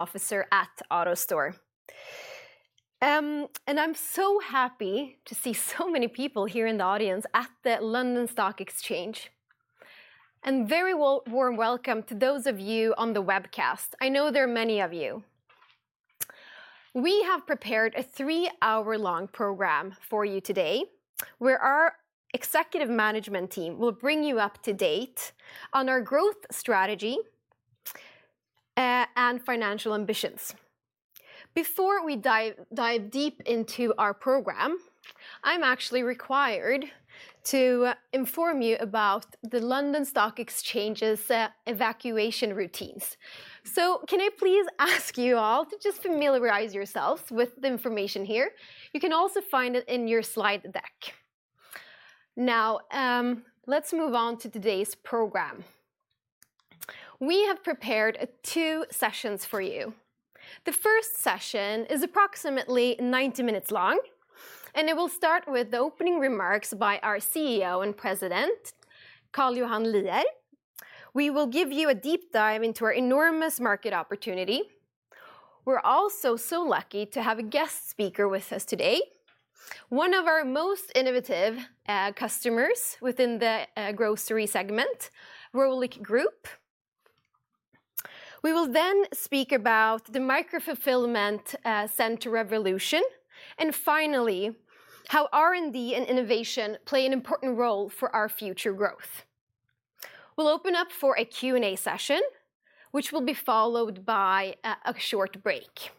Officer at AutoStore. I'm so happy to see so many people here in the audience at the London Stock Exchange, and very warm welcome to those of you on the webcast. I know there are many of you. We have prepared a three-hour-long program for you today, where our executive management team will bring you up to date on our growth strategy and financial ambitions. Before we dive deep into our program, I'm actually required to inform you about the London Stock Exchange's evacuation routines. Can I please ask you all to just familiarize yourselves with the information here? You can also find it in your slide deck. Now, let's move on to today's program. We have prepared two sessions for you. The first session is approximately 90 minutes long, and it will start with the opening remarks by our CEO and president, Karl Johan Lier. We will give you a deep dive into our enormous market opportunity. We're also so lucky to have a guest speaker with us today, one of our most innovative customers within the grocery segment, Rohlik Group. We will then speak about the micro-fulfillment center revolution, and finally, how R&D and innovation play an important role for our future growth. We'll open up for a Q&A session, which will be followed by a short break.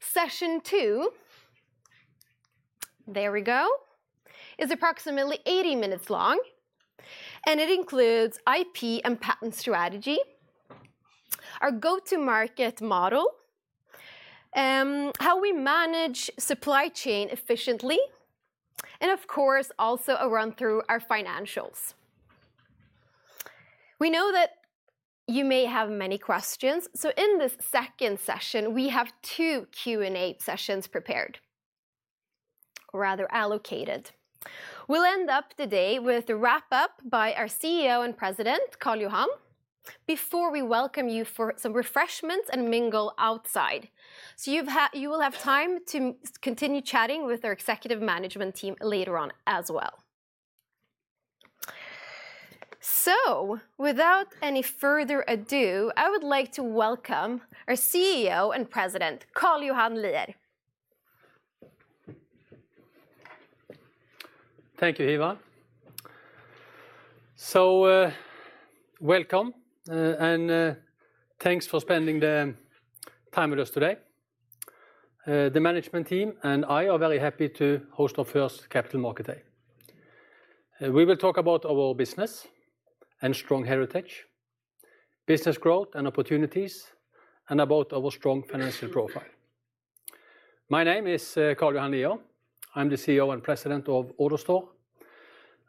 Session two, there we go, is approximately 80 minutes long, and it includes IP and patent strategy, our go-to market model, how we manage supply chain efficiently, and of course, also a run through our financials. We know that you may have many questions, so in the second session, we have two Q&A sessions prepared, rather allocated. We'll end of the day with a wrap-up by our CEO and President, Karl Johan, before we welcome you for some refreshments and mingle outside. You will have time to continue chatting with our executive management team later on as well. Without any further ado, I would like to welcome our CEO and President, Karl Johan Lier. Thank you, Hiva. Welcome and thanks for spending the time with us today. The management team and I are very happy to host our first Capital Market Day. We will talk about our business and strong heritage, business growth and opportunities, and about our strong financial profile. My name is Karl Johan Lier. I'm the CEO and president of AutoStore.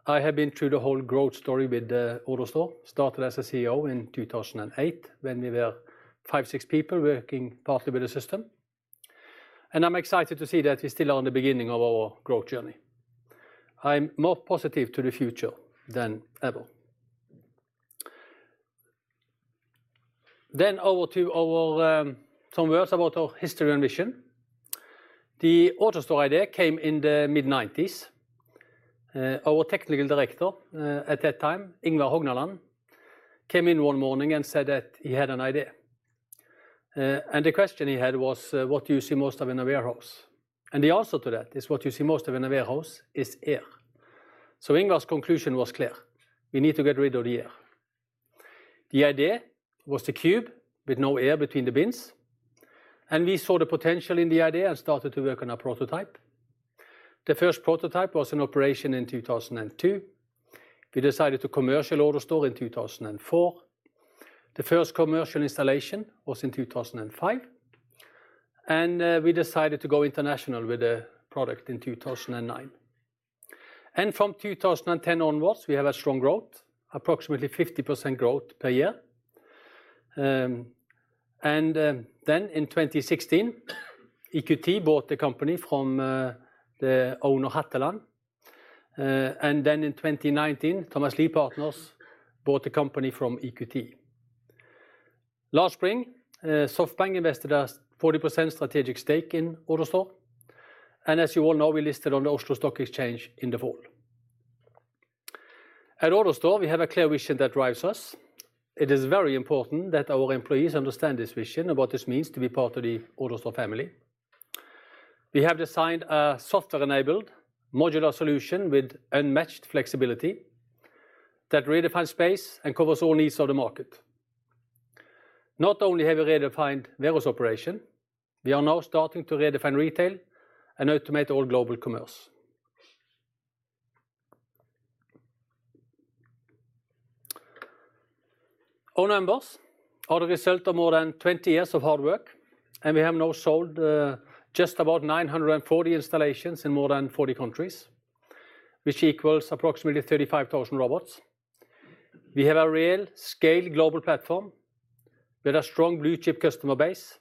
I have been through the whole growth story with AutoStore. Started as a CEO in 2008 when we were five to six people working partly with the system, and I'm excited to see that we're still on the beginning of our growth journey. I'm more positive to the future than ever. Over to our some words about our history and vision. The AutoStore idea came in the mid-1990s. Our technical director, at that time, Ingvar Hognaland, came in one morning and said that he had an idea. The question he had was, "What do you see most of in a warehouse?" The answer to that is what you see most of in a warehouse is air. Ingvar's conclusion was clear: we need to get rid of the air. The idea was the cube with no air between the bins, and we saw the potential in the idea and started to work on a prototype. The first prototype was in operation in 2002. We decided to commercialize AutoStore in 2004. The first commercial installation was in 2005, we decided to go international with the product in 2009. From 2010 onwards, we have a strong growth, approximately 50% growth per year. In 2016, EQT bought the company from the owner, Hatteland. In 2019, Thomas H. Lee Partners bought the company from EQT. Last spring, SoftBank invested a 40% strategic stake in AutoStore, and as you all know, we listed on the Oslo Stock Exchange in the fall. At AutoStore, we have a clear vision that drives us. It is very important that our employees understand this vision and what this means to be part of the AutoStore family. We have designed a software-enabled modular solution with unmatched flexibility that redefines space and covers all needs of the market. Not only have we redefined warehouse operation, we are now starting to redefine retail and automate all global commerce. Our numbers are the result of more than 20 years of hard work, and we have now sold just about 940 installations in more than 40 countries, which equals approximately 35,000 robots. We have a real scaled global platform with a strong blue-chip customer base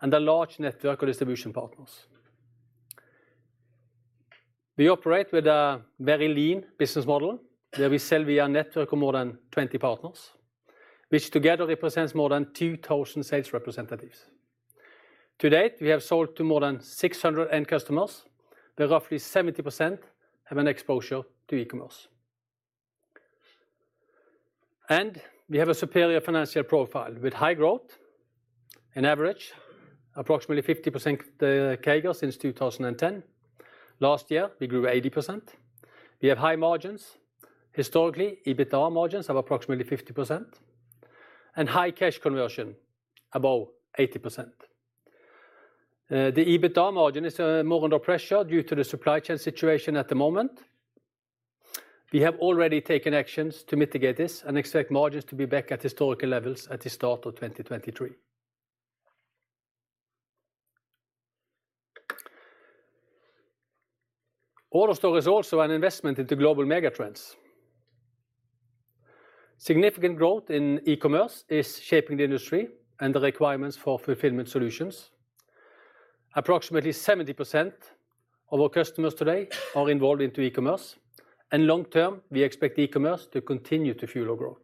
and a large network of distribution partners. We operate with a very lean business model where we sell via a network of more than 20 partners, which together represents more than 2,000 sales representatives. To date, we have sold to more than 600 end customers, where roughly 70% have an exposure to e-commerce. We have a superior financial profile with high growth, on average, approximately 50% CAGR since 2010. Last year, we grew 80%. We have high margins. Historically, EBITDA margins of approximately 50%, and high cash conversion above 80%. The EBITDA margin is more under pressure due to the supply chain situation at the moment. We have already taken actions to mitigate this and expect margins to be back at historical levels at the start of 2023. AutoStore is also an investment into global megatrends. Significant growth in e-commerce is shaping the industry and the requirements for fulfillment solutions. Approximately 70% of our customers today are involved into e-commerce, and long term, we expect e-commerce to continue to fuel our growth.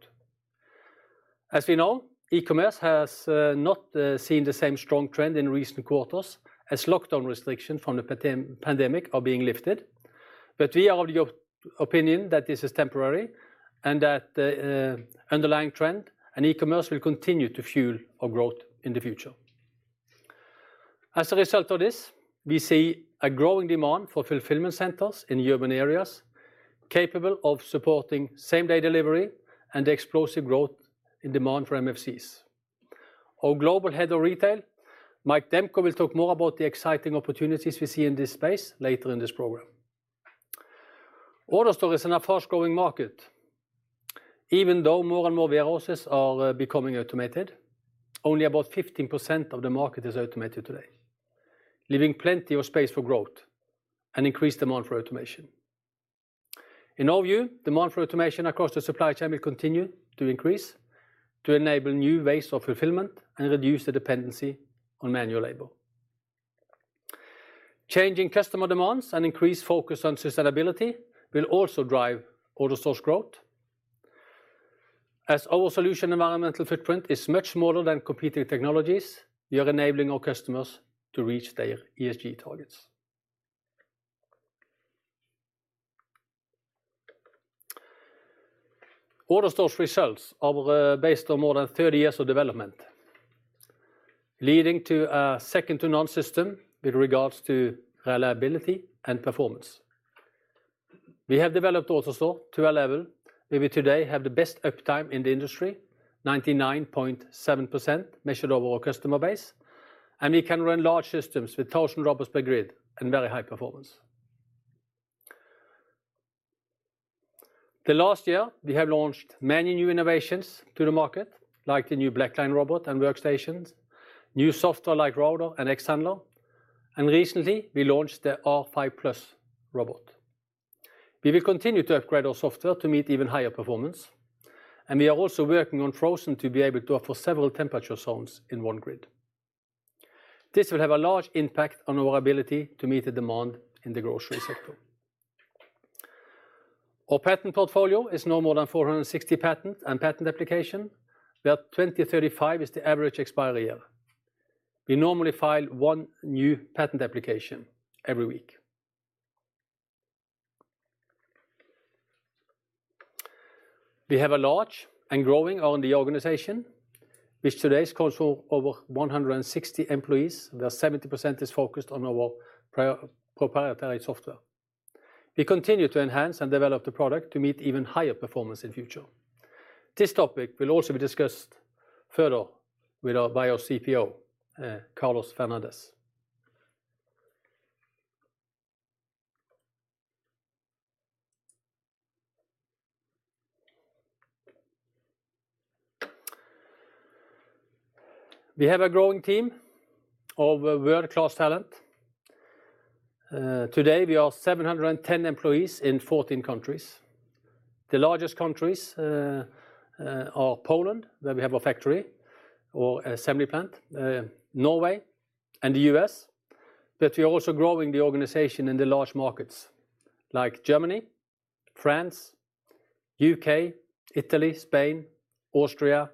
As we know, e-commerce has not seen the same strong trend in recent quarters as lockdown restrictions from the pandemic are being lifted. We are of the opinion that this is temporary and that underlying trend and e-commerce will continue to fuel our growth in the future. As a result of this, we see a growing demand for fulfillment centers in urban areas capable of supporting same-day delivery and explosive growth in demand for MFCs. Our Global Head of Retail, Mike Demko, will talk more about the exciting opportunities we see in this space later in this program. AutoStore is in a fast-growing market. Even though more and more warehouses are becoming automated, only about 15% of the market is automated today, leaving plenty of space for growth and increased demand for automation. In our view, demand for automation across the supply chain will continue to increase to enable new ways of fulfillment and reduce the dependency on manual labor. Changing customer demands and increased focus on sustainability will also drive AutoStore's growth. As our solution's environmental footprint is much smaller than competing technologies, we are enabling our customers to reach their ESG targets. AutoStore's results are based on more than 30 years of development, leading to a second-to-none system with regards to reliability and performance. We have developed AutoStore to a level where we today have the best uptime in the industry, 99.7% measured over our customer base, and we can run large systems with 1,000 robots per grid and very high performance. The last year, we have launched many new innovations to the market, like the new Black Line robot and workstations, new software like Router and Exception Handler, and recently, we launched the R5+ robot. We will continue to upgrade our software to meet even higher performance, and we are also working on Frozen to be able to offer several temperature zones in one grid. This will have a large impact on our ability to meet the demand in the grocery sector. Our patent portfolio is now more than 460 patents and patent applications, where 2035 is the average expiry year. We normally file one new patent application every week. We have a large and growing R&D organization, which today consists of over 160 employees, where 70% is focused on our proprietary software. We continue to enhance and develop the product to meet even higher performance in future. This topic will also be discussed further by our CPO, Carlos Fernández. We have a growing team of world-class talent. Today, we are 710 employees in 14 countries. The largest countries are Poland, where we have a factory or assembly plant, Norway and the U.S., but we are also growing the organization in the large markets like Germany, France, U.K., Italy, Spain, Austria,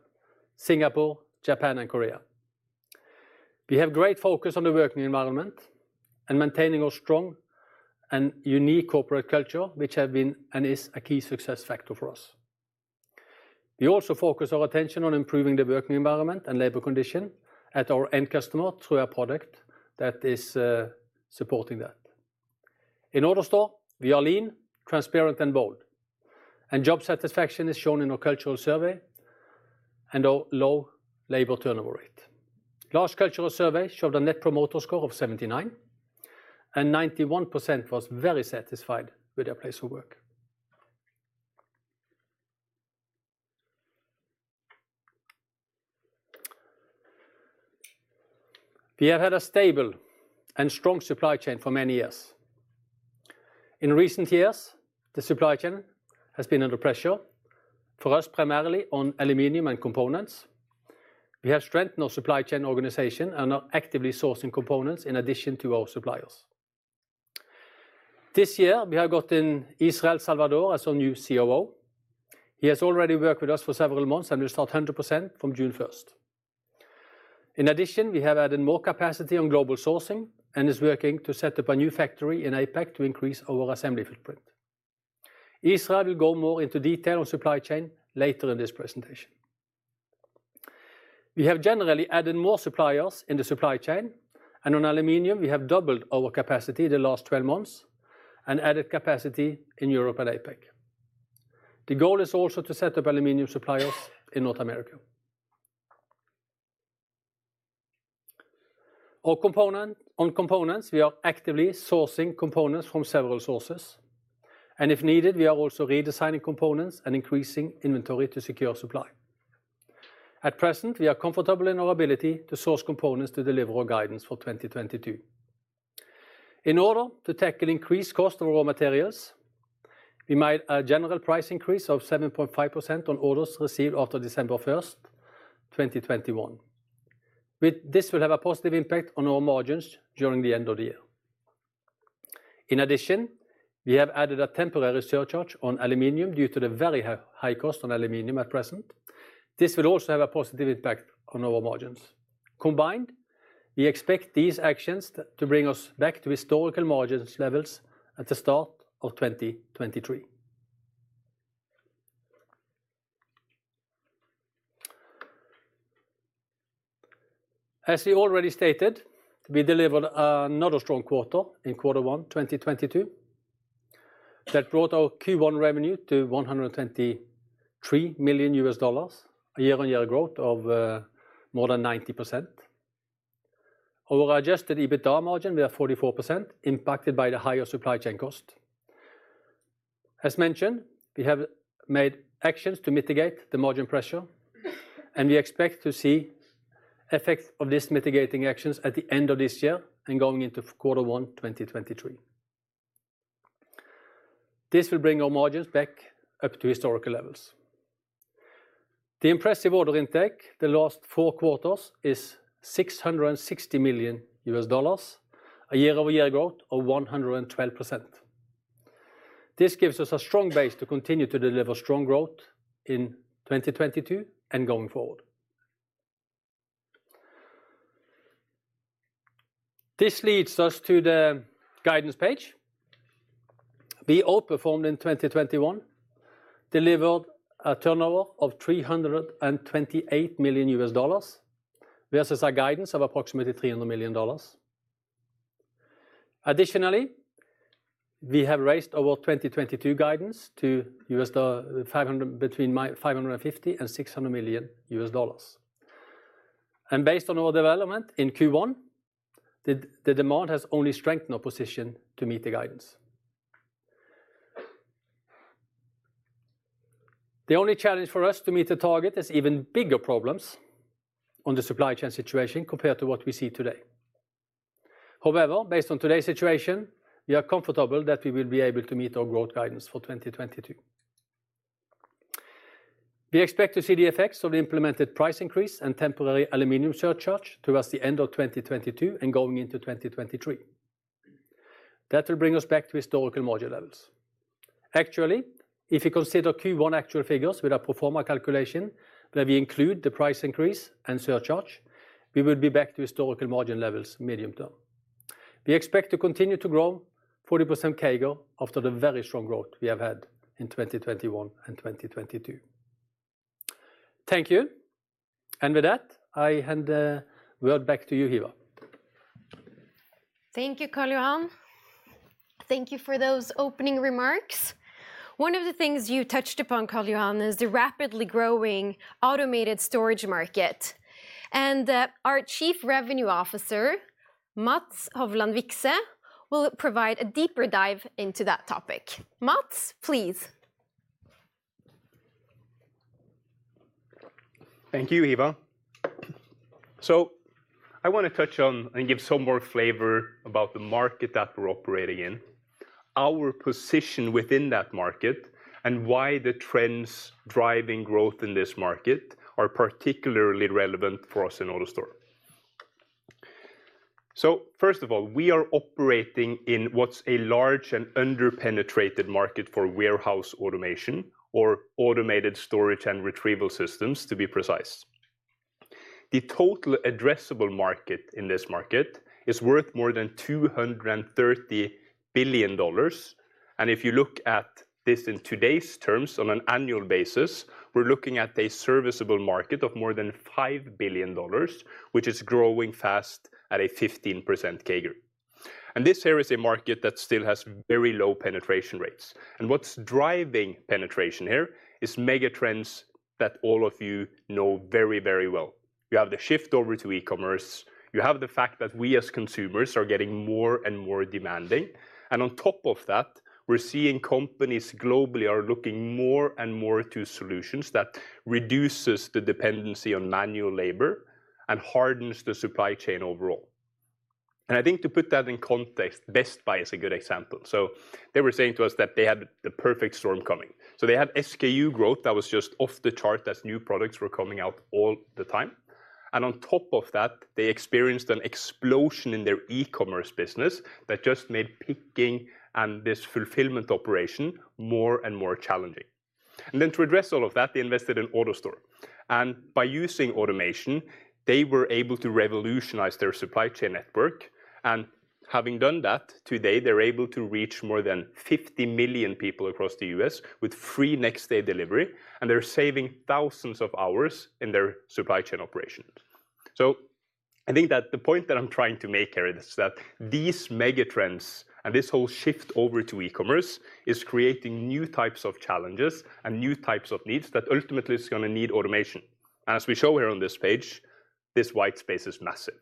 Singapore, Japan and Korea. We have great focus on the working environment and maintaining our strong and unique corporate culture, which have been and is a key success factor for us. We also focus our attention on improving the working environment and labor condition at our end customer through our product that is supporting that. In AutoStore, we are lean, transparent and bold, and job satisfaction is shown in our cultural survey and our low labor turnover rate. Last cultural survey showed a net promoter score of 79%, and 91% was very satisfied with their place of work. We have had a stable and strong supply chain for many years. In recent years, the supply chain has been under pressure, for us, primarily on aluminum and components. We have strengthened our supply chain organization and are actively sourcing components in addition to our suppliers. This year, we have gotten Israel Losada Salvador as our new COO. He has already worked with us for several months and will start 100% from June first. In addition, we have added more capacity on global sourcing and is working to set up a new factory in APAC to increase our assembly footprint. Israel Losada Salvador will go more into detail on supply chain later in this presentation. We have generally added more suppliers in the supply chain, and on aluminum, we have doubled our capacity the last 12 months and added capacity in Europe and APAC. The goal is also to set up aluminum suppliers in North America. On components, we are actively sourcing components from several sources, and if needed, we are also redesigning components and increasing inventory to secure supply. At present, we are comfortable in our ability to source components to deliver our guidance for 2022. In order to tackle increased cost of raw materials, we made a general price increase of 7.5% on orders received after December 1st, 2021. This will have a positive impact on our margins during the end of the year. In addition, we have added a temporary surcharge on aluminum due to the very high cost on aluminum at present. This will also have a positive impact on our margins. Combined, we expect these actions to bring us back to historical margins levels at the start of 2023. As we already stated, we delivered another strong quarter in Q1 2022 that brought our Q1 revenue to $123 million, a year-on-year growth of more than 90%. Our adjusted EBITDA margin we are 44% impacted by the higher supply chain cost. As mentioned, we have made actions to mitigate the margin pressure, and we expect to see effects of these mitigating actions at the end of this year and going into Q1 2023. This will bring our margins back up to historical levels. The impressive order intake the last four quarters is $660 million, a year-over-year growth of 112%. This gives us a strong base to continue to deliver strong growth in 2022 and going forward. This leads us to the guidance page. We outperformed in 2021, delivered a turnover of $328 million versus our guidance of approximately $300 million. Additionally, we have raised our 2022 guidance to between $550 million and $600 million. Based on our development in Q1, the demand has only strengthened our position to meet the guidance. The only challenge for us to meet the target is even bigger problems on the supply chain situation compared to what we see today. However, based on today's situation, we are comfortable that we will be able to meet our growth guidance for 2022. We expect to see the effects of the implemented price increase and temporary aluminum surcharge towards the end of 2022 and going into 2023. That will bring us back to historical margin levels. Actually, if you consider Q1 actual figures with our pro forma calculation, where we include the price increase and surcharge, we will be back to historical margin levels medium-term. We expect to continue to grow 40% CAGR after the very strong growth we have had in 2021 and 2022. Thank you. With that, I hand word back to you, Hiva. Thank you, Karl Johan. Thank you for those opening remarks. One of the things you touched upon, Karl Johan, is the rapidly growing automated storage market. Our Chief Revenue Officer, Mats Hovland Vikse, will provide a deeper dive into that topic. Mats, please. Thank you, Hiva. I wanna touch on and give some more flavor about the market that we're operating in, our position within that market, and why the trends driving growth in this market are particularly relevant for us in AutoStore. First of all, we are operating in what's a large and under-penetrated market for warehouse automation or automated storage and retrieval systems, to be precise. The total addressable market in this market is worth more than $230 billion. If you look at this in today's terms on an annual basis, we're looking at a serviceable market of more than $5 billion, which is growing fast at a 15% CAGR. This here is a market that still has very low penetration rates. What's driving penetration here is megatrends that all of you know very, very well. You have the shift over to e-commerce. You have the fact that we as consumers are getting more and more demanding. On top of that, we're seeing companies globally are looking more and more to solutions that reduces the dependency on manual labor and hardens the supply chain overall. I think to put that in context, Best Buy is a good example. They were saying to us that they had the perfect storm coming. They had SKU growth that was just off the chart as new products were coming out all the time. On top of that, they experienced an explosion in their e-commerce business that just made picking and this fulfillment operation more and more challenging. To address all of that, they invested in AutoStore. By using automation, they were able to revolutionize their supply chain network. Having done that, today, they're able to reach more than 50 million people across the U.S. with free next-day delivery, and they're saving thousands of hours in their supply chain operations. I think that the point that I'm trying to make here is that these megatrends and this whole shift over to e-commerce is creating new types of challenges and new types of needs that ultimately is gonna need automation. As we show here on this page, this white space is massive.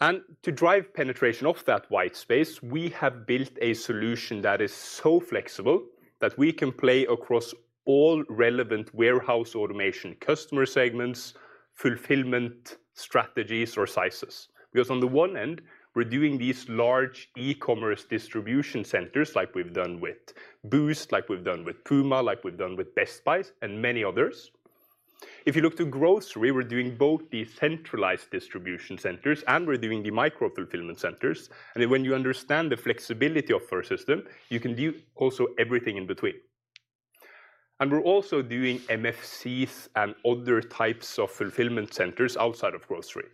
To drive penetration of that white space, we have built a solution that is so flexible that we can play across all relevant warehouse automation customer segments, fulfillment strategies, or sizes. Because on the one end, we're doing these large e-commerce distribution centers like we've done with Boozt, like we've done with PUMA, like we've done with Best Buy, and many others. If you look to grocery, we're doing both the centralized distribution centers and we're doing the micro-fulfillment centers. When you understand the flexibility of our system, you can do also everything in between. We're also doing MFCs and other types of fulfillment centers outside of grocery,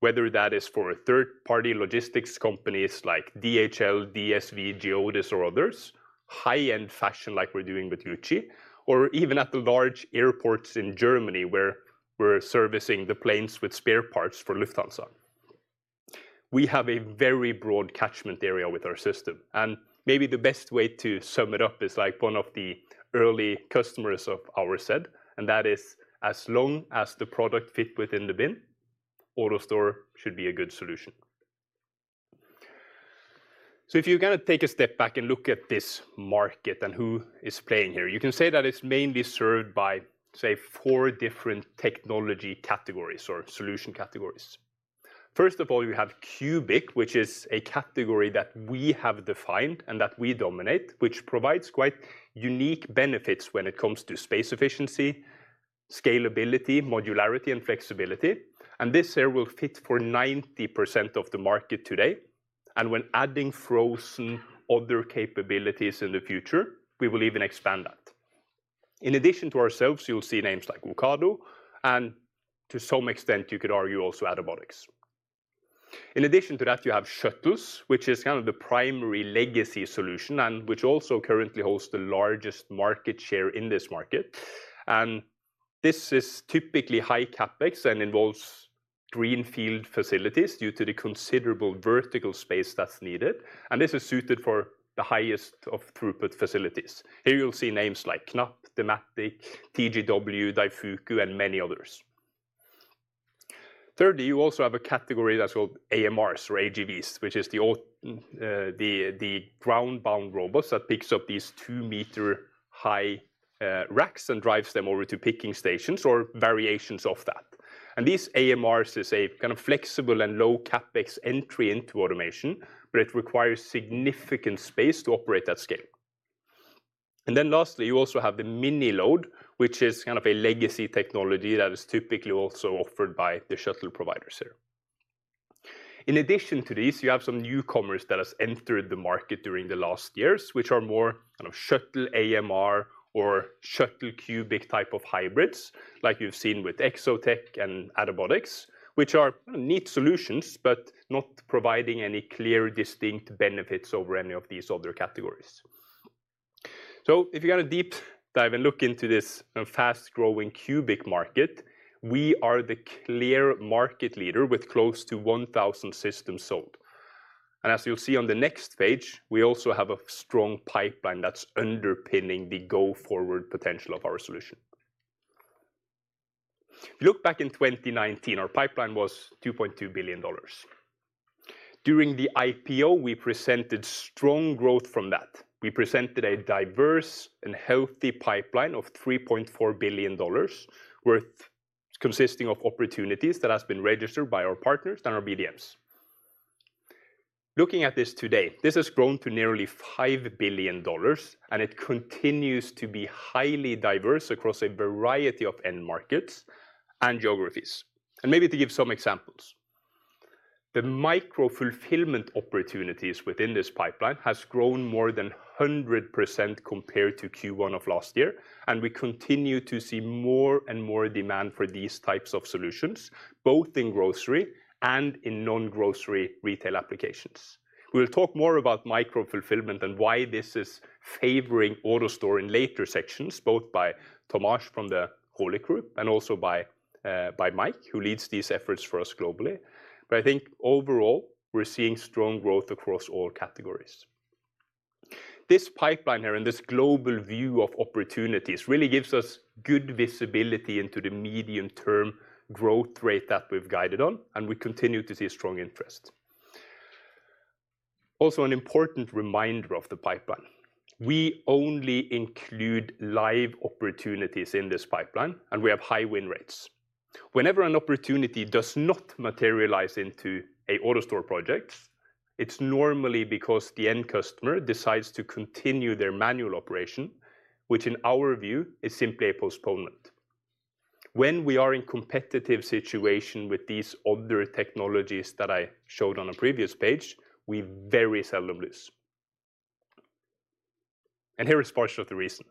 whether that is for a third-party logistics companies like DHL, DSV, GEODIS, or others, high-end fashion like we're doing with Gucci, or even at the large airports in Germany, where we're servicing the planes with spare parts for Lufthansa. We have a very broad catchment area with our system, and maybe the best way to sum it up is like one of the early customers of ours said, and that is, as long as the product fit within the bin, AutoStore should be a good solution. If you're gonna take a step back and look at this market and who is playing here, you can say that it's mainly served by, say, four different technology categories or solution categories. First of all, you have Cube, which is a category that we have defined and that we dominate, which provides quite unique benefits when it comes to space efficiency, scalability, modularity, and flexibility. This here will fit for 90% of the market today. When adding frozen other capabilities in the future, we will even expand that. In addition to ourselves, you'll see names like Ocado, and to some extent, you could argue also Attabotics. In addition to that, you have Shuttles, which is kind of the primary legacy solution and which also currently hosts the largest market share in this market. This is typically high CapEx and involves greenfield facilities due to the considerable vertical space that's needed. This is suited for the highest of throughput facilities. Here you'll see names like KNAPP, Dematic, TGW, Daifuku, and many others. Thirdly, you also have a category that's called AMRs or AGVs, which is the ground-bound robots that picks up these two-meter-high racks and drives them over to picking stations or variations of that. These AMRs is a kind of flexible and low CapEx entry into automation, but it requires significant space to operate that scale. Then lastly, you also have the Miniload, which is kind of a legacy technology that is typically also offered by the shuttle providers here. In addition to these, you have some newcomers that has entered the market during the last years, which are more kind of shuttle AMR or shuttle cube type of hybrids, like you've seen with Exotec and Attabotics, which are neat solutions, but not providing any clear distinct benefits over any of these other categories. If you got a deep dive and look into this, fast-growing cube market, we are the clear market leader with close to 1,000 systems sold. As you'll see on the next page, we also have a strong pipeline that's underpinning the go-forward potential of our solution. If you look back in 2019, our pipeline was $2.2 billion. During the IPO, we presented strong growth from that. We presented a diverse and healthy pipeline of $3.4 billion worth, consisting of opportunities that has been registered by our partners and our BDMs. Looking at this today, this has grown to nearly $5 billion, and it continues to be highly diverse across a variety of end markets and geographies. Maybe to give some examples. The micro-fulfillment opportunities within this pipeline has grown more than 100% compared to Q1 of last year, and we continue to see more and more demand for these types of solutions, both in grocery and in non-grocery retail applications. We'll talk more about micro-fulfillment and why this is favoring AutoStore in later sections, both by Tomáš from the Rohlik Group and also by Mike, who leads these efforts for us globally. I think overall, we're seeing strong growth across all categories. This pipeline here and this global view of opportunities really gives us good visibility into the medium-term growth rate that we've guided on, and we continue to see strong interest. An important reminder of the pipeline. We only include live opportunities in this pipeline, and we have high win rates. Whenever an opportunity does not materialize into an AutoStore project, it's normally because the end customer decides to continue their manual operation, which in our view is simply a postponement. When we are in competitive situation with these other technologies that I showed on a previous page, we very seldom lose. Here is part of the reason.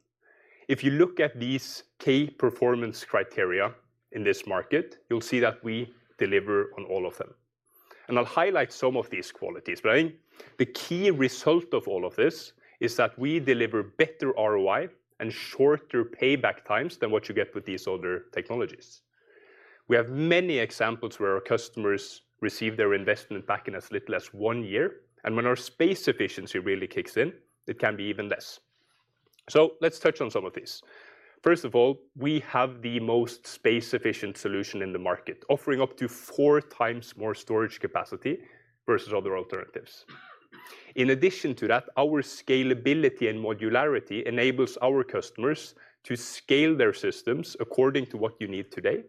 If you look at these key performance criteria in this market, you'll see that we deliver on all of them. I'll highlight some of these qualities. I think the key result of all of this is that we deliver better ROI and shorter payback times than what you get with these older technologies. We have many examples where our customers receive their investment back in as little as one year, and when our space efficiency really kicks in, it can be even less. Let's touch on some of these. First of all, we have the most space-efficient solution in the market, offering up to four times more storage capacity versus other alternatives. In addition to that, our scalability and modularity enables our customers to scale their systems according to what you need today,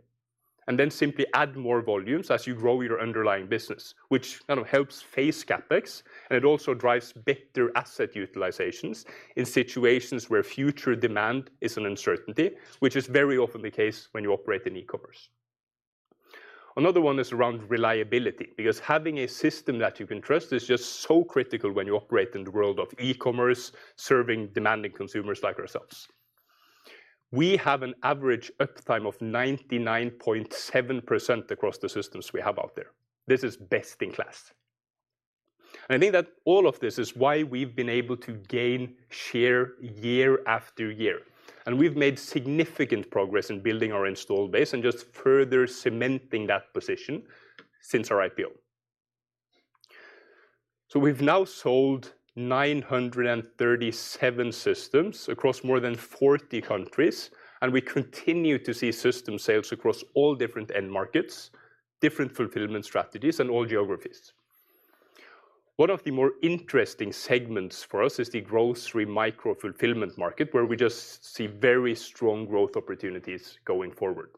and then simply add more volumes as you grow your underlying business, which kind of helps phase CapEx, and it also drives better asset utilizations in situations where future demand is an uncertainty, which is very often the case when you operate in e-commerce. Another one is around reliability, because having a system that you can trust is just so critical when you operate in the world of e-commerce, serving demanding consumers like ourselves. We have an average uptime of 99.7% across the systems we have out there. This is best in class. I think that all of this is why we've been able to gain share year after year, and we've made significant progress in building our install base and just further cementing that position since our IPO. We've now sold 937 systems across more than 40 countries, and we continue to see system sales across all different end markets, different fulfillment strategies, and all geographies. One of the more interesting segments for us is the grocery micro-fulfillment market, where we just see very strong growth opportunities going forward.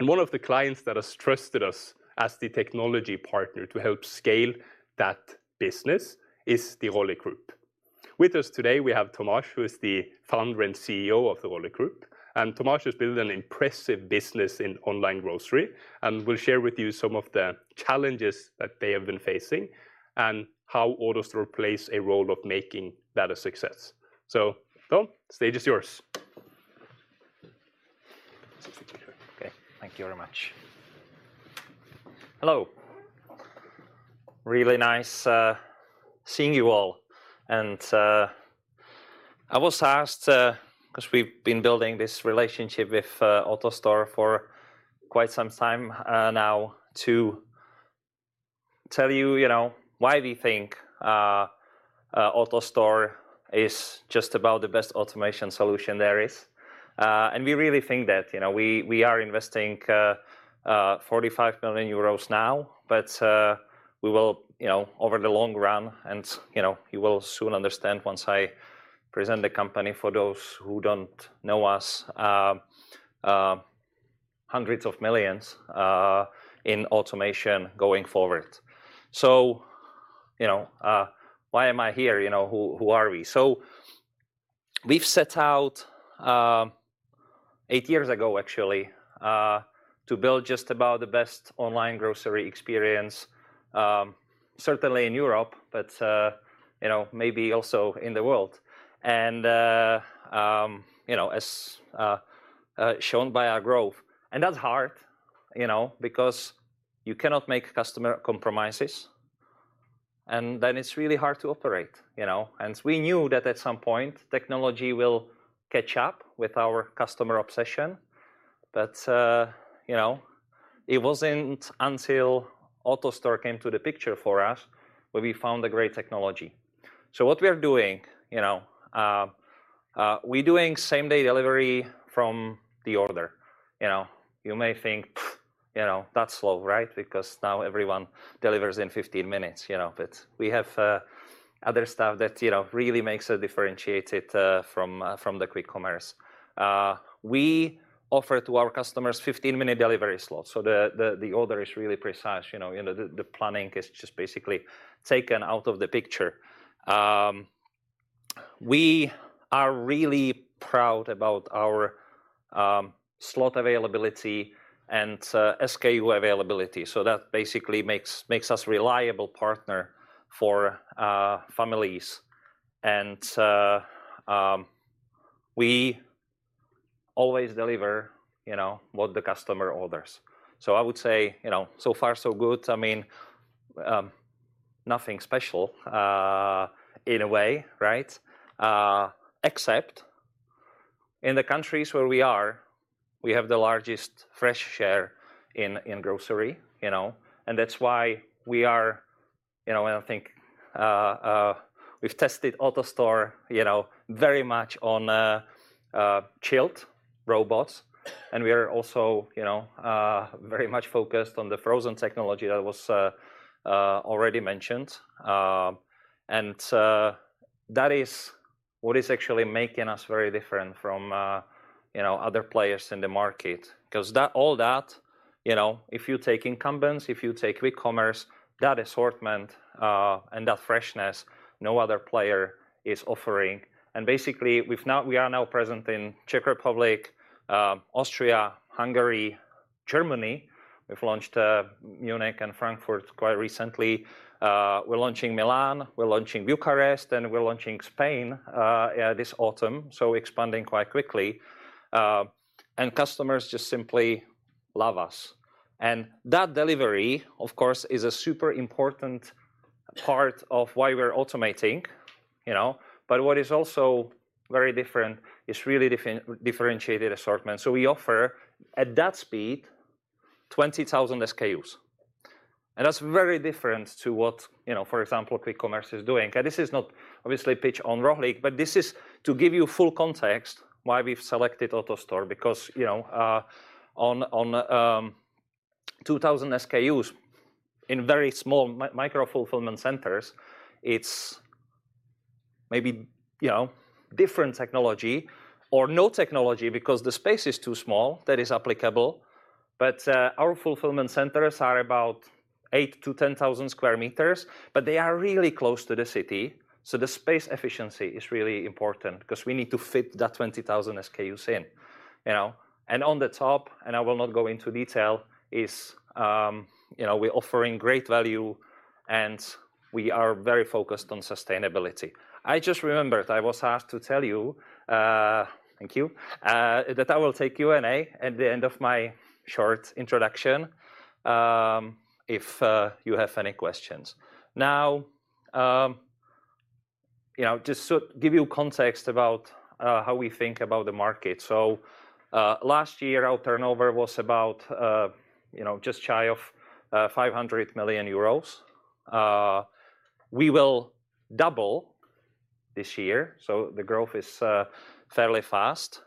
One of the clients that has trusted us as the technology partner to help scale that business is the Rohlik Group. With us today, we have Tomáš, who is the founder and CEO of the Rohlik Group. Tomáš has built an impressive business in online grocery, and will share with you some of the challenges that they have been facing and how AutoStore plays a role of making that a success. Tomáš, stage is yours. Okay, thank you very much. Hello. Really nice seeing you all. I was asked, 'cause we've been building this relationship with AutoStore for quite some time now to tell you know, why we think AutoStore is just about the best automation solution there is. We really think that, you know, we are investing 45 million euros now, but we will, you know, over the long run, and you know, you will soon understand once I present the company for those who don't know us, hundreds of millions in automation going forward. You know, why am I here? You know, who are we? We've set out eight years ago, actually, to build just about the best online grocery experience, certainly in Europe, but, you know, maybe also in the world. You know, as shown by our growth. That's hard, you know, because you cannot make customer compromises, and then it's really hard to operate, you know. We knew that at some point, technology will catch up with our customer obsession. You know, it wasn't until AutoStore came to the picture for us where we found a great technology. What we are doing, you know, we doing same-day delivery from the order. You know, you may think, "Pfft, you know, that's slow, right?" Because now everyone delivers in 15 minutes, you know. We have other stuff that, you know, really makes it differentiated from the quick commerce. We offer to our customers 15-minute delivery slot, so the order is really precise. You know, the planning is just basically taken out of the picture. We are really proud about our slot availability and SKU availability. So that basically makes us reliable partner for families. We always deliver, you know, what the customer orders. So I would say, you know, so far so good. I mean, nothing special in a way, right? Except in the countries where we are, we have the largest fresh share in grocery, you know. That's why we are, you know, I think, we've tested AutoStore, you know, very much on chilled robots, and we are also, you know, very much focused on the frozen technology that was already mentioned. That is what is actually making us very different from, you know, other players in the market. 'Cause all that, you know, if you take incumbents, if you take quick commerce, that assortment, and that freshness, no other player is offering. Basically, we are now present in Czech Republic, Austria, Hungary, Germany. We've launched Munich and Frankfurt quite recently. We're launching Milan, we're launching Bucharest, and we're launching Spain, yeah, this autumn, so expanding quite quickly. Customers just simply love us. That delivery, of course, is a super important part of why we're automating, you know. What is also very different is really differentiated assortment. We offer at that speed, 20,000 SKUs. That's very different to what, you know, for example, quick commerce is doing. This is not obviously pitch on Rohlik, but this is to give you full context why we've selected AutoStore because, you know, on 2,000 SKUs in very small micro fulfillment centers, it's maybe, you know, different technology or no technology because the space is too small, that is applicable. Our fulfillment centers are about 8,000-10,000 square meters, but they are really close to the city, so the space efficiency is really important 'cause we need to fit that 20,000 SKUs in, you know. On the top, and I will not go into detail, is we're offering great value and we are very focused on sustainability. I just remembered I was asked to tell you thank you that I will take Q&A at the end of my short introduction if you have any questions. Now just to give you context about how we think about the market. Last year, our turnover was about just shy of 500 million euros. We will double this year, the growth is fairly fast.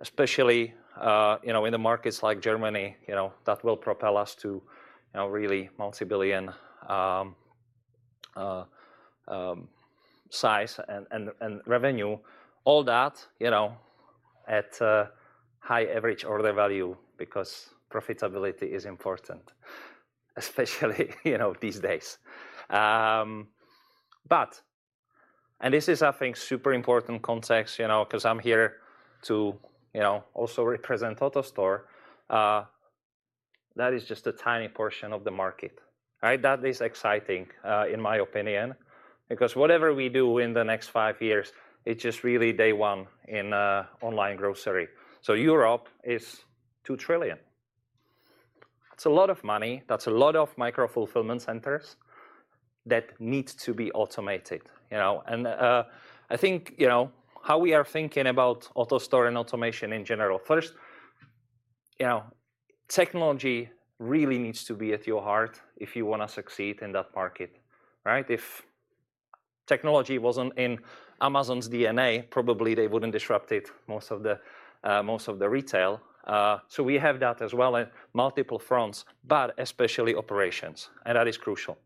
Especially in the markets like Germany that will propel us to really multi-billion size and revenue. All that, you know, at a high average order value because profitability is important, especially you know, these days. This is I think super important context, you know, 'cause I'm here to, you know, also represent AutoStore. That is just a tiny portion of the market. Right? That is exciting, in my opinion. Because whatever we do in the next 5 years, it's just really day one in, online grocery. Europe is 2 trillion. That's a lot of money, that's a lot of micro fulfillment centers that need to be automated, you know. I think, you know, how we are thinking about AutoStore and automation in general. First, you know, technology really needs to be at your heart if you wanna succeed in that market, right? If technology wasn't in Amazon's DNA, probably they wouldn't disrupt it, most of the retail. We have that as well in multiple fronts, but especially operations, and that is crucial.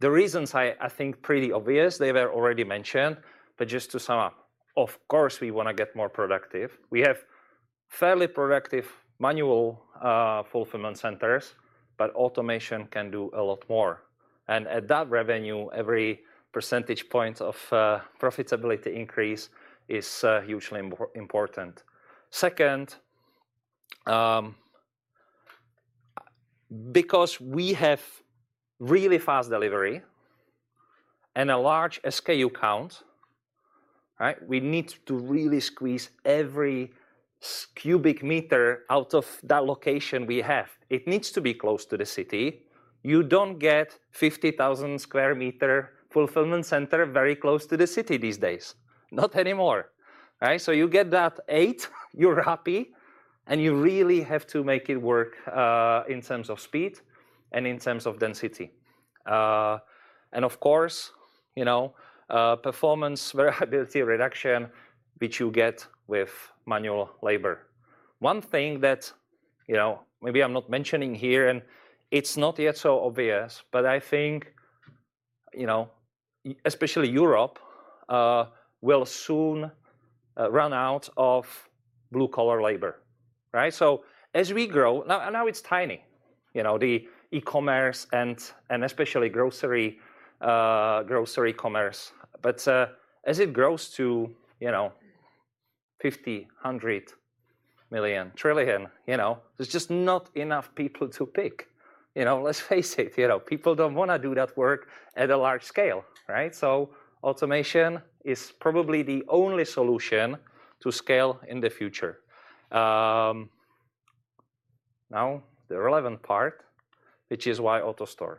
The reasons I think pretty obvious, they were already mentioned, but just to sum up. Of course, we wanna get more productive. We have fairly productive manual fulfillment centers, but automation can do a lot more. At that revenue, every percentage point of profitability increase is hugely important. Second, because we have really fast delivery and a large SKU count, right? We need to really squeeze every cubic meter out of that location we have. It needs to be close to the city. You don't get 50,000 square meter fulfillment center very close to the city these days. Not anymore, right? You get that eight, you're happy, and you really have to make it work in terms of speed and in terms of density. Of course, you know, performance variability reduction, which you get with manual labor. One thing that, you know, maybe I'm not mentioning here, and it's not yet so obvious, but I think, you know, especially Europe will soon run out of blue-collar labor, right? As we grow. Now it's tiny, you know, the e-commerce and especially grocery commerce. As it grows to, you know, 50 million, 100 million, trillion, you know, there's just not enough people to pick. You know, let's face it, you know, people don't wanna do that work at a large scale, right? Automation is probably the only solution to scale in the future. Now the relevant part, which is why AutoStore.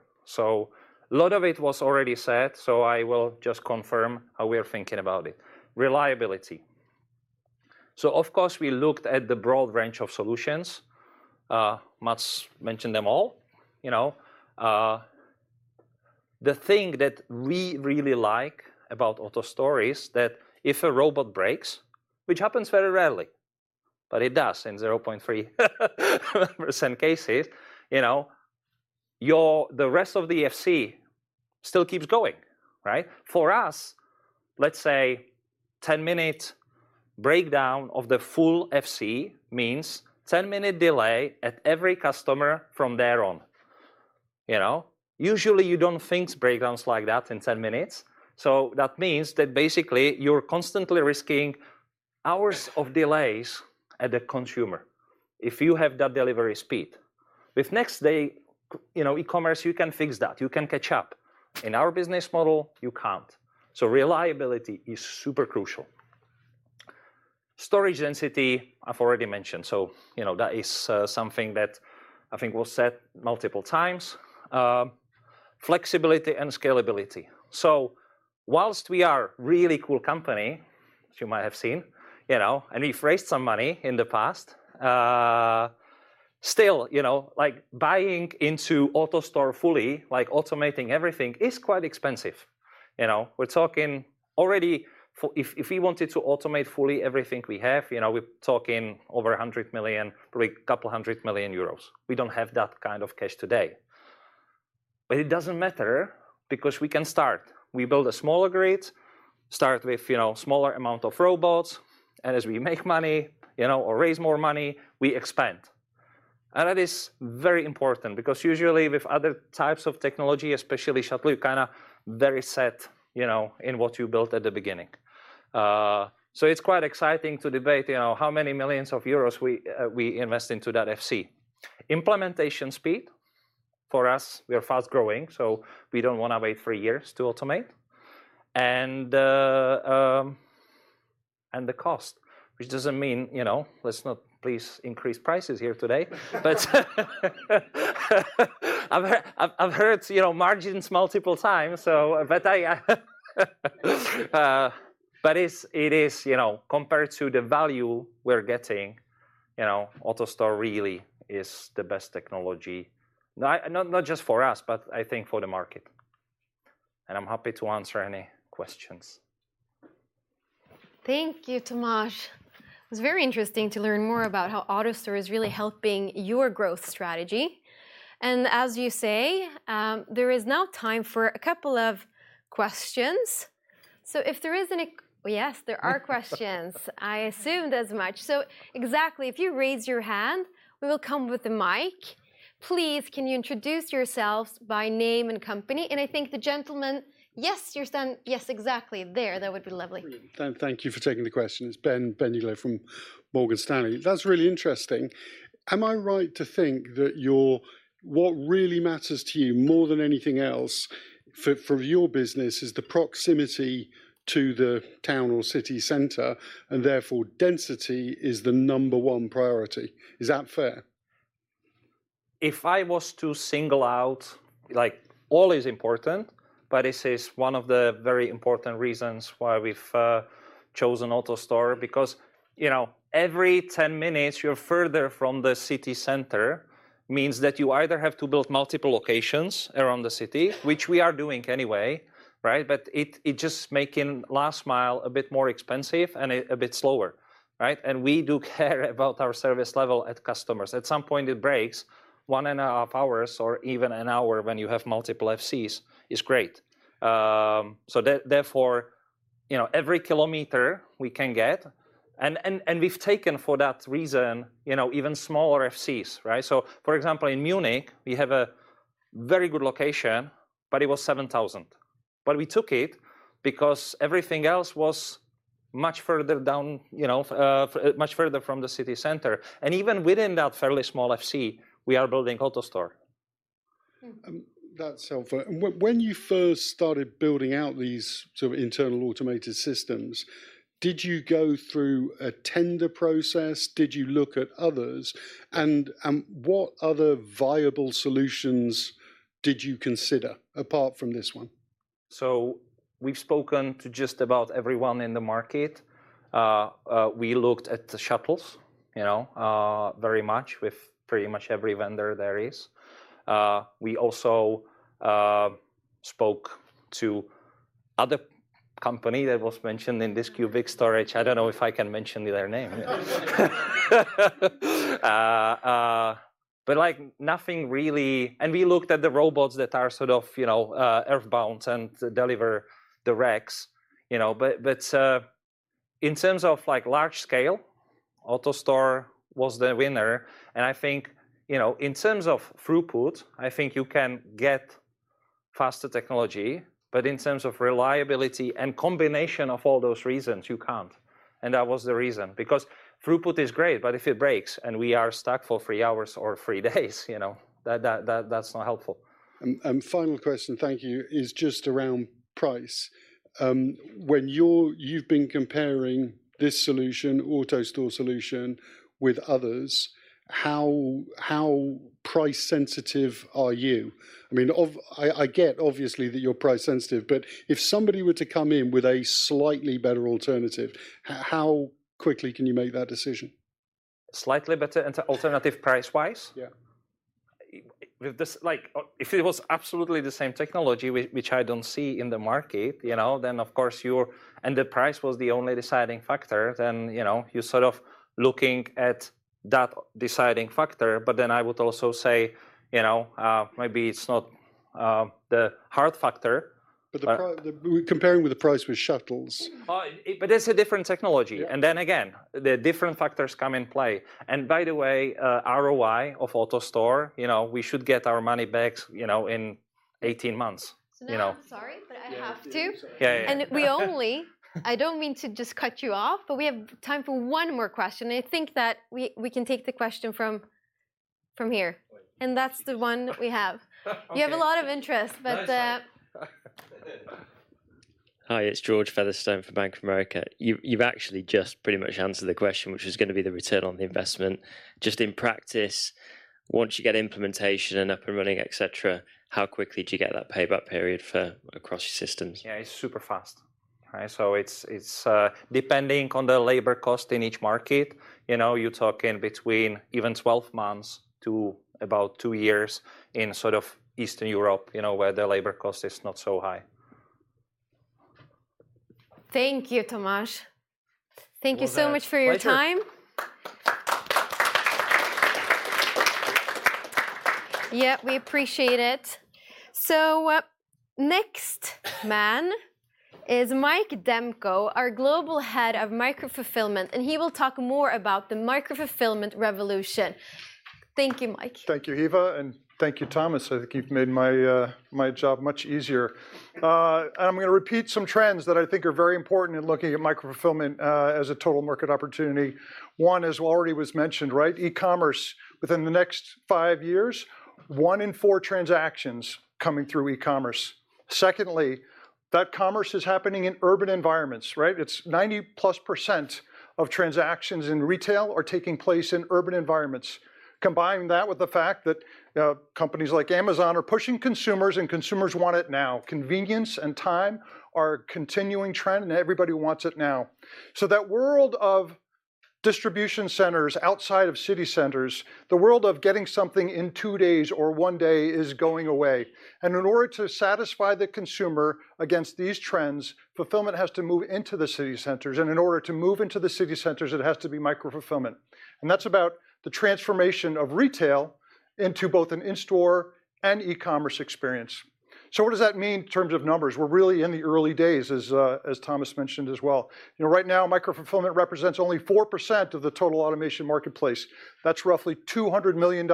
A lot of it was already said, so I will just confirm how we are thinking about it. Reliability. Of course, we looked at the broad range of solutions. Mats mentioned them all. You know, the thing that we really like about AutoStore is that if a robot breaks, which happens very rarely, but it does in 0.3% cases, you know, the rest of the FC still keeps going, right? For us, let's say ten-minute breakdown of the full FC means ten-minute delay at every customer from there on, you know? Usually you don't fix breakdowns like that in ten minutes, so that means that basically you're constantly risking hours of delays at the consumer if you have that delivery speed. With next day, you know, e-commerce, you can fix that, you can catch up. In our business model, you can't. Reliability is super crucial. Storage density, I've already mentioned, so, you know, that is something that I think was said multiple times. Flexibility and scalability. Whilst we are really cool company, as you might have seen, you know, and we've raised some money in the past, still, you know, like buying into AutoStore fully, like automating everything, is quite expensive. You know, we're talking already if we wanted to automate fully everything we have, you know, we're talking over 100 million, probably 200 million euros. We don't have that kind of cash today. It doesn't matter, because we can start. We build a smaller grid, start with, you know, smaller amount of robots, and as we make money, you know, or raise more money, we expand. That is very important, because usually with other types of technology, especially shuttle, you're kinda very set, you know, in what you built at the beginning. So it's quite exciting to debate, you know, how many millions of euros we invest into that FC. Implementation speed for us, we are fast-growing, so we don't wanna wait three years to automate. The cost, which doesn't mean, you know, let's not please increase prices here today. I've heard, you know, margins multiple times, so. It is, you know, compared to the value we're getting, you know, AutoStore really is the best technology. Not just for us, but I think for the market. I'm happy to answer any questions. Thank you, Tomáš. It's very interesting to learn more about how AutoStore is really helping your growth strategy. As you say, there is now time for a couple of questions. If there is any. Yes, there are questions. I assumed as much. Exactly, if you raise your hand, we will come with the mic. Please, can you introduce yourselves by name and company? I think the gentleman, yes, exactly, there. That would be lovely. Brilliant. Thank you for taking the question. It's Ben Heelan from Morgan Stanley. That's really interesting. Am I right to think that what really matters to you more than anything else for your business is the proximity to the town or city center, and therefore density is the number one priority? Is that fair? If I was to single out, like all is important, but this is one of the very important reasons why we've chosen AutoStore, because, you know, every 10 minutes you're further from the city center means that you either have to build multiple locations around the city, which we are doing anyway, right? It just makes last mile a bit more expensive and a bit slower, right? We do care about our service level at customers. At some point it breaks. 1.5 hours or even 1 hour when you have multiple FCs is great. Therefore, you know, every kilometer we can get. And we've taken for that reason, you know, even smaller FCs, right? For example, in Munich, we have a very good location, but it was 7,000. We took it because everything else was much further down, you know, much further from the city center. Even within that fairly small FC, we are building AutoStore. That's helpful. When you first started building out these sort of internal automated systems, did you go through a tender process? Did you look at others? What other viable solutions did you consider apart from this one? We've spoken to just about everyone in the market. We looked at the Shuttles, you know, very much with pretty much every vendor there is. We also spoke to other company that was mentioned in this Cube Storage. I don't know if I can mention their name. But like nothing really. We looked at the robots that are sort of, you know, earthbound and deliver the racks, you know. In terms of like large scale, AutoStore was the winner, and I think, you know, in terms of throughput, I think you can get faster technology. In terms of reliability and combination of all those reasons, you can't, and that was the reason. Because throughput is great, but if it breaks and we are stuck for three hours or three days, you know, that that's not helpful. Final question, thank you, is just around price. When you've been comparing this solution, AutoStore solution with others, how price sensitive are you? I mean, I get obviously that you're price sensitive, but if somebody were to come in with a slightly better alternative, how quickly can you make that decision? Slightly better alternative price-wise? Yeah. With this, like, if it was absolutely the same technology, which I don't see in the market, you know, then of course you're. The price was the only deciding factor, then, you know, you're sort of looking at that deciding factor. I would also say, you know, maybe it's not the hard factor. We're comparing with the price with shuttles. It's a different technology. Yeah. Then again, the different factors come into play. By the way, ROI of AutoStore, you know, we should get our money back, you know, in 18 months. So now- You know? Sorry, but I have to. Yeah. Yeah, yeah. Yeah, yeah. We only, I don't mean to just cut you off, but we have time for one more question. I think that we can take the question from here. That's the one we have. Okay. We have a lot of interest, but. No, it's fine. Hi, it's George Featherstone for Bank of America. You've actually just pretty much answered the question, which is gonna be the return on the investment. Just in practice, once you get implementation and up and running, et cetera, how quickly do you get that payback period for across your systems? Yeah, it's super fast. Right? It's depending on the labor cost in each market, you know, you're talking between even 12 months to about two years in sort of Eastern Europe, you know, where the labor cost is not so high. Thank you, Tomáš. Well done. Thank you so much for your time. Pleasure. Yep, we appreciate it. Next man is Mike Demko, our Global Head of Micro-Fulfillment, and he will talk more about the micro-fulfillment revolution. Thank you, Mike. Thank you, Hiva, and thank you, Tomáš. I think you've made my job much easier. I'm gonna repeat some trends that I think are very important in looking at micro-fulfillment as a total market opportunity. One, as already was mentioned, right, e-commerce within the next five years, one in four transactions coming through e-commerce. Secondly, that commerce is happening in urban environments, right? It's 90%+ of transactions in retail are taking place in urban environments. Combine that with the fact that companies like Amazon are pushing consumers, and consumers want it now. Convenience and time are a continuing trend, and everybody wants it now. That world of distribution centers outside of city centers, the world of getting something in two days or one day is going away. In order to satisfy the consumer against these trends, fulfillment has to move into the city centers. In order to move into the city centers, it has to be micro-fulfillment. That's about the transformation of retail into both an in-store and e-commerce experience. What does that mean in terms of numbers? We're really in the early days, as Tomáš mentioned as well. You know, right now, micro-fulfillment represents only 4% of the total automation marketplace. That's roughly $200 million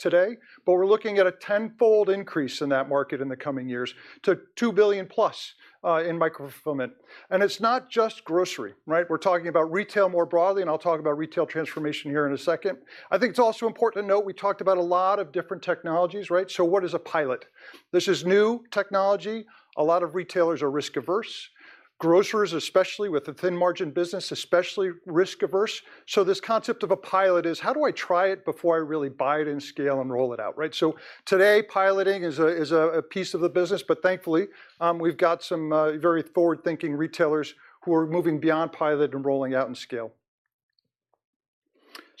today, but we're looking at a tenfold increase in that market in the coming years to $2 billion+ in micro-fulfillment. It's not just grocery, right? We're talking about retail more broadly, and I'll talk about retail transformation here in a second. I think it's also important to note, we talked about a lot of different technologies, right? What is a pilot? This is new technology. A lot of retailers are risk-averse. Grocers, especially with the thin margin business, especially risk-averse. This concept of a pilot is, how do I try it before I really buy it and scale and roll it out, right? Today, piloting is a piece of the business. Thankfully, we've got some very forward-thinking retailers who are moving beyond pilot and rolling out in scale.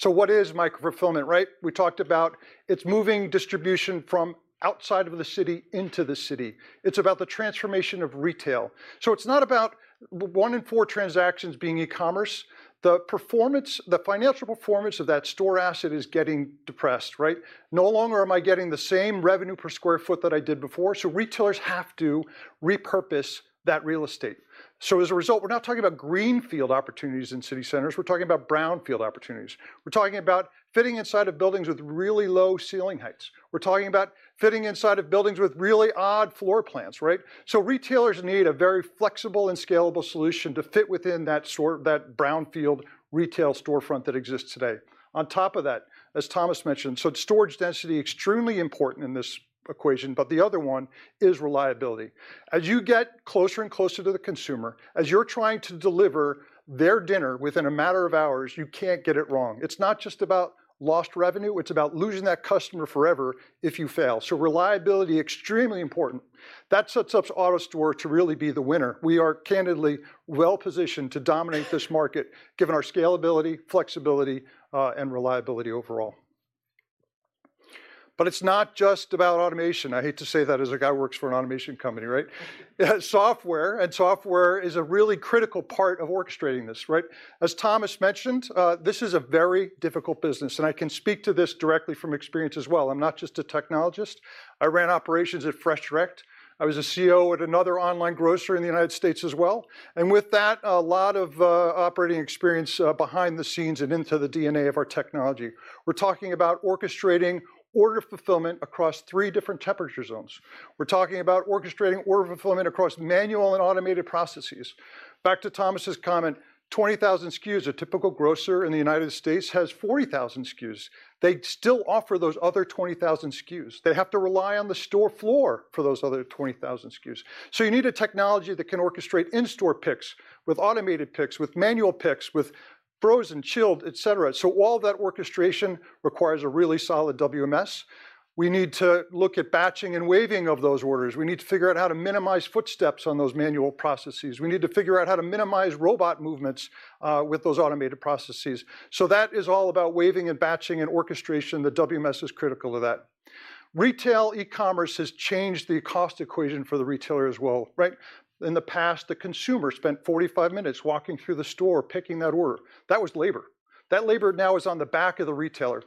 What is micro-fulfillment, right? We talked about it's moving distribution from outside of the city into the city. It's about the transformation of retail. It's not about one in four transactions being e-commerce. The performance, the financial performance of that store asset is getting depressed, right? No longer am I getting the same revenue per square foot that I did before, so retailers have to repurpose that real estate. As a result, we're not talking about greenfield opportunities in city centers. We're talking about brownfield opportunities. We're talking about fitting inside of buildings with really low ceiling heights. We're talking about fitting inside of buildings with really odd floor plans, right? Retailers need a very flexible and scalable solution to fit within that brownfield retail storefront that exists today. On top of that, as Tomáš mentioned, it's storage density, extremely important in this equation, but the other one is reliability. As you get closer and closer to the consumer, as you're trying to deliver their dinner within a matter of hours, you can't get it wrong. It's not just about lost revenue, it's about losing that customer forever if you fail. Reliability, extremely important. That sets up AutoStore to really be the winner. We are candidly well-positioned to dominate this market, given our scalability, flexibility, and reliability overall. It's not just about automation. I hate to say that as a guy who works for an automation company, right? Software, and software is a really critical part of orchestrating this, right? As Tomáš mentioned, this is a very difficult business, and I can speak to this directly from experience as well. I'm not just a technologist. I ran operations at FreshDirect. I was a CEO at another online grocer in the United States as well. With that, a lot of operating experience behind the scenes and into the DNA of our technology. We're talking about orchestrating order fulfillment across three different temperature zones. We're talking about orchestrating order fulfillment across manual and automated processes. Back to Tomáš's comment, 20,000 SKUs. A typical grocer in the United States has 40,000 SKUs. They still offer those other 20,000 SKUs. They have to rely on the store floor for those other 20,000 SKUs. You need a technology that can orchestrate in-store picks with automated picks, with manual picks, with frozen, chilled, et cetera. All that orchestration requires a really solid WMS. We need to look at batching and waving of those orders. We need to figure out how to minimize footsteps on those manual processes. We need to figure out how to minimize robot movements with those automated processes. That is all about waving and batching and orchestration. The WMS is critical to that. Retail e-commerce has changed the cost equation for the retailer as well, right? In the past, the consumer spent 45 minutes walking through the store, picking that order. That was labor. That labor now is on the back of the retailer.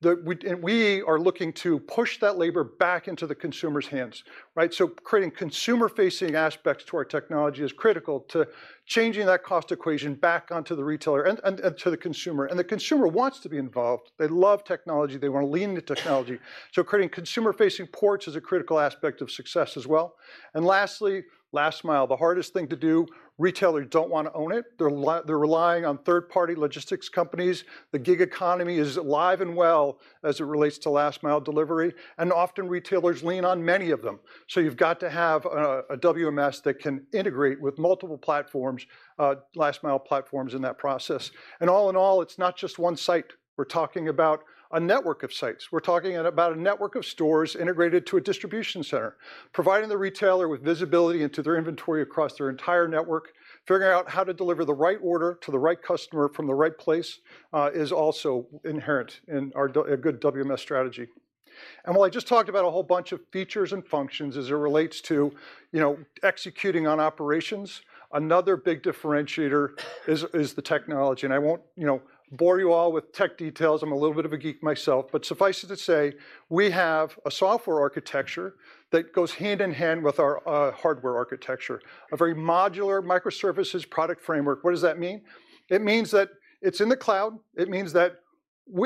We are looking to push that labor back into the consumer's hands, right? Creating consumer-facing aspects to our technology is critical to changing that cost equation back onto the retailer and to the consumer. The consumer wants to be involved. They love technology. They wanna lean into technology. Creating consumer-facing ports is a critical aspect of success as well. Lastly, last mile, the hardest thing to do. Retailers don't wanna own it. They're relying on third-party logistics companies. The gig economy is alive and well as it relates to last mile delivery, and often retailers lean on many of them. You've got to have a WMS that can integrate with multiple platforms, last mile platforms in that process. All in all, it's not just one site. We're talking about a network of sites. We're talking about a network of stores integrated to a distribution center, providing the retailer with visibility into their inventory across their entire network. Figuring out how to deliver the right order to the right customer from the right place is also inherent in our a good WMS strategy. While I just talked about a whole bunch of features and functions as it relates to, you know, executing on operations, another big differentiator is the technology. I won't, you know, bore you all with tech details. I'm a little bit of a geek myself. Suffice it to say, we have a software architecture that goes hand in hand with our hardware architecture. A very modular microservices product framework. What does that mean? It means that it's in the cloud. It means that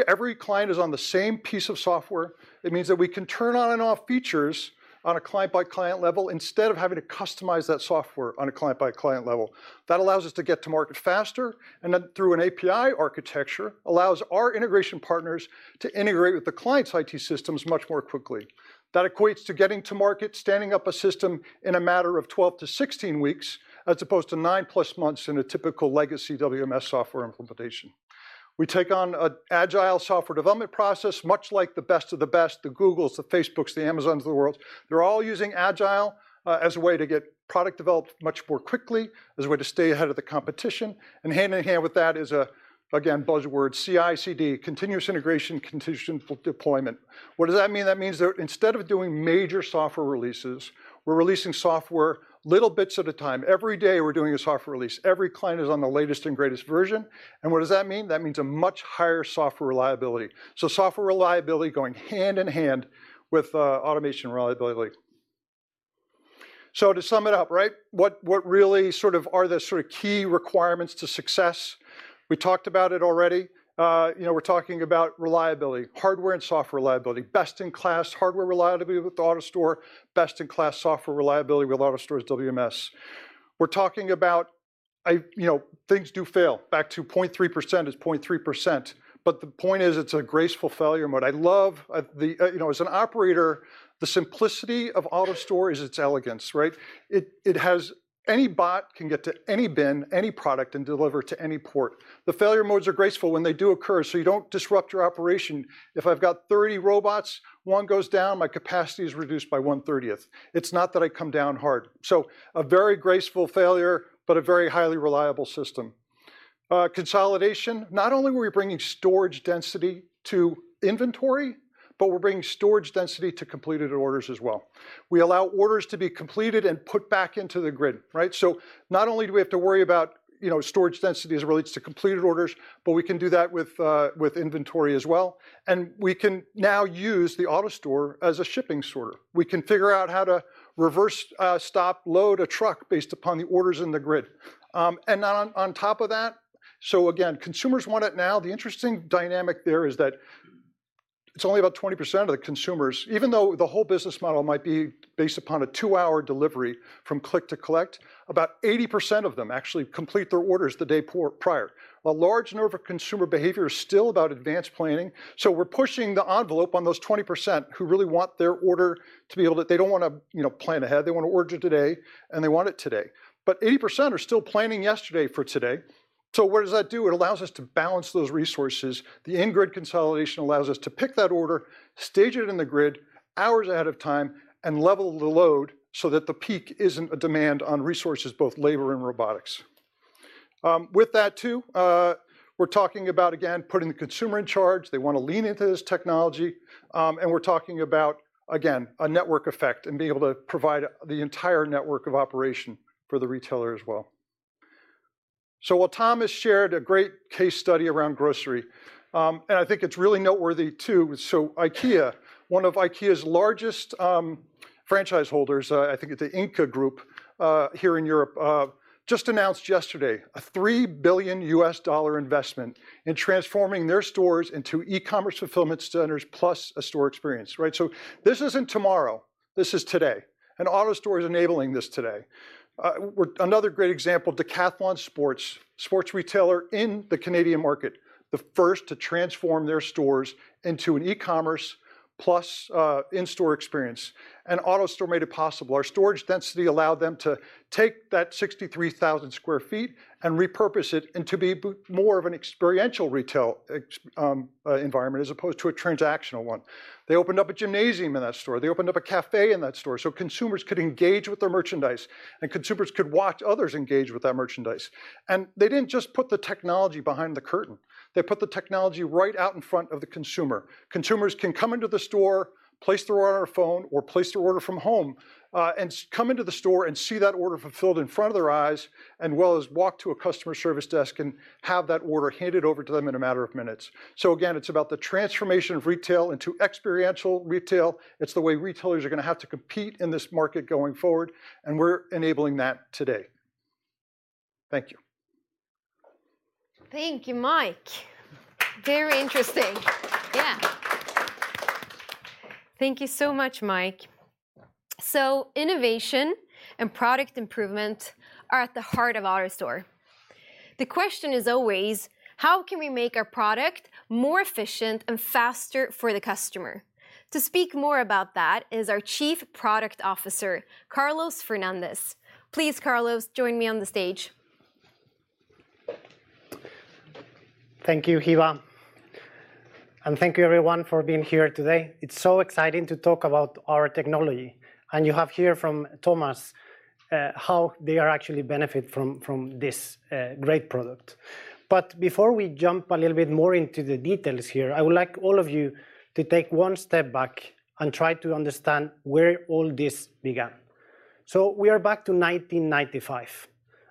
every client is on the same piece of software. It means that we can turn on and off features on a client-by-client level instead of having to customize that software on a client-by-client level. That allows us to get to market faster, and then through an API architecture, allows our integration partners to integrate with the client's IT systems much more quickly. That equates to getting to market, standing up a system in a matter of 12-16 weeks, as opposed to 9+ months in a typical legacy WMS software implementation. We take on an Agile software development process, much like the best of the best, the Googles, the Facebooks, the Amazons of the world. They're all using Agile as a way to get product developed much more quickly, as a way to stay ahead of the competition. Hand in hand with that is a, again, buzzword, CI/CD, continuous integration, continuous deployment. What does that mean? That means that instead of doing major software releases, we're releasing software little bits at a time. Every day, we're doing a software release. Every client is on the latest and greatest version. What does that mean? That means a much higher software reliability. Software reliability going hand in hand with automation reliability. To sum it up, right, what really sort of are the key requirements to success? We talked about it already. You know, we're talking about reliability, hardware and software reliability. Best-in-class hardware reliability with AutoStore, best-in-class software reliability with AutoStore's WMS. We're talking about you know, things do fail. Back to 0.3%. It's 0.3%. The point is, it's a graceful failure mode. I love the you know, as an operator, the simplicity of AutoStore is its elegance, right? It has any bot can get to any bin, any product, and deliver to any port. The failure modes are graceful when they do occur, so you don't disrupt your operation. If I've got 30 robots, one goes down, my capacity is reduced by one-thirtieth. It's not that I come down hard. A very graceful failure, but a very highly reliable system. Consolidation. Not only were we bringing storage density to inventory, but we're bringing storage density to completed orders as well. We allow orders to be completed and put back into the grid, right? Not only do we have to worry about, you know, storage density as it relates to completed orders, but we can do that with inventory as well. We can now use the AutoStore as a shipping sorter. We can figure out how to reverse, stop, load a truck based upon the orders in the grid. On top of that, again, consumers want it now. The interesting dynamic there is that it's only about 20% of the consumers. Even though the whole business model might be based upon a two-hour delivery from click to collect, about 80% of them actually complete their orders the day prior. A large nerve of consumer behavior is still about advanced planning, so we're pushing the envelope on those 20% who really want their order to be able to. They don't wanna, you know, plan ahead. They wanna order today, and they want it today. 80% are still planning yesterday for today. What does that do? It allows us to balance those resources. The in-grid consolidation allows us to pick that order, stage it in the grid hours ahead of time, and level the load so that the peak isn't a demand on resources, both labor and robotics. With that too, we're talking about, again, putting the consumer in charge. They wanna lean into this technology. We're talking about, again, a network effect and being able to provide the entire network of operation for the retailer as well. While Tomáš has shared a great case study around grocery, and I think it's really noteworthy too. IKEA, one of IKEA's largest franchise holders, I think it's the Ingka Group, here in Europe, just announced yesterday a $3 billion investment in transforming their stores into e-commerce fulfillment centers plus a store experience, right? This isn't tomorrow, this is today, and AutoStore is enabling this today. Another great example, Decathlon sports retailer in the Canadian market, the first to transform their stores into an e-commerce plus in-store experience, and AutoStore made it possible. Our storage density allowed them to take that 63,000 sq ft and repurpose it into more of an experiential retail environment as opposed to a transactional one. They opened up a gymnasium in that store. They opened up a cafe in that store, so consumers could engage with their merchandise, and consumers could watch others engage with that merchandise. They didn't just put the technology behind the curtain. They put the technology right out in front of the consumer. Consumers can come into the store, place their order on their phone, or place their order from home, and come into the store and see that order fulfilled in front of their eyes, as well as walk to a customer service desk and have that order handed over to them in a matter of minutes. Again, it's about the transformation of retail into experiential retail. It's the way retailers are gonna have to compete in this market going forward, and we're enabling that today. Thank you. Thank you, Mike. Very interesting. Yeah. Thank you so much, Mike. Innovation and product improvement are at the heart of AutoStore. The question is always how can we make our product more efficient and faster for the customer? To speak more about that is our Chief Product Officer, Carlos Fernández. Please, Carlos, join me on the stage. Thank you, Hiva, and thank you everyone for being here today. It's so exciting to talk about our technology, and you have heard from Tomáš, how they are actually benefiting from this great product. Before we jump a little bit more into the details here, I would like all of you to take one step back and try to understand where all this began. We are back to 1995.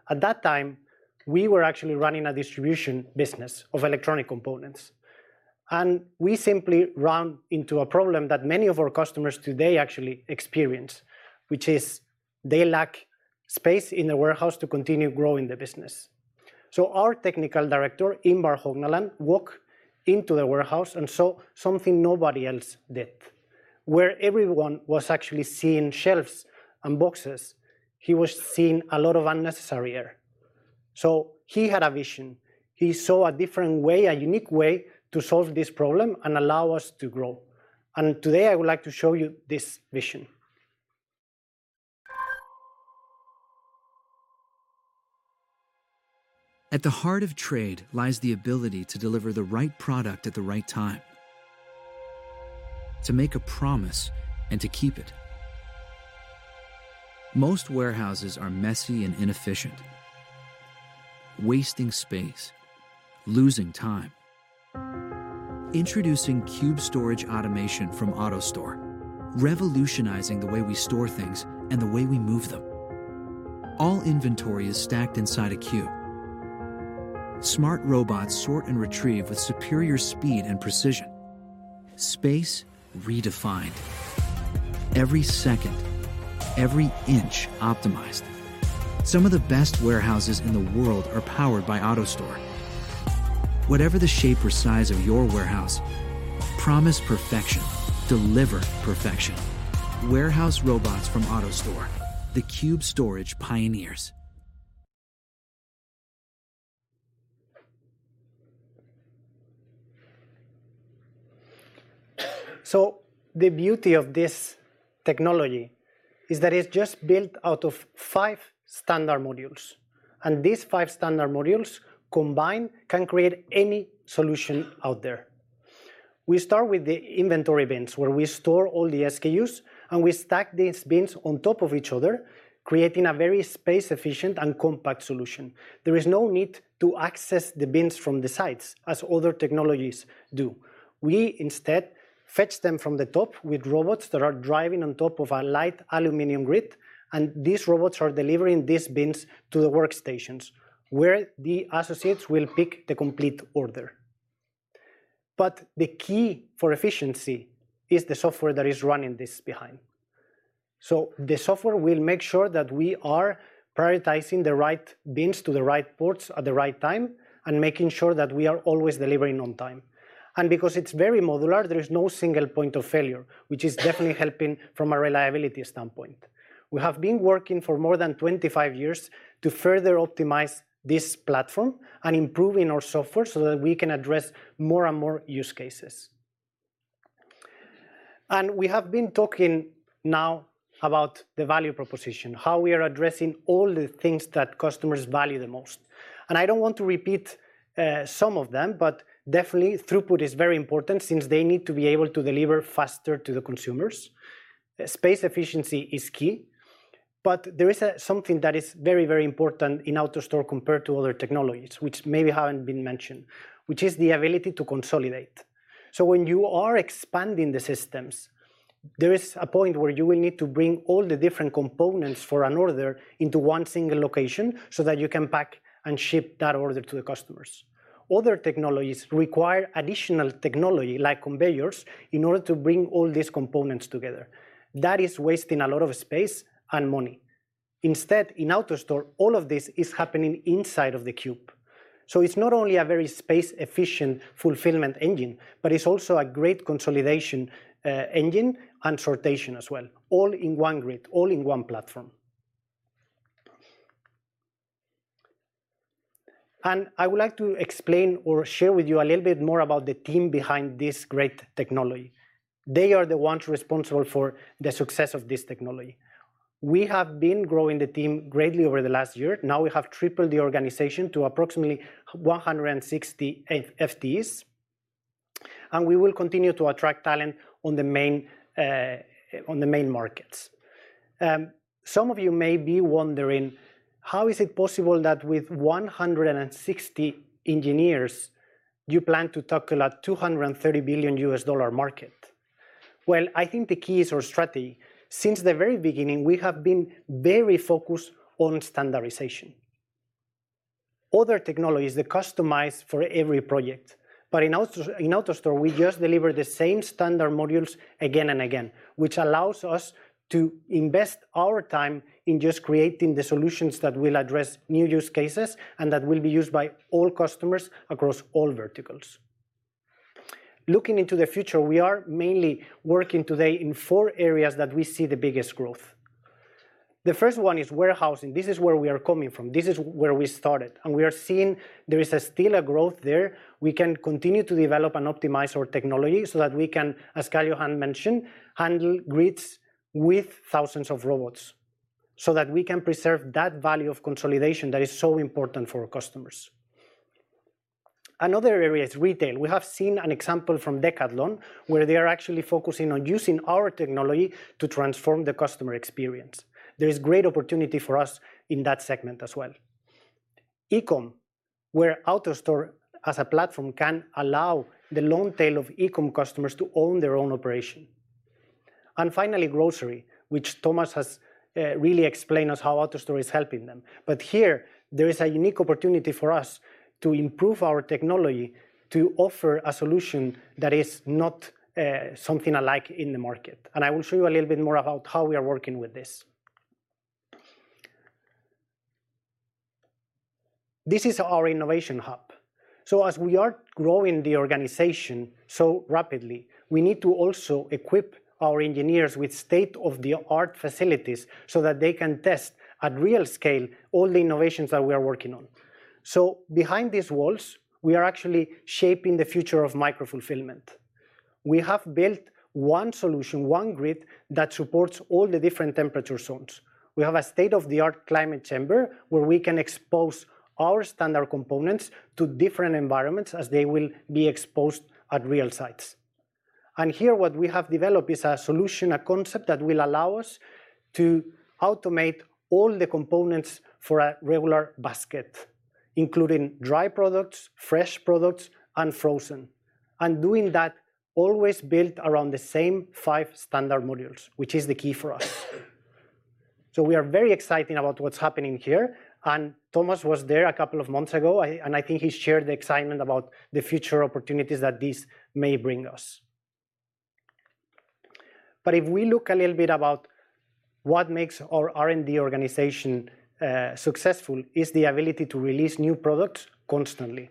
At that time, we were actually running a distribution business of electronic components, and we simply ran into a problem that many of our customers today actually experience, which is they lack space in the warehouse to continue growing the business. Our technical director, Ingvar Hognaland, walked into the warehouse and saw something nobody else did. Where everyone was actually seeing shelves and boxes, he was seeing a lot of unnecessary air. He had a vision. He saw a different way, a unique way, to solve this problem and allow us to grow, and today I would like to show you this vision. At the heart of trade lies the ability to deliver the right product at the right time, to make a promise and to keep it. Most warehouses are messy and inefficient, wasting space, losing time. Introducing Cube Storage Automation from AutoStore, revolutionizing the way we store things and the way we move them. All inventory is stacked inside a cube. Smart robots sort and retrieve with superior speed and precision. Space redefined. Every second, every inch optimized. Some of the best warehouses in the world are powered by AutoStore. Whatever the shape or size of your warehouse, promise perfection. Deliver perfection. Warehouse robots from AutoStore, the cube storage pioneers. The beauty of this technology is that it's just built out of five standard modules, and these five standard modules combined can create any solution out there. We start with the inventory bins, where we store all the SKUs, and we stack these bins on top of each other, creating a very space-efficient and compact solution. There is no need to access the bins from the sides, as other technologies do. We instead fetch them from the top with robots that are driving on top of a light aluminum grid, and these robots are delivering these bins to the workstations, where the associates will pick the complete order. The key for efficiency is the software that is running this behind. The software will make sure that we are prioritizing the right bins to the right ports at the right time and making sure that we are always delivering on time. Because it's very modular, there is no single point of failure, which is definitely helping from a reliability standpoint. We have been working for more than 25 years to further optimize this platform and improving our software so that we can address more and more use cases. We have been talking now about the value proposition, how we are addressing all the things that customers value the most. I don't want to repeat some of them, but definitely throughput is very important since they need to be able to deliver faster to the consumers. Space efficiency is key, but there is something that is very, very important in AutoStore compared to other technologies which maybe haven't been mentioned, which is the ability to consolidate. When you are expanding the systems, there is a point where you will need to bring all the different components for an order into one single location so that you can pack and ship that order to the customers. Other technologies require additional technology like conveyors in order to bring all these components together. That is wasting a lot of space and money. Instead, in AutoStore, all of this is happening inside of the cube. It's not only a very space-efficient fulfillment engine, but it's also a great consolidation engine and sortation as well, all in one grid, all in one platform. I would like to explain or share with you a little bit more about the team behind this great technology. They are the ones responsible for the success of this technology. We have been growing the team greatly over the last year. Now we have tripled the organization to approximately 160 FTEs, and we will continue to attract talent on the main markets. Some of you may be wondering, how is it possible that with 160 engineers, you plan to tackle a $230 billion market? Well, I think the keys are strategy. Since the very beginning, we have been very focused on standardization. Other technologies, they customize for every project. In AutoStore, we just deliver the same standard modules again and again, which allows us to invest our time in just creating the solutions that will address new use cases and that will be used by all customers across all verticals. Looking into the future, we are mainly working today in four areas that we see the biggest growth. The first one is warehousing. This is where we are coming from. This is where we started, and we are seeing there is still a growth there. We can continue to develop and optimize our technology so that we can, as Karl mentioned, handle grids with thousands of robots, so that we can preserve that value of consolidation that is so important for our customers. Another area is retail. We have seen an example from Decathlon, where they are actually focusing on using our technology to transform the customer experience. There is great opportunity for us in that segment as well. E-com, where AutoStore as a platform can allow the long tail of e-com customers to own their own operation. Finally, grocery, which Tomáš has really explained us how AutoStore is helping them. Here, there is a unique opportunity for us to improve our technology to offer a solution that is not something alike in the market. I will show you a little bit more about how we are working with this. This is our innovation hub. As we are growing the organization so rapidly, we need to also equip our engineers with state-of-the-art facilities, so that they can test at real scale all the innovations that we are working on. Behind these walls, we are actually shaping the future of micro-fulfillment. We have built one solution, one grid, that supports all the different temperature zones. We have a state-of-the-art climate chamber where we can expose our standard components to different environments as they will be exposed at real sites. Here, what we have developed is a solution, a concept that will allow us to automate all the components for a regular basket, including dry products, fresh products and frozen. Doing that always built around the same five standard modules, which is the key for us. We are very exciting about what's happening here, and Tomáš was there a couple of months ago, and I think he shared the excitement about the future opportunities that this may bring us. If we look a little bit about what makes our R&D organization successful, is the ability to release new products constantly.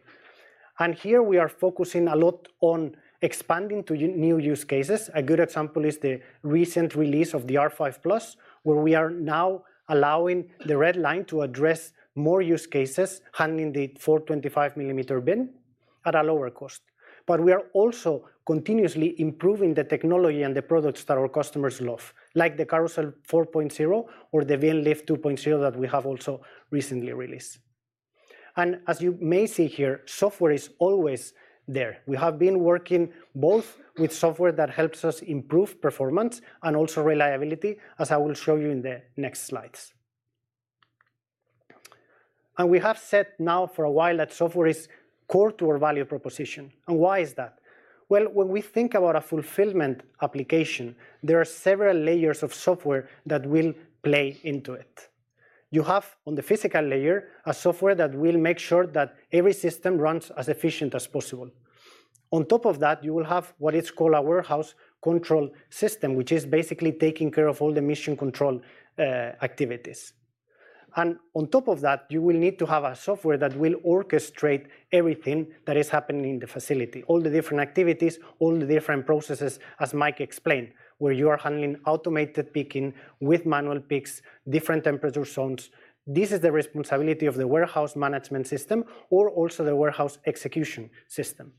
Here we are focusing a lot on expanding to new use cases. A good example is the recent release of the R5+, where we are now allowing the Red Line to address more use cases, handling the 425 mm bin at a lower cost. We are also continuously improving the technology and the products that our customers love, like the Carousel 4.0 or the Bin Lift 2.0 that we have also recently released. As you may see here, software is always there. We have been working both with software that helps us improve performance and also reliability, as I will show you in the next slides. We have said now for a while that software is core to our value proposition. Why is that? Well, when we think about a fulfillment application, there are several layers of software that will play into it. You have, on the physical layer, a software that will make sure that every system runs as efficient as possible. On top of that, you will have what is called a warehouse control system, which is basically taking care of all the mission control, activities. On top of that, you will need to have a software that will orchestrate everything that is happening in the facility, all the different activities, all the different processes, as Mike explained, where you are handling automated picking with manual picks, different temperature zones. This is the responsibility of the warehouse management system or also the warehouse execution system.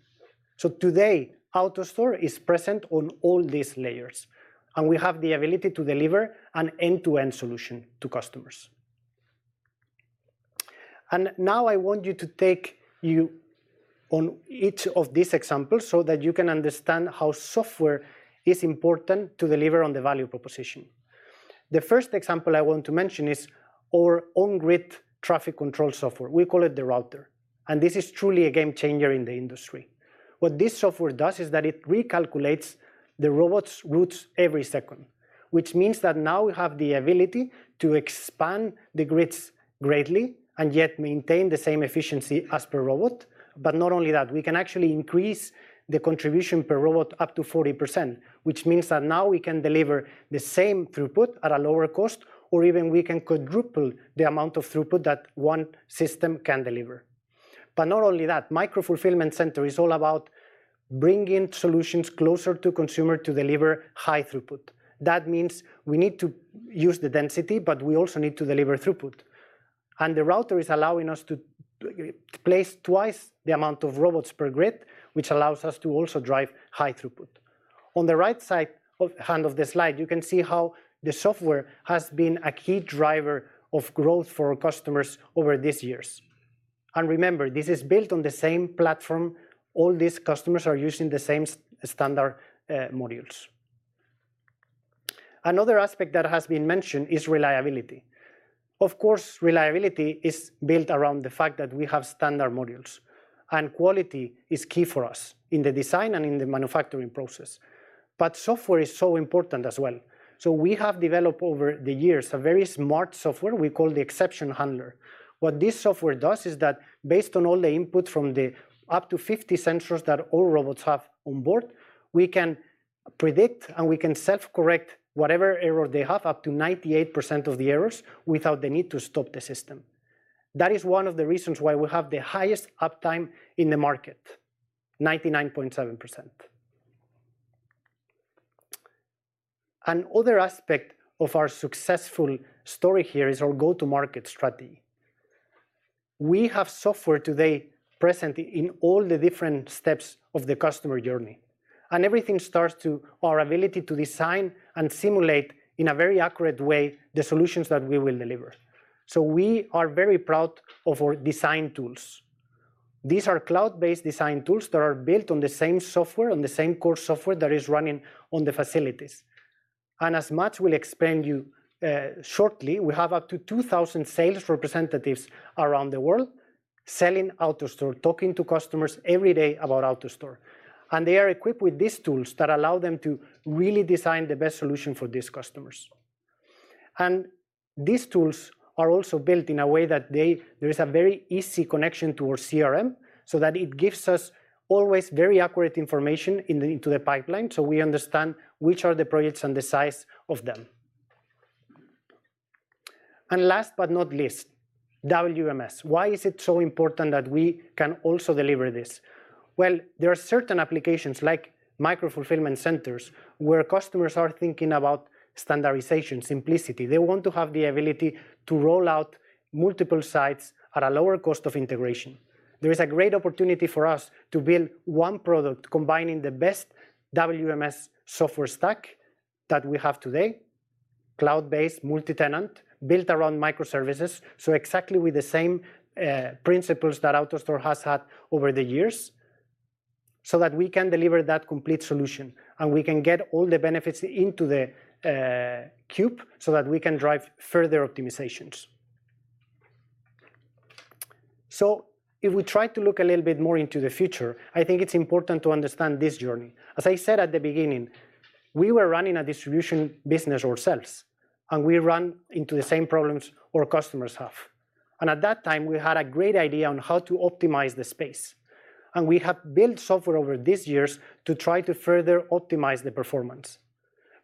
Today, AutoStore is present on all these layers, and we have the ability to deliver an end-to-end solution to customers. Now I want to take you through each of these examples so that you can understand how software is important to deliver on the value proposition. The first example I want to mention is our own grid traffic control software. We call it the Router, and this is truly a game changer in the industry. What this software does is that it recalculates the robot's routes every second, which means that now we have the ability to expand the grids greatly and yet maintain the same efficiency per robot. Not only that, we can actually increase the contribution per robot up to 40%, which means that now we can deliver the same throughput at a lower cost, or even we can quadruple the amount of throughput that one system can deliver. Not only that, micro-fulfillment center is all about bringing solutions closer to consumer to deliver high throughput. That means we need to use the density, but we also need to deliver throughput. The Router is allowing us to place twice the amount of robots per grid, which allows us to also drive high throughput. On the right-hand side of the slide, you can see how the software has been a key driver of growth for our customers over these years. Remember, this is built on the same platform. All these customers are using the same standard modules. Another aspect that has been mentioned is reliability. Of course, reliability is built around the fact that we have standard modules, and quality is key for us in the design and in the manufacturing process. Software is so important as well. We have developed over the years a very smart software we call the Exception Handler. What this software does is that based on all the input from the up to 50 sensors that all robots have on board, we can predict, and we can self-correct whatever error they have, up to 98% of the errors, without the need to stop the system. That is one of the reasons why we have the highest uptime in the market, 99.7%. Another aspect of our successful story here is our go-to-market strategy. We have software today present in all the different steps of the customer journey, and everything starts with our ability to design and simulate in a very accurate way the solutions that we will deliver. We are very proud of our design tools. These are cloud-based design tools that are built on the same software, on the same core software that is running in the facilities. As Mats will expand on shortly, we have up to 2,000 sales representatives around the world selling AutoStore, talking to customers every day about AutoStore. They are equipped with these tools that allow them to really design the best solution for these customers. These tools are also built in a way that they There is a very easy connection to our CRM, so that it gives us always very accurate information into the pipeline, so we understand which are the projects and the size of them. Last but not least, WMS. Why is it so important that we can also deliver this? Well, there are certain applications, like micro-fulfillment centers, where customers are thinking about standardization, simplicity. They want to have the ability to roll out multiple sites at a lower cost of integration. There is a great opportunity for us to build one product combining the best WMS software stack that we have today, cloud-based, multi-tenant, built around microservices, so exactly with the same principles that AutoStore has had over the years, so that we can deliver that complete solution, and we can get all the benefits into the cube so that we can drive further optimizations. If we try to look a little bit more into the future, I think it's important to understand this journey. As I said at the beginning, we were running a distribution business ourselves, and we run into the same problems our customers have. At that time, we had a great idea on how to optimize the space. We have built software over these years to try to further optimize the performance.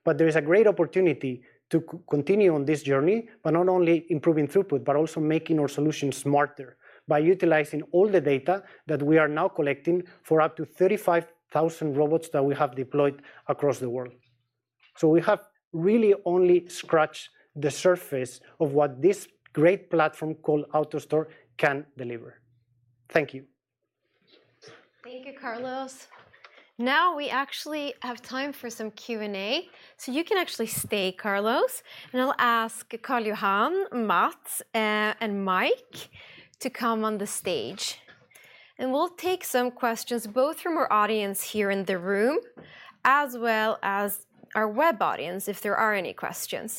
There is a great opportunity to continue on this journey by not only improving throughput, but also making our solution smarter by utilizing all the data that we are now collecting for up to 35,000 robots that we have deployed across the world. We have really only scratched the surface of what this great platform called AutoStore can deliver. Thank you. Thank you, Carlos. Now we actually have time for some Q&A. You can actually stay, Carlos, and I'll ask Karl Johan Lier, Mats Hovland Vikse, and Mike Demko to come on the stage. We'll take some questions both from our audience here in the room, as well as our web audience, if there are any questions.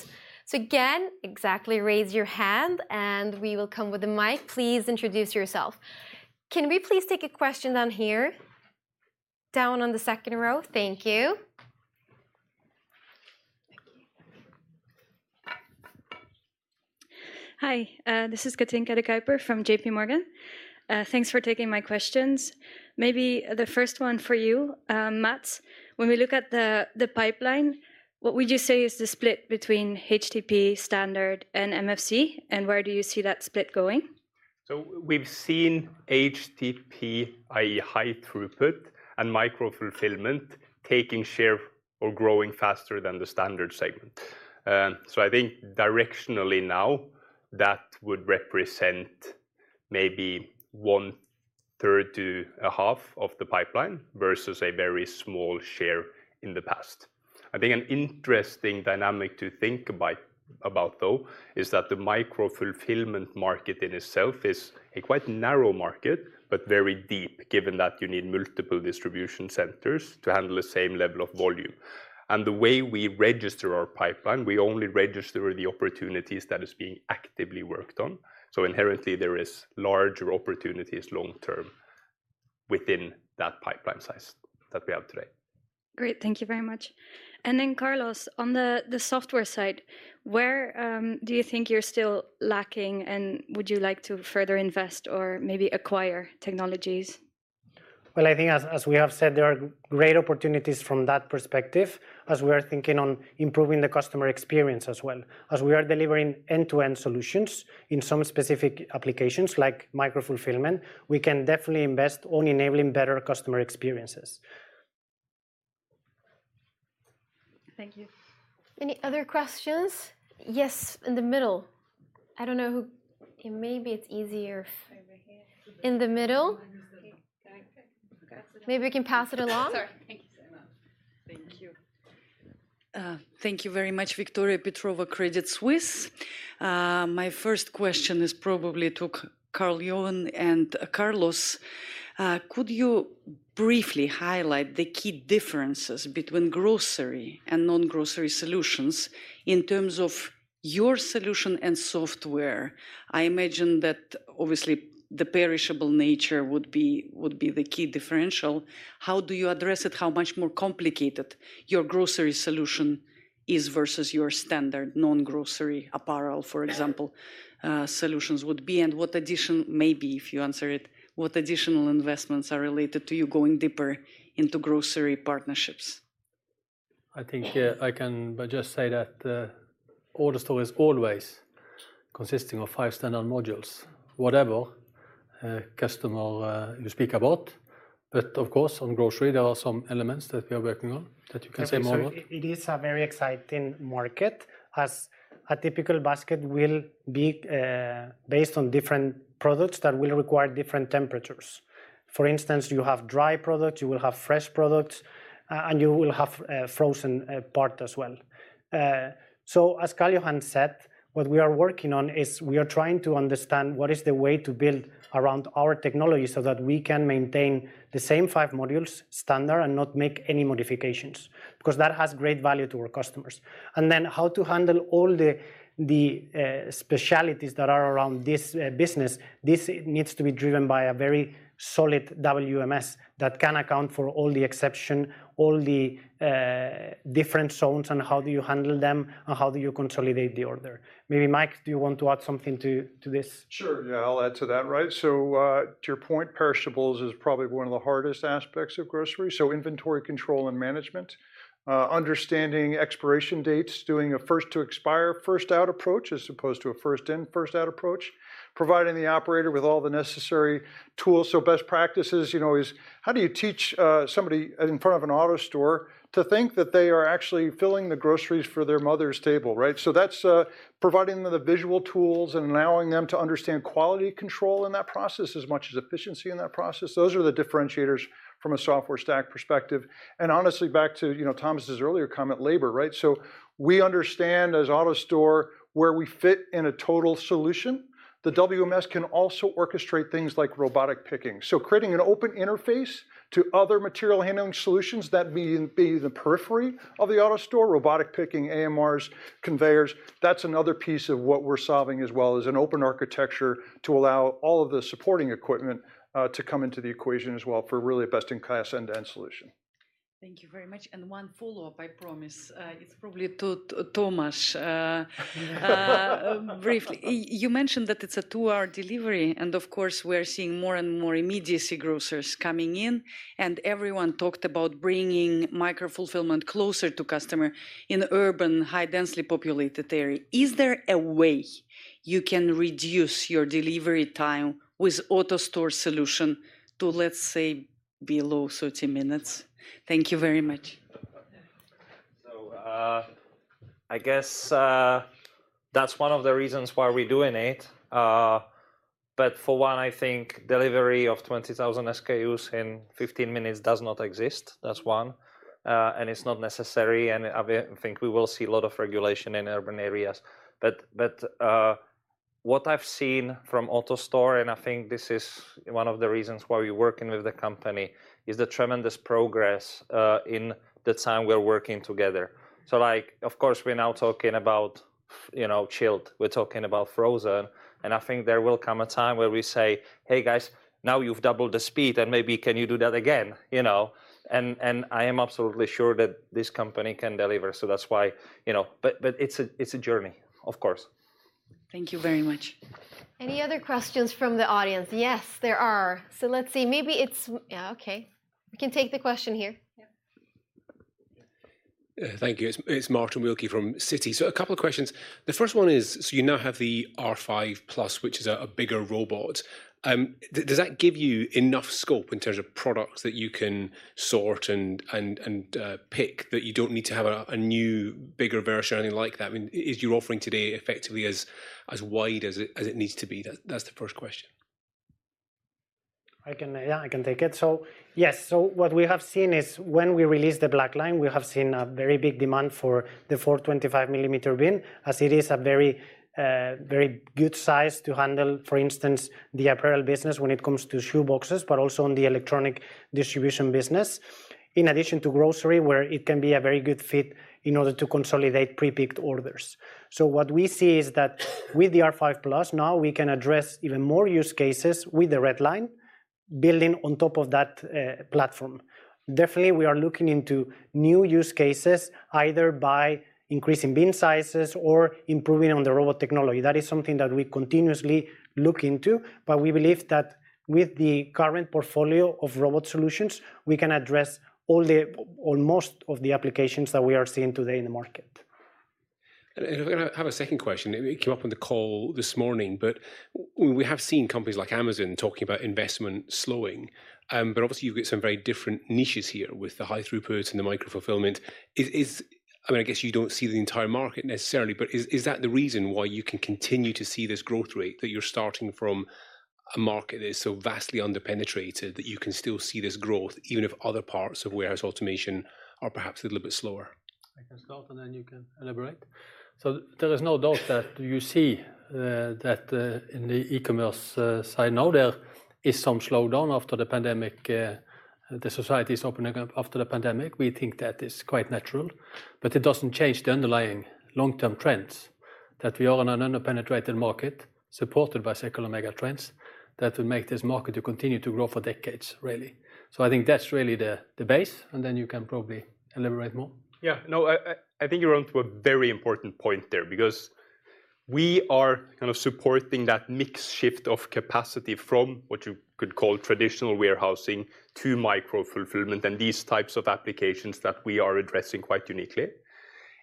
Again, exactly raise your hand, and we will come with the mic. Please introduce yourself. Can we please take a question down here? Down on the second row. Thank you. Thank you. Hi. This is Kathinka de Kuyper from JP Morgan. Thanks for taking my questions. Maybe the first one for you, Mats. When we look at the pipeline, what would you say is the split between HTP standard and MFC, and where do you see that split going? We've seen HTP, i.e., high throughput, and micro-fulfillment taking share or growing faster than the standard segment. I think directionally now, that would represent maybe one- third to a half of the pipeline versus a very small share in the past. I think an interesting dynamic to think about, though, is that the micro-fulfillment market in itself is a quite narrow market, but very deep, given that you need multiple distribution centers to handle the same level of volume. The way we register our pipeline, we only register the opportunities that is being actively worked on, so inherently there is larger opportunities long term within that pipeline size that we have today. Great. Thank you very much. Carlos, on the software side, where do you think you're still lacking, and would you like to further invest or maybe acquire technologies? Well, I think as we have said, there are great opportunities from that perspective as we are thinking on improving the customer experience as well. As we are delivering end-to-end solutions in some specific applications, like micro-fulfillment, we can definitely invest on enabling better customer experiences. Thank you. Any other questions? Yes, in the middle. Over here. In the middle. Okay. Got it. Maybe we can pass it along. Sorry. Thank you very much. Victoria Petrova, Credit Suisse. My first question is probably to Karl Johan and Carlos. Could you briefly highlight the key differences between grocery and non-grocery solutions in terms of your solution and software? I imagine that obviously the perishable nature would be the key differential. How do you address it? How much more complicated your grocery solution is versus your standard non-grocery apparel, for example, solutions would be? And what additional, maybe if you answer it, investments are related to you going deeper into grocery partnerships? I think, yeah, I can just say that AutoStore is always consisting of five standard modules, whatever customer you speak about. Of course on grocery, there are some elements that we are working on that you can say more about. It is a very exciting market, as a typical basket will be based on different products that will require different temperatures. For instance, you have dry products, you will have fresh products, and you will have a frozen part as well. So as Karl Johan said, what we are working on is we are trying to understand what is the way to build around our technology so that we can maintain the same five modules standard and not make any modifications, 'cause that has great value to our customers. Then how to handle all the specialties that are around this business, this needs to be driven by a very solid WMS that can account for all the exceptions, all the different zones and how do you handle them, and how do you consolidate the order. Maybe Mike, do you want to add something to this? Sure. Yeah, I'll add to that. Right. To your point, perishables is probably one of the hardest aspects of grocery, so inventory control and management, understanding expiration dates, doing a first to expire, first out approach as opposed to a first in, first out approach, providing the operator with all the necessary tools. Best practices, you know, is how do you teach somebody in front of an AutoStore to think that they are actually filling the groceries for their mother's table, right? That's providing the visual tools and allowing them to understand quality control in that process as much as efficiency in that process. Those are the differentiators from a software stack perspective. Honestly, back to, you know, Tomáš's earlier comment, labor, right? We understand as AutoStore where we fit in a total solution. The WMS can also orchestrate things like robotic picking. Creating an open interface to other material handling solutions, that being the periphery of the AutoStore, robotic picking, AMRs, conveyors. That's another piece of what we're solving as well, is an open architecture to allow all of the supporting equipment to come into the equation as well for really a best in class end-to-end solution. Thank you very much. One follow-up, I promise. It's probably to Tomáš. Briefly. You mentioned that it's a two-hour delivery, and of course, we're seeing more and more immediacy grocers coming in, and everyone talked about bringing micro-fulfillment closer to customer in urban, highly densely populated area. Is there a way you can reduce your delivery time with AutoStore solution to, let's say, below 30 minutes? Thank you very much. I guess, that's one of the reasons why we're doing it. For one, I think delivery of 20,000 SKUs in 15 minutes does not exist. That's one. It's not necessary, and I think we will see a lot of regulation in urban areas. What I've seen from AutoStore, and I think this is one of the reasons why we're working with the company, is the tremendous progress, in the time we're working together. Like, of course, we're now talking about, you know, chilled, we're talking about frozen, and I think there will come a time where we say, "Hey, guys, now you've doubled the speed, and maybe can you do that again?" You know? I am absolutely sure that this company can deliver, so that's why, you know. It's a journey, of course. Thank you very much. Any other questions from the audience? Yes, there are. Let's see. Yeah. Okay. We can take the question here. Yeah. Yeah. Thank you. It's Martin Wilkie from Citi. A couple of questions. The first one is, you now have the R5+, which is a bigger robot. Does that give you enough scope in terms of products that you can sort and pick that you don't need to have a new, bigger version or anything like that? I mean, is your offering today effectively as wide as it needs to be? That's the first question. I can, yeah, I can take it. Yes, what we have seen is when we released the Black Line, we have seen a very big demand for the 425 mm bin, as it is a very good size to handle, for instance, the apparel business when it comes to shoe boxes, but also in the electronic distribution business, in addition to grocery, where it can be a very good fit in order to consolidate pre-picked orders. What we see is that with the R5 plus, now we can address even more use cases with the Red Line building on top of that platform. Definitely, we are looking into new use cases, either by increasing bin sizes or improving on the robot technology. That is something that we continuously look into. We believe that with the current portfolio of robot solutions, we can address all the, or most of the applications that we are seeing today in the market. If I can have a second question. It came up on the call this morning, but we have seen companies like Amazon talking about investment slowing. But obviously you've got some very different niches here with the high throughput and the micro-fulfillment. I mean, I guess you don't see the entire market necessarily, but is that the reason why you can continue to see this growth rate, that you're starting from a market that is so vastly under-penetrated that you can still see this growth even if other parts of warehouse automation are perhaps a little bit slower? I can start, and then you can elaborate. There is no doubt that you see that in the e-commerce side now, there is some slowdown after the pandemic, the society's opening up after the pandemic. We think that is quite natural. It doesn't change the underlying long-term trends, that we are in an under-penetrated market supported by secular megatrends that will make this market to continue to grow for decades, really. I think that's really the base, and then you can probably elaborate more. Yeah. No, I think you're onto a very important point there because we are kind of supporting that mix shift of capacity from what you could call traditional warehousing to micro fulfillment and these types of applications that we are addressing quite uniquely.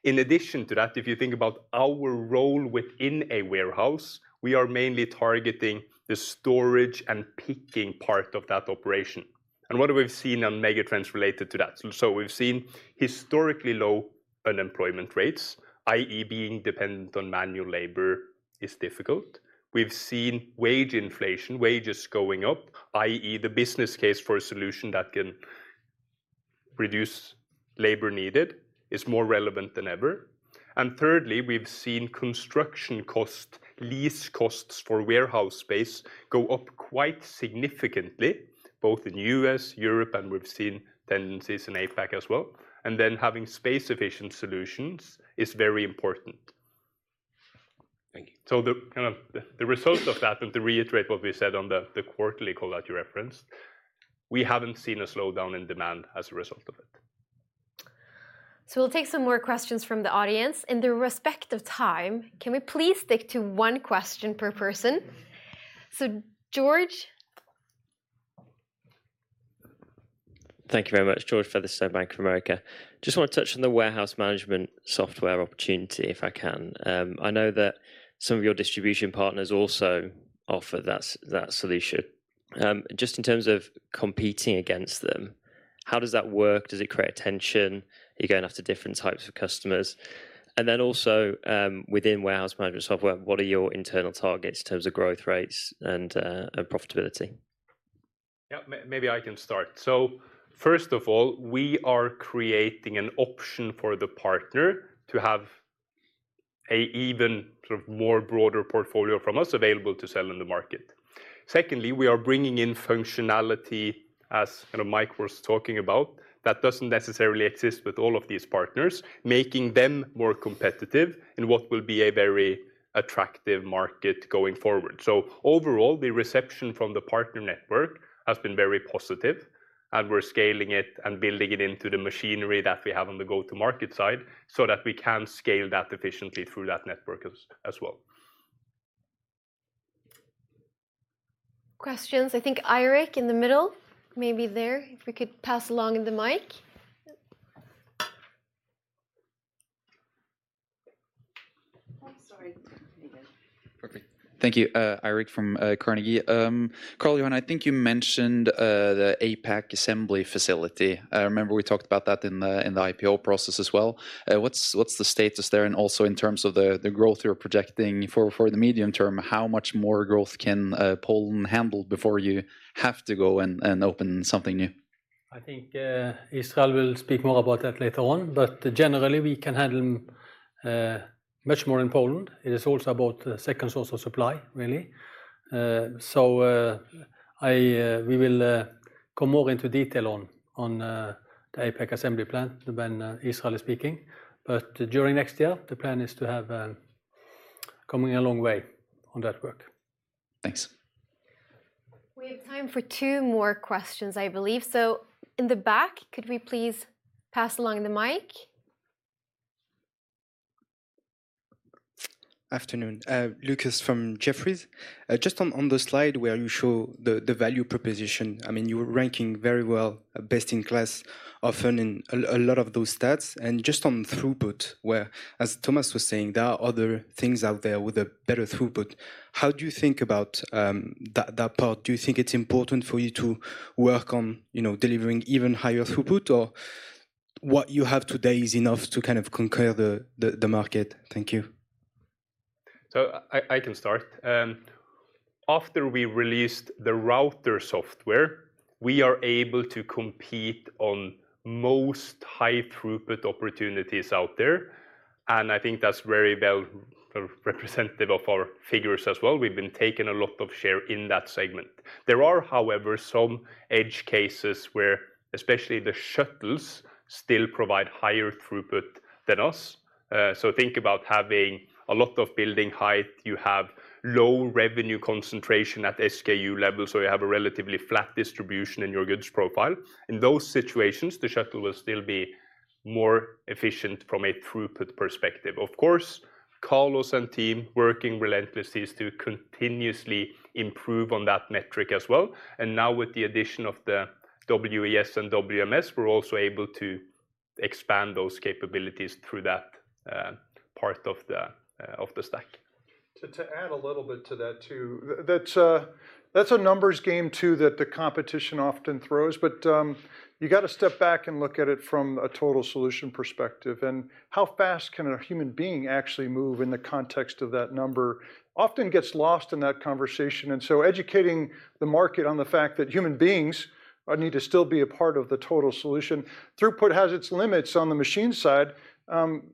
In addition to that, if you think about our role within a warehouse, we are mainly targeting the storage and picking part of that operation. What have we seen on megatrends related to that? We've seen historically low unemployment rates, i.e. being dependent on manual labor is difficult. We've seen wage inflation, wages going up, i.e. the business case for a solution that can reduce labor needed is more relevant than ever. Thirdly, we've seen construction cost, lease costs for warehouse space go up quite significantly, both in U.S., Europe, and we've seen tendencies in APAC as well. Having space-efficient solutions is very important. Thank you. The result of that, and to reiterate what we said on the quarterly call that you referenced, we haven't seen a slowdown in demand as a result of it. We'll take some more questions from the audience. In the interest of time, can we please stick to one question per person? George? Thank you very much. George Featherstone, Bank of America. Just want to touch on the warehouse management software opportunity, if I can. I know that some of your distribution partners also offer that solution. Just in terms of competing against them, how does that work? Does it create tension? Are you going after different types of customers? Within warehouse management software, what are your internal targets in terms of growth rates and profitability? Yeah. Maybe I can start. First of all, we are creating an option for the partner to have a even sort of more broader portfolio from us available to sell in the market. Secondly, we are bringing in functionality, as kind of Mike was talking about, that doesn't necessarily exist with all of these partners, making them more competitive in what will be a very attractive market going forward. Overall, the reception from the partner network has been very positive, and we're scaling it and building it into the machinery that we have on the go-to-market side so that we can scale that efficiently through that network as well. Questions? I think Eirik in the middle, maybe there, if we could pass along the mic. Yep. Oh, sorry. Here you go. Perfect. Thank you. Eirik from Carnegie. Karl, I think you mentioned the APAC assembly facility. I remember we talked about that in the IPO process as well. What's the status there? And also in terms of the growth you're projecting for the medium term, how much more growth can Poland handle before you have to go and open something new? I think Israel will speak more about that later on. Generally, we can handle much more in Poland. It is also about second source of supply, really. We will go more into detail on the APAC assembly plan when Israel is speaking. During next year, the plan is to have coming a long way on that work. Thanks. We have time for two more questions, I believe. In the back, could we please pass along the mic? Afternoon. Lucas from Jefferies. Just on the slide where you show the value proposition, I mean, you were ranking very well, best in class, often in a lot of those stats. Just on throughput, where, as Tomáš was saying, there are other things out there with a better throughput, how do you think about that part? Do you think it's important for you to work on, you know, delivering even higher throughput, or what you have today is enough to kind of conquer the market? Thank you. I can start. After we released the router software, we are able to compete on most high throughput opportunities out there, and I think that's very well representative of our figures as well. We've been taking a lot of share in that segment. There are, however, some edge cases where especially the shuttles still provide higher throughput than us. Think about having a lot of building height, you have low revenue concentration at SKU level, so you have a relatively flat distribution in your goods profile. In those situations, the shuttle will still be more efficient from a throughput perspective. Of course, Carlos and team working relentlessly is to continuously improve on that metric as well. Now with the addition of the WES and WMS, we're also able to expand those capabilities through that part of the stack. To add a little bit to that too, that's a numbers game too that the competition often throws. You gotta step back and look at it from a total solution perspective, and how fast can a human being actually move in the context of that number often gets lost in that conversation. Educating the market on the fact that human beings need to still be a part of the total solution. Throughput has its limits on the machine side,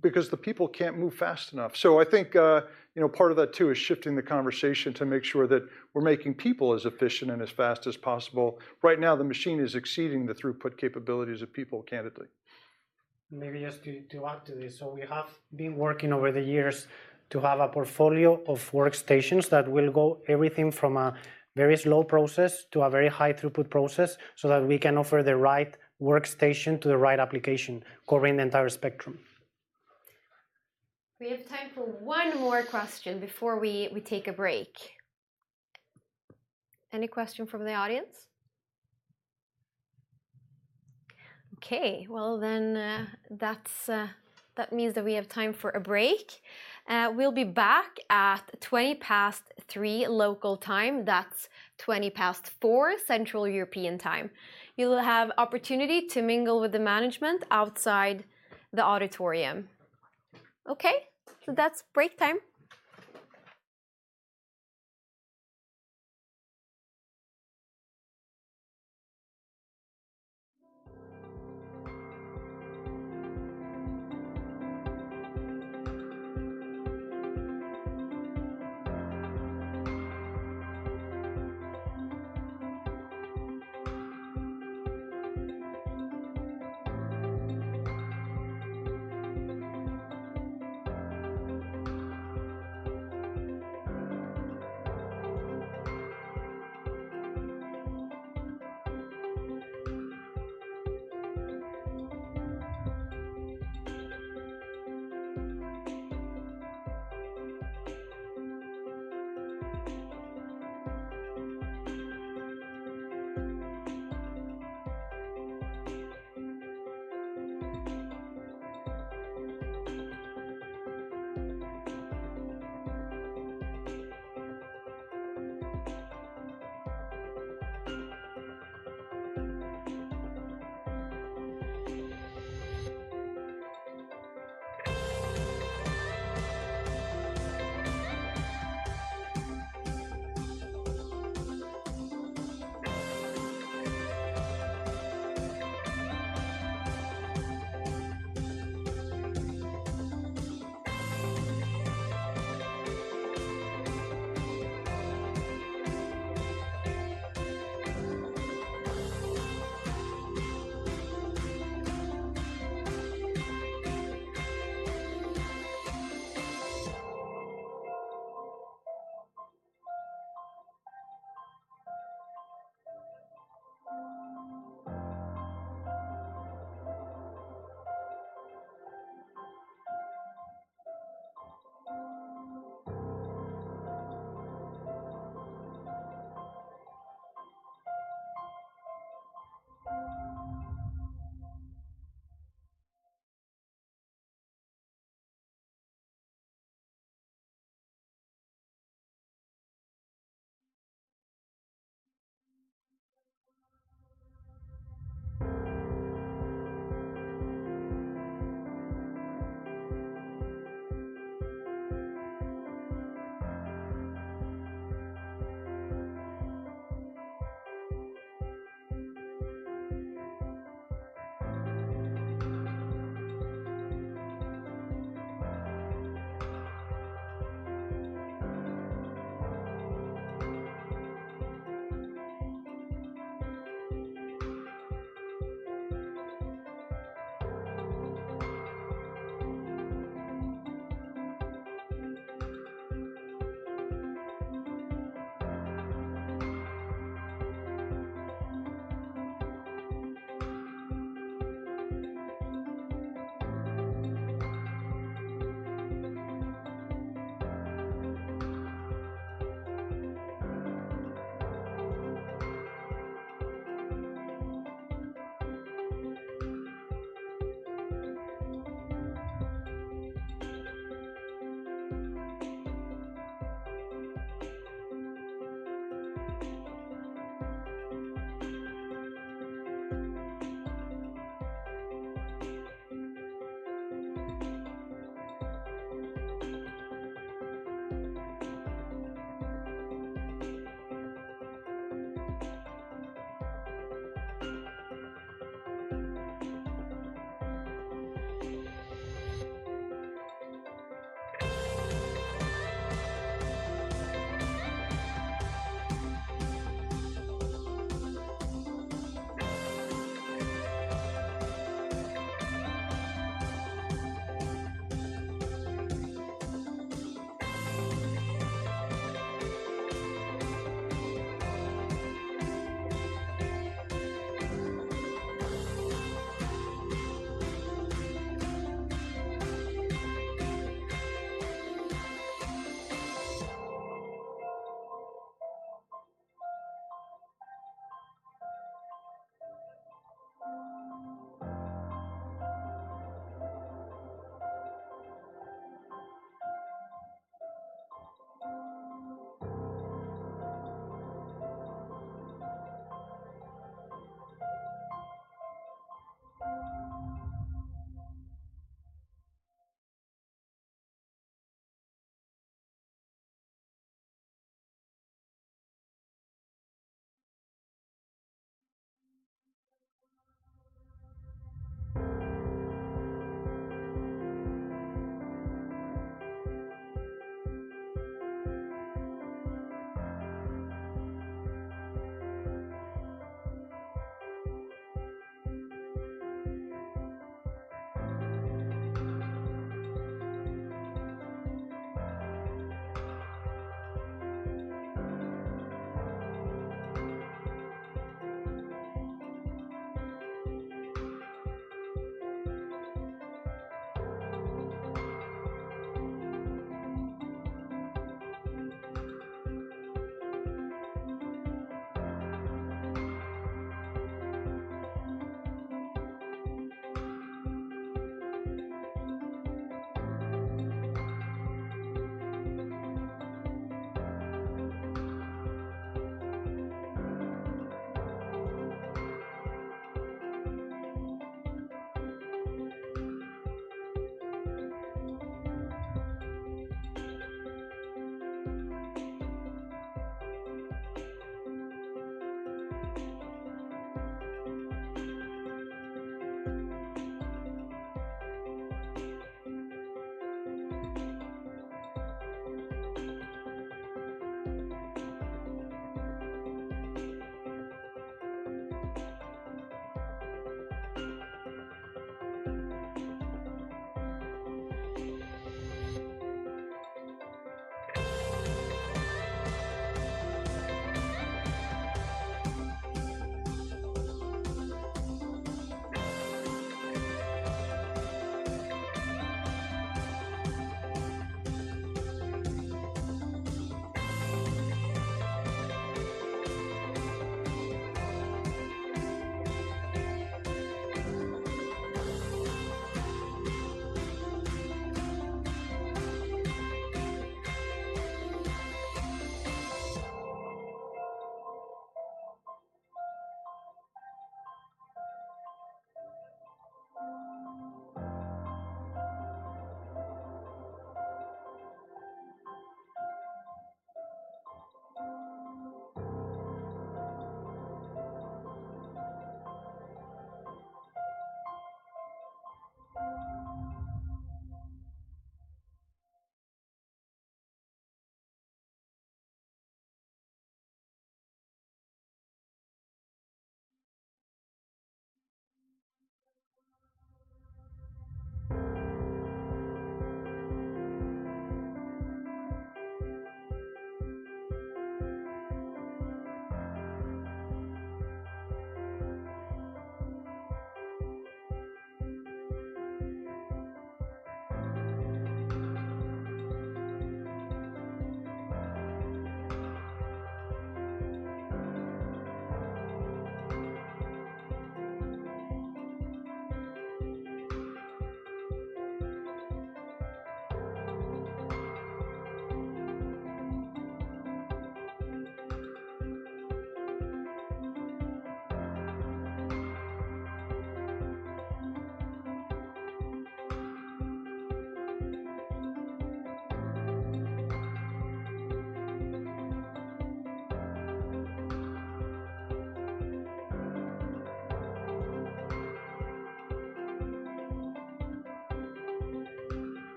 because the people can't move fast enough. I think, you know, part of that too is shifting the conversation to make sure that we're making people as efficient and as fast as possible. Right now, the machine is exceeding the throughput capabilities of people, candidly. Maybe just to add to this. We have been working over the years to have a portfolio of workstations that will go everything from a very slow process to a very high throughput process, so that we can offer the right workstation to the right application covering the entire spectrum. We have time for one more question before we take a break. Any question from the audience? Okay. Well then, that means that we have time for a break. We'll be back at 3:20 local time. That's 4:20 Central European Time. You'll have opportunity to mingle with the management outside the auditorium. Okay? That's break time.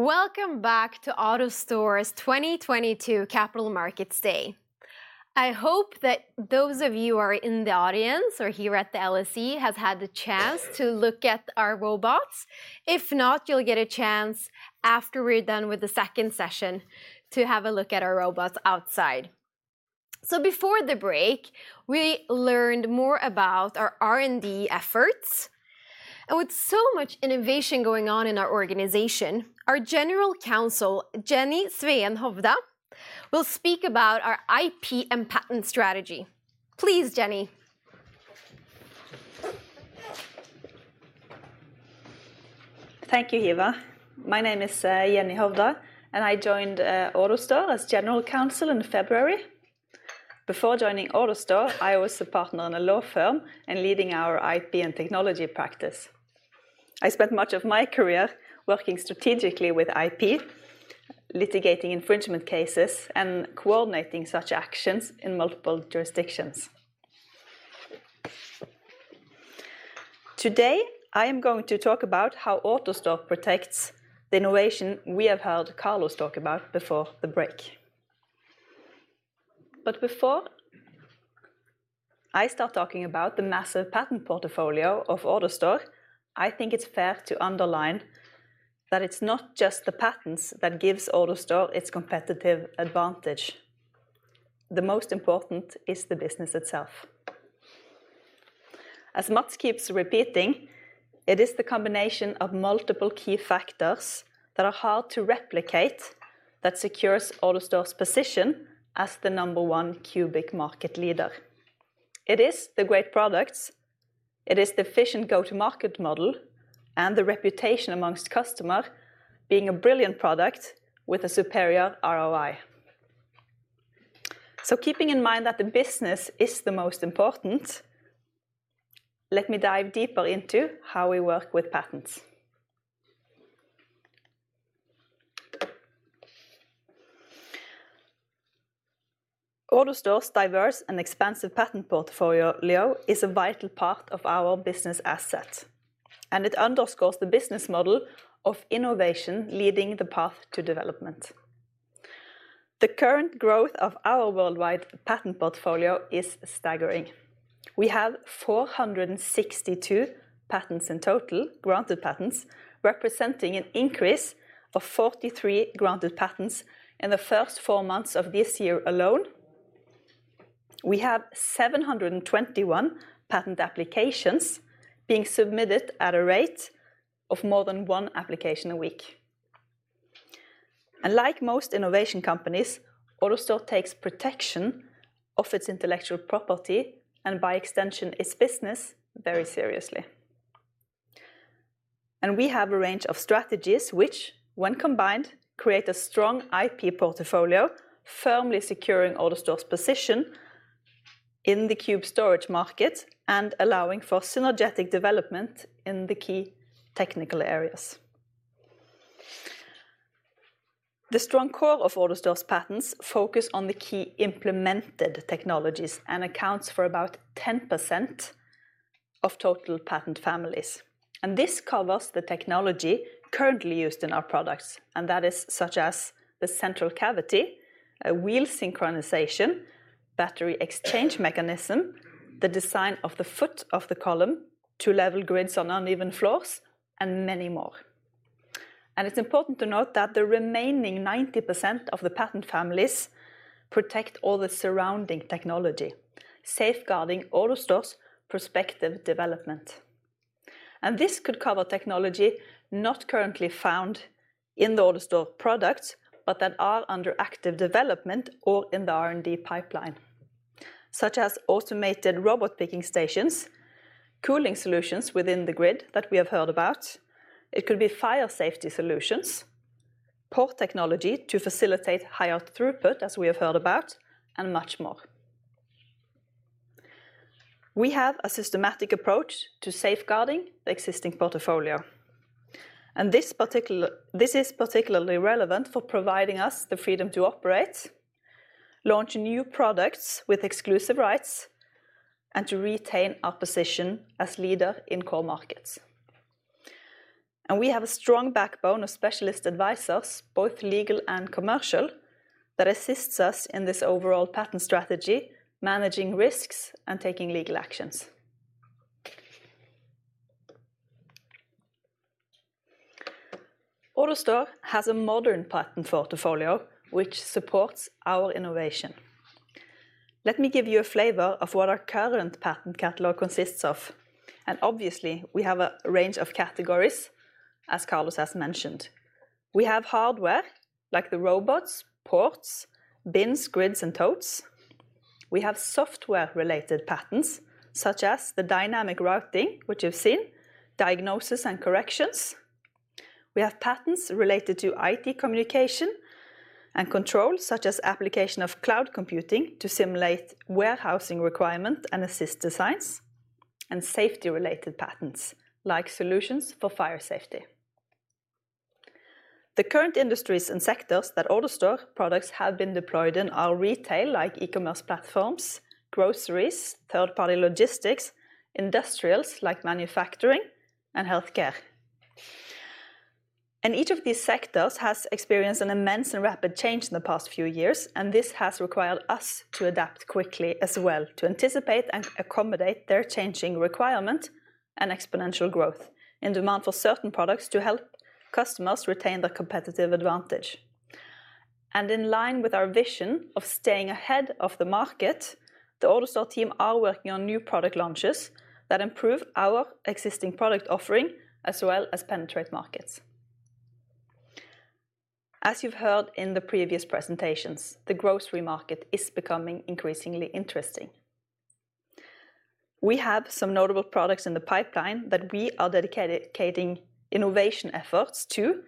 Welcome back to AutoStore's 2022 Capital Markets Day. I hope that those of you who are in the audience or here at the LSE have had the chance to look at our robots. If not, you'll get a chance after we're done with the second session to have a look at our robots outside. Before the break, we learned more about our R&D efforts. With so much innovation going on in our organization, our General Counsel, Jenny Sveen Hovda, will speak about our IP and patent strategy. Please, Jenny. Thank you, Hiva. My name is Jenny Hovda, and I joined Autostore as General Counsel in February. Before joining AutoStore, I was a partner in a law firm and leading our IP and technology practice. I spent much of my career working strategically with IP, litigating infringement cases, and coordinating such actions in multiple jurisdictions. Today, I am going to talk about how AutoStore protects the innovation we have heard Carlos talk about before the break. Before I start talking about the massive patent portfolio of AutoStore, I think it's fair to underline that it's not just the patents that gives AutoStore its competitive advantage. The most important is the business itself. As Mats keeps repeating, it is the combination of multiple key factors that are hard to replicate that secures AutoStore's position as the number one cube market leader. It is the great products, it is the efficient go-to-market model, and the reputation amongst customers being a brilliant product with a superior ROI. Keeping in mind that the business is the most important, let me dive deeper into how we work with patents. AutoStore's diverse and expansive patent portfolio is a vital part of our business asset, and it underscores the business model of innovation leading the path to development. The current growth of our worldwide patent portfolio is staggering. We have 462 patents in total, granted patents, representing an increase of 43 granted patents in the first four months of this year alone. We have 721 patent applications being submitted at a rate of more than one application a week. Like most innovation companies, AutoStore takes protection of its intellectual property, and by extension, its business, very seriously. We have a range of strategies which, when combined, create a strong IP portfolio, firmly securing AutoStore's position in the Cube Storage market and allowing for synergetic development in the key technical areas. The strong core of AutoStore's patents focus on the key implemented technologies and accounts for about 10% of total patent families, and this covers the technology currently used in our products, and that is such as the central cavity, a wheel synchronization, battery exchange mechanism, the design of the foot of the column, two level grids on uneven floors, and many more. It's important to note that the remaining 90% of the patent families protect all the surrounding technology, safeguarding AutoStore's prospective development. This could cover technology not currently found in the AutoStore product, but that are under active development or in the R&D pipeline, such as automated robot picking stations, cooling solutions within the grid that we have heard about. It could be fire safety solutions, port technology to facilitate higher throughput, as we have heard about, and much more. We have a systematic approach to safeguarding the existing portfolio. This is particularly relevant for providing us the freedom to operate, launch new products with exclusive rights, and to retain our position as leader in core markets. We have a strong backbone of specialist advisors, both legal and commercial, that assists us in this overall patent strategy, managing risks and taking legal actions. AutoStore has a modern patent portfolio which supports our innovation. Let me give you a flavor of what our current patent catalog consists of. Obviously, we have a range of categories, as Carlos has mentioned. We have hardware, like the robots, ports, bins, grids, and totes. We have software related patents, such as the dynamic routing, which you've seen, diagnosis and corrections. We have patents related to IT communication and control, such as application of cloud computing to simulate warehousing requirement and assist designs, and safety related patents, like solutions for fire safety. The current industries and sectors that AutoStore products have been deployed in are retail, like e-commerce platforms, groceries, third-party logistics, industrials, like manufacturing, and healthcare. Each of these sectors has experienced an immense and rapid change in the past few years, and this has required us to adapt quickly as well to anticipate and accommodate their changing requirement and exponential growth and demand for certain products to help customers retain their competitive advantage. In line with our vision of staying ahead of the market, the AutoStore team are working on new product launches that improve our existing product offering as well as penetrate markets. As you've heard in the previous presentations, the grocery market is becoming increasingly interesting. We have some notable products in the pipeline that we are dedicating innovation efforts to,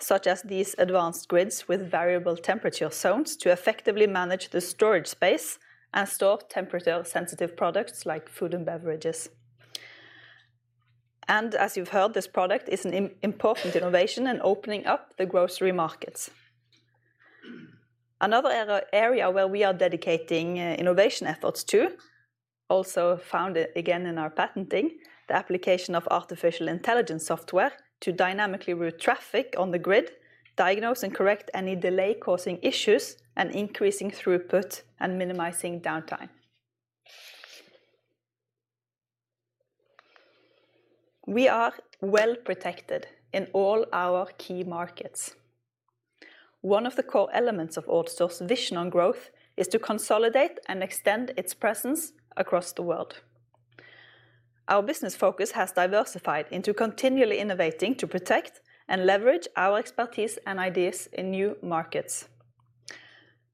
such as these advanced grids with variable temperature zones to effectively manage the storage space and store temperature-sensitive products like food and beverages. As you've heard, this product is an important innovation and opening up the grocery markets. Another area where we are dedicating innovation efforts to, also found again in our patenting, the application of artificial intelligence software to dynamically route traffic on the grid, diagnose and correct any delay-causing issues, and increasing throughput and minimizing downtime. We are well-protected in all our key markets. One of the core elements of AutoStore's vision on growth is to consolidate and extend its presence across the world. Our business focus has diversified into continually innovating to protect and leverage our expertise and ideas in new markets.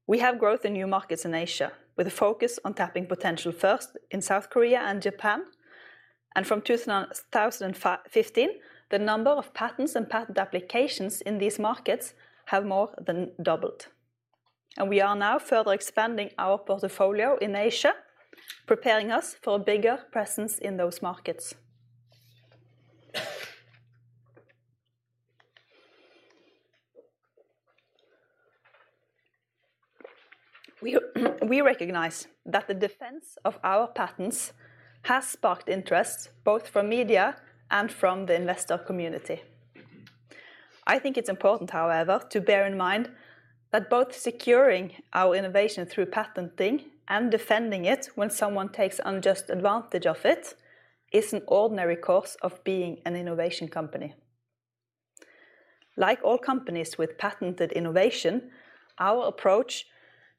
We have growth in new markets in Asia, with a focus on tapping potential first in South Korea and Japan. From 2015, the number of patents and patent applications in these markets have more than doubled. We are now further expanding our portfolio in Asia, preparing us for a bigger presence in those markets. We recognize that the defense of our patents has sparked interest both from media and from the investor community. I think it's important, however, to bear in mind that both securing our innovation through patenting and defending it when someone takes unjust advantage of it is an ordinary course of being an innovation company. Like all companies with patented innovation, our approach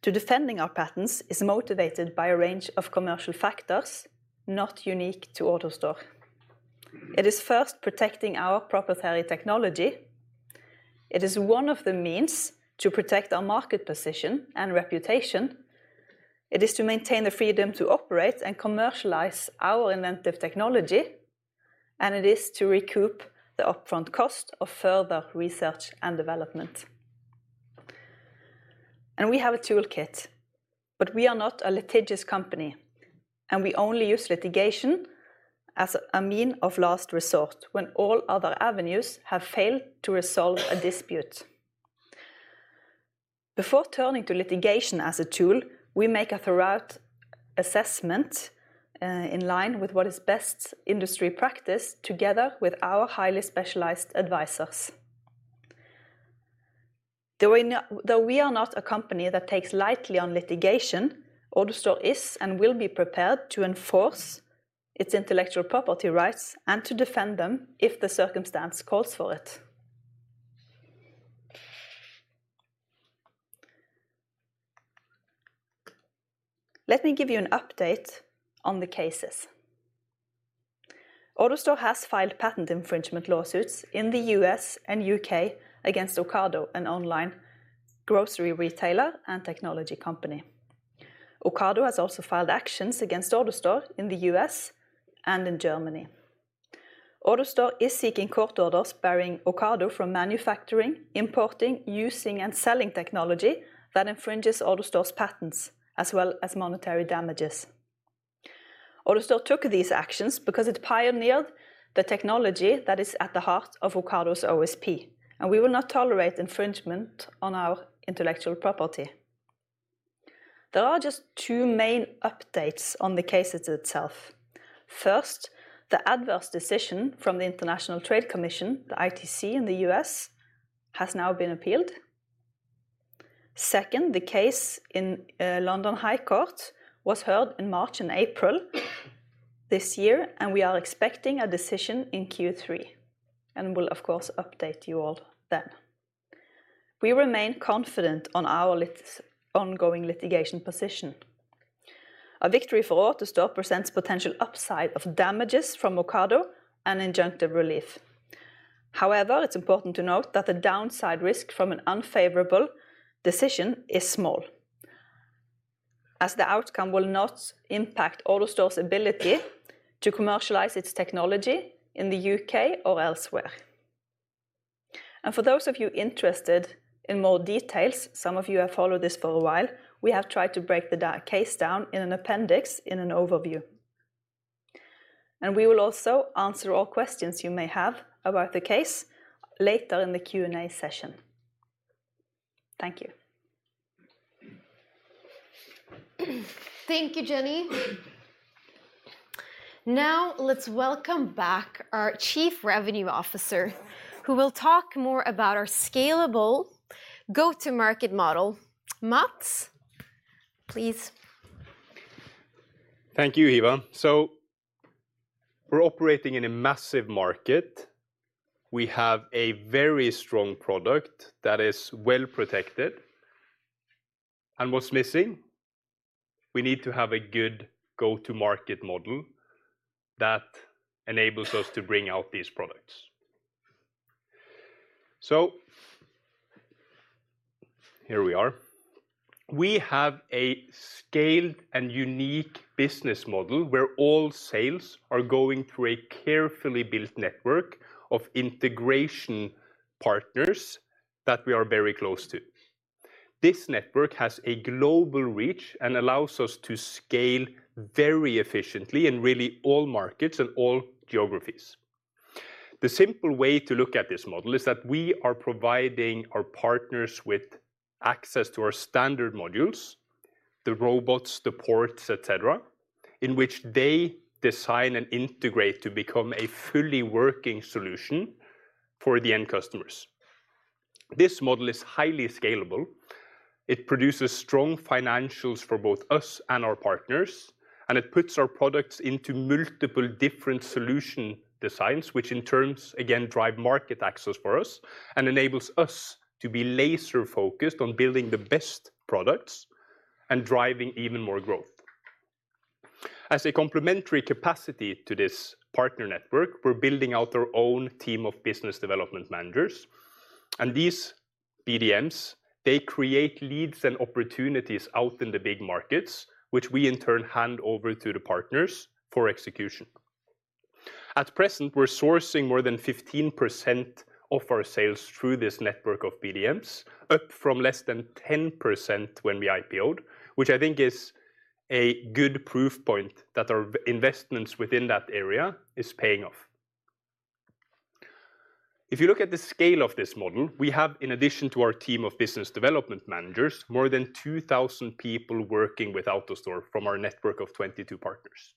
to defending our patents is motivated by a range of commercial factors not unique to AutoStore. It is first protecting our proprietary technology. It is one of the means to protect our market position and reputation. It is to maintain the freedom to operate and commercialize our inventive technology, and it is to recoup the upfront cost of further research and development. We have a toolkit, but we are not a litigious company, and we only use litigation as a means of last resort when all other avenues have failed to resolve a dispute. Before turning to litigation as a tool, we make a thorough assessment in line with what is best industry practice together with our highly specialized advisors. Though we are not a company that takes lightly on litigation, AutoStore is and will be prepared to enforce its intellectual property rights and to defend them if the circumstance calls for it. Let me give you an update on the cases. AutoStore has filed patent infringement lawsuits in the U.S. and U.K. against Ocado, an online grocery retailer and technology company. Ocado has also filed actions against AutoStore in the U.S. and in Germany. AutoStore is seeking court orders barring Ocado from manufacturing, importing, using, and selling technology that infringes AutoStore's patents, as well as monetary damages. AutoStore took these actions because it pioneered the technology that is at the heart of Ocado's OSP, and we will not tolerate infringement on our intellectual property. There are just two main updates on the cases itself. First, the adverse decision from the International Trade Commission, the ITC in the U.S., has now been appealed. Second, the case in High Court of Justice was heard in March and April this year, and we are expecting a decision in Q3, and we'll of course update you all then. We remain confident on our ongoing litigation position. A victory for AutoStore presents potential upside of damages from Ocado and injunctive relief. However, it's important to note that the downside risk from an unfavorable decision is small, as the outcome will not impact AutoStore's ability to commercialize its technology in the U.K. or elsewhere. For those of you interested in more details, some of you have followed this for a while, we have tried to break the case down in an appendix in an overview. We will also answer all questions you may have about the case later in the Q&A session. Thank you. Thank you, Jenny. Now let's welcome back our Chief Revenue Officer, who will talk more about our scalable go-to-market model. Mats, please. Thank you, Hiva. We're operating in a massive market. We have a very strong product that is well-protected. What's missing? We need to have a good go-to-market model that enables us to bring out these products. Here we are. We have a scaled and unique business model where all sales are going through a carefully built network of integration partners that we are very close to. This network has a global reach and allows us to scale very efficiently in really all markets and all geographies. The simple way to look at this model is that we are providing our partners with access to our standard modules, the robots, the ports, et cetera, in which they design and integrate to become a fully working solution for the end customers. This model is highly scalable. It produces strong financials for both us and our partners, and it puts our products into multiple different solution designs, which in turn, again, drive market access for us and enables us to be laser-focused on building the best products and driving even more growth. As a complementary capacity to this partner network, we're building out our own team of business development managers, and these BDMs, they create leads and opportunities out in the big markets, which we in turn hand over to the partners for execution. At present, we're sourcing more than 15% of our sales through this network of BDMs, up from less than 10% when we IPO'd, which I think is a good proof point that our investments within that area is paying off. If you look at the scale of this model, we have, in addition to our team of business development managers, more than 2,000 people working with AutoStore from our network of 22 partners.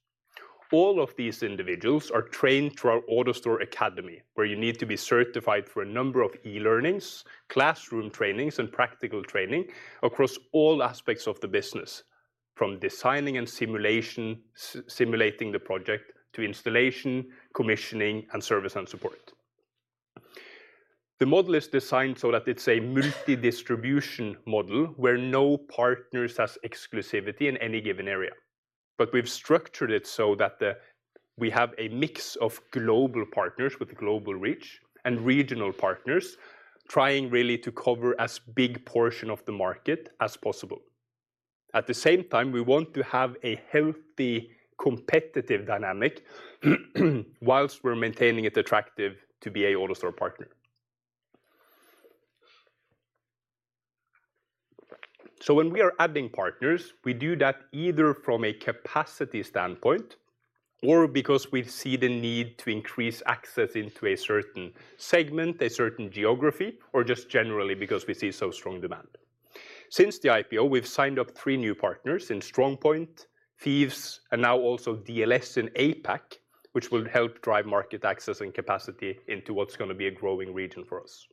All of these individuals are trained through our AutoStore Academy, where you need to be certified for a number of e-learnings, classroom trainings, and practical training across all aspects of the business, from designing and simulating the project to installation, commissioning, and service and support. The model is designed so that it's a multi-distribution model where no partners has exclusivity in any given area. We've structured it so that we have a mix of global partners with global reach and regional partners trying really to cover as big portion of the market as possible. At the same time, we want to have a healthy competitive dynamic while we're maintaining it attractive to be an AutoStore partner. When we are adding partners, we do that either from a capacity standpoint or because we see the need to increase access into a certain segment, a certain geography, or just generally because we see so strong demand. Since the IPO, we've signed up three new partners in StrongPoint, Fives, and now also DLS in APAC, which will help drive market access and capacity into what's gonna be a growing region for us.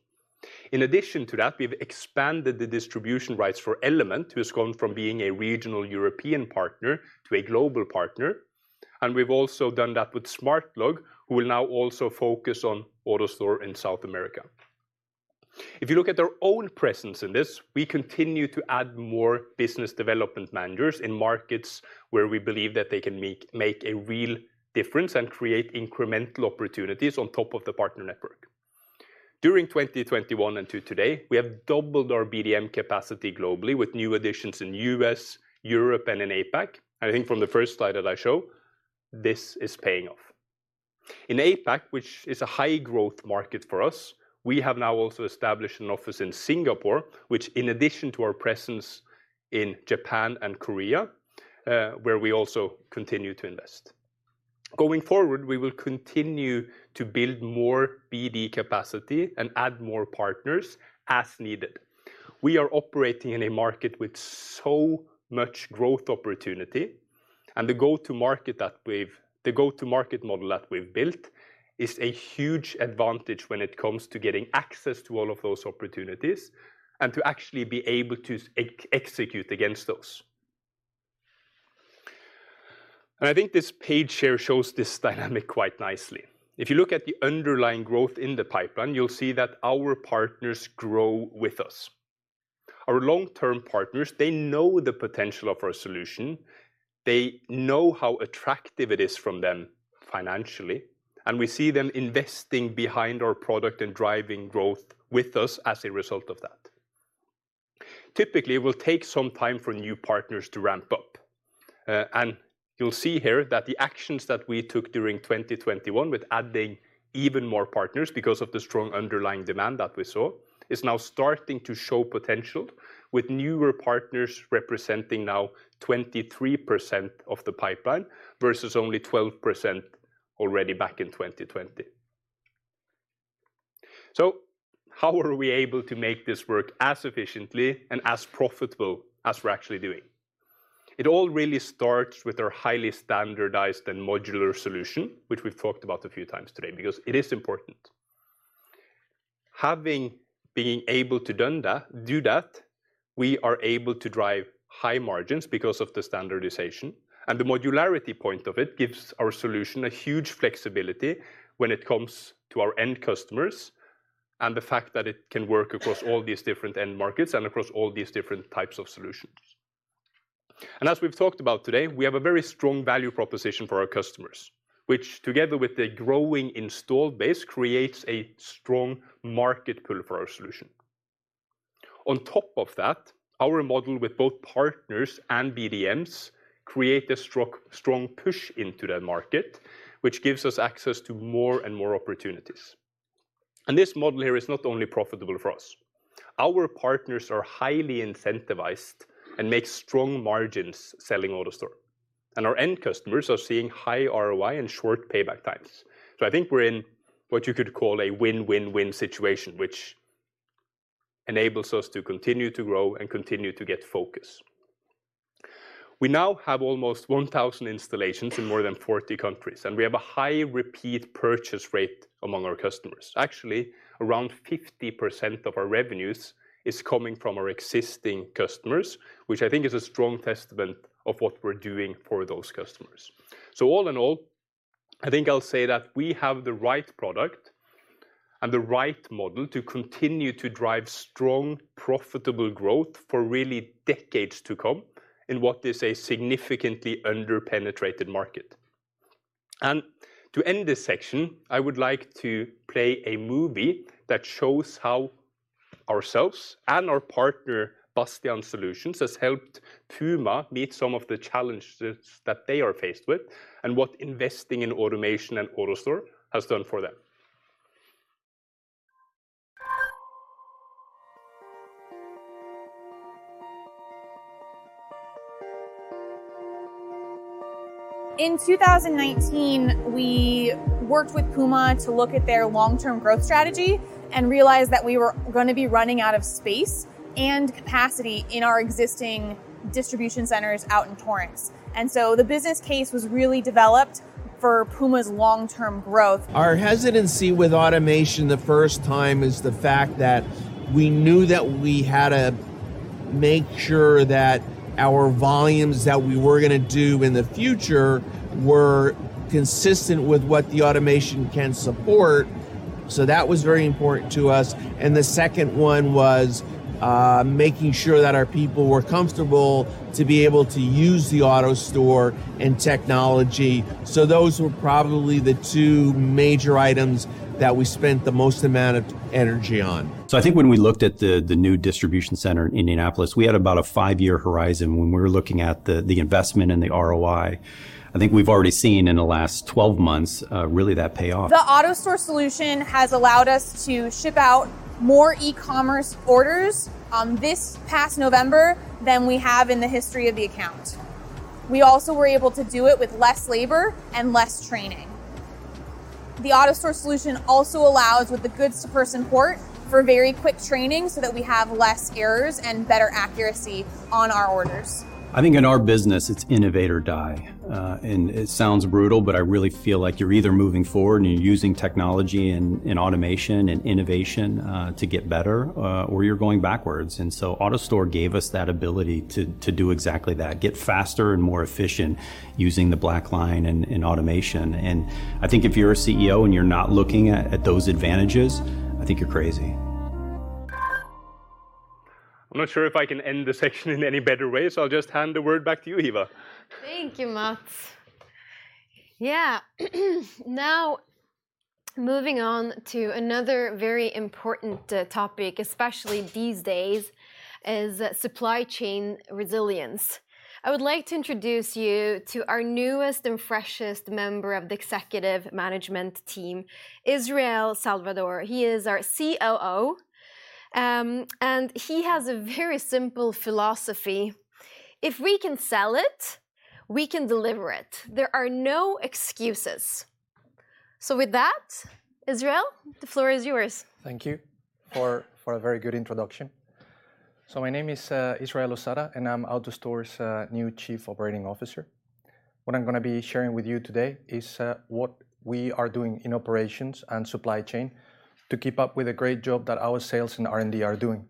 In addition to that, we've expanded the distribution rights for Element, who's gone from being a regional European partner to a global partner. We've also done that with Smartlog, who will now also focus on AutoStore in South America. If you look at their own presence in this, we continue to add more business development managers in markets where we believe that they can make a real difference and create incremental opportunities on top of the partner network. During 2021 and to today, we have doubled our BDM capacity globally with new additions in U.S., Europe, and in APAC. I think from the first slide that I show, this is paying off. In APAC, which is a high-growth market for us, we have now also established an office in Singapore, which in addition to our presence in Japan and Korea, where we also continue to invest. Going forward, we will continue to build more BD capacity and add more partners as needed. We are operating in a market with so much growth opportunity, and the go-to-market model that we've built is a huge advantage when it comes to getting access to all of those opportunities and to actually be able to execute against those. I think this page here shows this dynamic quite nicely. If you look at the underlying growth in the pipeline, you'll see that our partners grow with us. Our long-term partners, they know the potential of our solution. They know how attractive it is from them financially, and we see them investing behind our product and driving growth with us as a result of that. Typically, it will take some time for new partners to ramp up. You'll see here that the actions that we took during 2021 with adding even more partners because of the strong underlying demand that we saw is now starting to show potential with newer partners representing now 23% of the pipeline versus only 12% already back in 2020. How are we able to make this work as efficiently and as profitable as we're actually doing? It all really starts with our highly standardized and modular solution, which we've talked about a few times today because it is important. Having been able to do that, we are able to drive high margins because of the standardization, and the modularity point of it gives our solution a huge flexibility when it comes to our end customers and the fact that it can work across all these different end markets and across all these different types of solutions. As we've talked about today, we have a very strong value proposition for our customers, which together with the growing installed base, creates a strong market pull for our solution. On top of that, our model with both partners and BDMs create a strong push into that market, which gives us access to more and more opportunities. This model here is not only profitable for us. Our partners are highly incentivized and make strong margins selling AutoStore, and our end customers are seeing high ROI and short payback times. I think we're in what you could call a win-win-win situation, which enables us to continue to grow and continue to get focus. We now have almost 1,000 installations in more than 40 countries, and we have a high repeat purchase rate among our customers. Actually, around 50% of our revenues is coming from our existing customers, which I think is a strong testament of what we're doing for those customers. All in all, I think I'll say that we have the right product and the right model to continue to drive strong, profitable growth for really decades to come in what is a significantly under-penetrated market. To end this section, I would like to play a movie that shows how ourselves and our partner Bastian Solutions has helped PUMA meet some of the challenges that they are faced with and what investing in automation and AutoStore has done for them. In 2019, we worked with PUMA to look at their long-term growth strategy and realized that we were gonna be running out of space and capacity in our existing distribution centers out in Torrance. The business case was really developed for PUMA's long-term growth. Our hesitancy with automation the first time is the fact that we knew that we had to make sure that our volumes that we were gonna do in the future were consistent with what the automation can support, so that was very important to us. The second one was, making sure that our people were comfortable to be able to use the AutoStore and technology. Those were probably the two major items that we spent the most amount of energy on. I think when we looked at the new distribution center in Indianapolis, we had about a 5-year horizon when we were looking at the investment and the ROI. I think we've already seen in the last 12 months really that payoff. The AutoStore solution has allowed us to ship out more e-commerce orders, this past November than we have in the history of the account. We also were able to do it with less labor and less training. The AutoStore solution also allows, with the goods-to-person port, for very quick training so that we have less errors and better accuracy on our orders. I think in our business it's innovate or die. It sounds brutal, but I really feel like you're either moving forward and you're using technology and automation and innovation to get better or you're going backwards. AutoStore gave us that ability to do exactly that. Get faster and more efficient using the Black Line and automation. I think if you're a CEO and you're not looking at those advantages, I think you're crazy. I'm not sure if I can end the section in any better way, so I'll just hand the word back to you, Hiva. Thank you, Mats. Yeah. Now moving on to another very important topic, especially these days, is supply chain resilience. I would like to introduce you to our newest and freshest member of the executive management team, Israel Losada. He is our COO, and he has a very simple philosophy. If we can sell it, we can deliver it. There are no excuses. With that, Israel, the floor is yours. Thank you for a very good introduction. My name is Israel Losada, and I'm AutoStore's new Chief Operating Officer. What I'm gonna be sharing with you today is what we are doing in operations and supply chain to keep up with the great job that our sales and R&D are doing.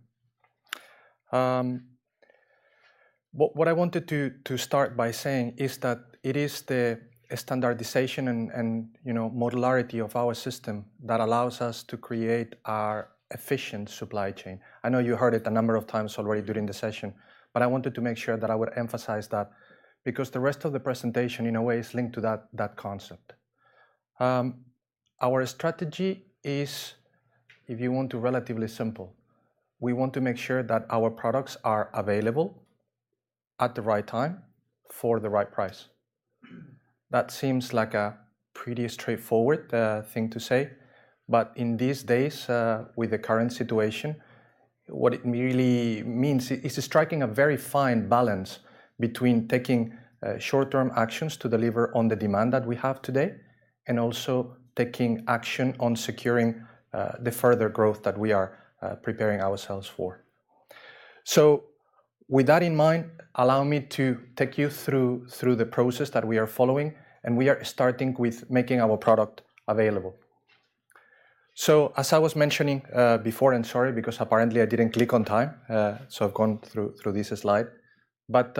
What I wanted to start by saying is that it is the standardization and, you know, modularity of our system that allows us to create our efficient supply chain. I know you heard it a number of times already during the session, but I wanted to make sure that I would emphasize that because the rest of the presentation, in a way, is linked to that concept. Our strategy is, if you want, relatively simple. We want to make sure that our products are available at the right time for the right price. That seems like a pretty straightforward thing to say, but in these days with the current situation, what it really means is striking a very fine balance between taking short-term actions to deliver on the demand that we have today and also taking action on securing the further growth that we are preparing ourselves for. With that in mind, allow me to take you through the process that we are following, and we are starting with making our product available. As I was mentioning before, and sorry, because apparently I didn't click on time, so I've gone through this slide, but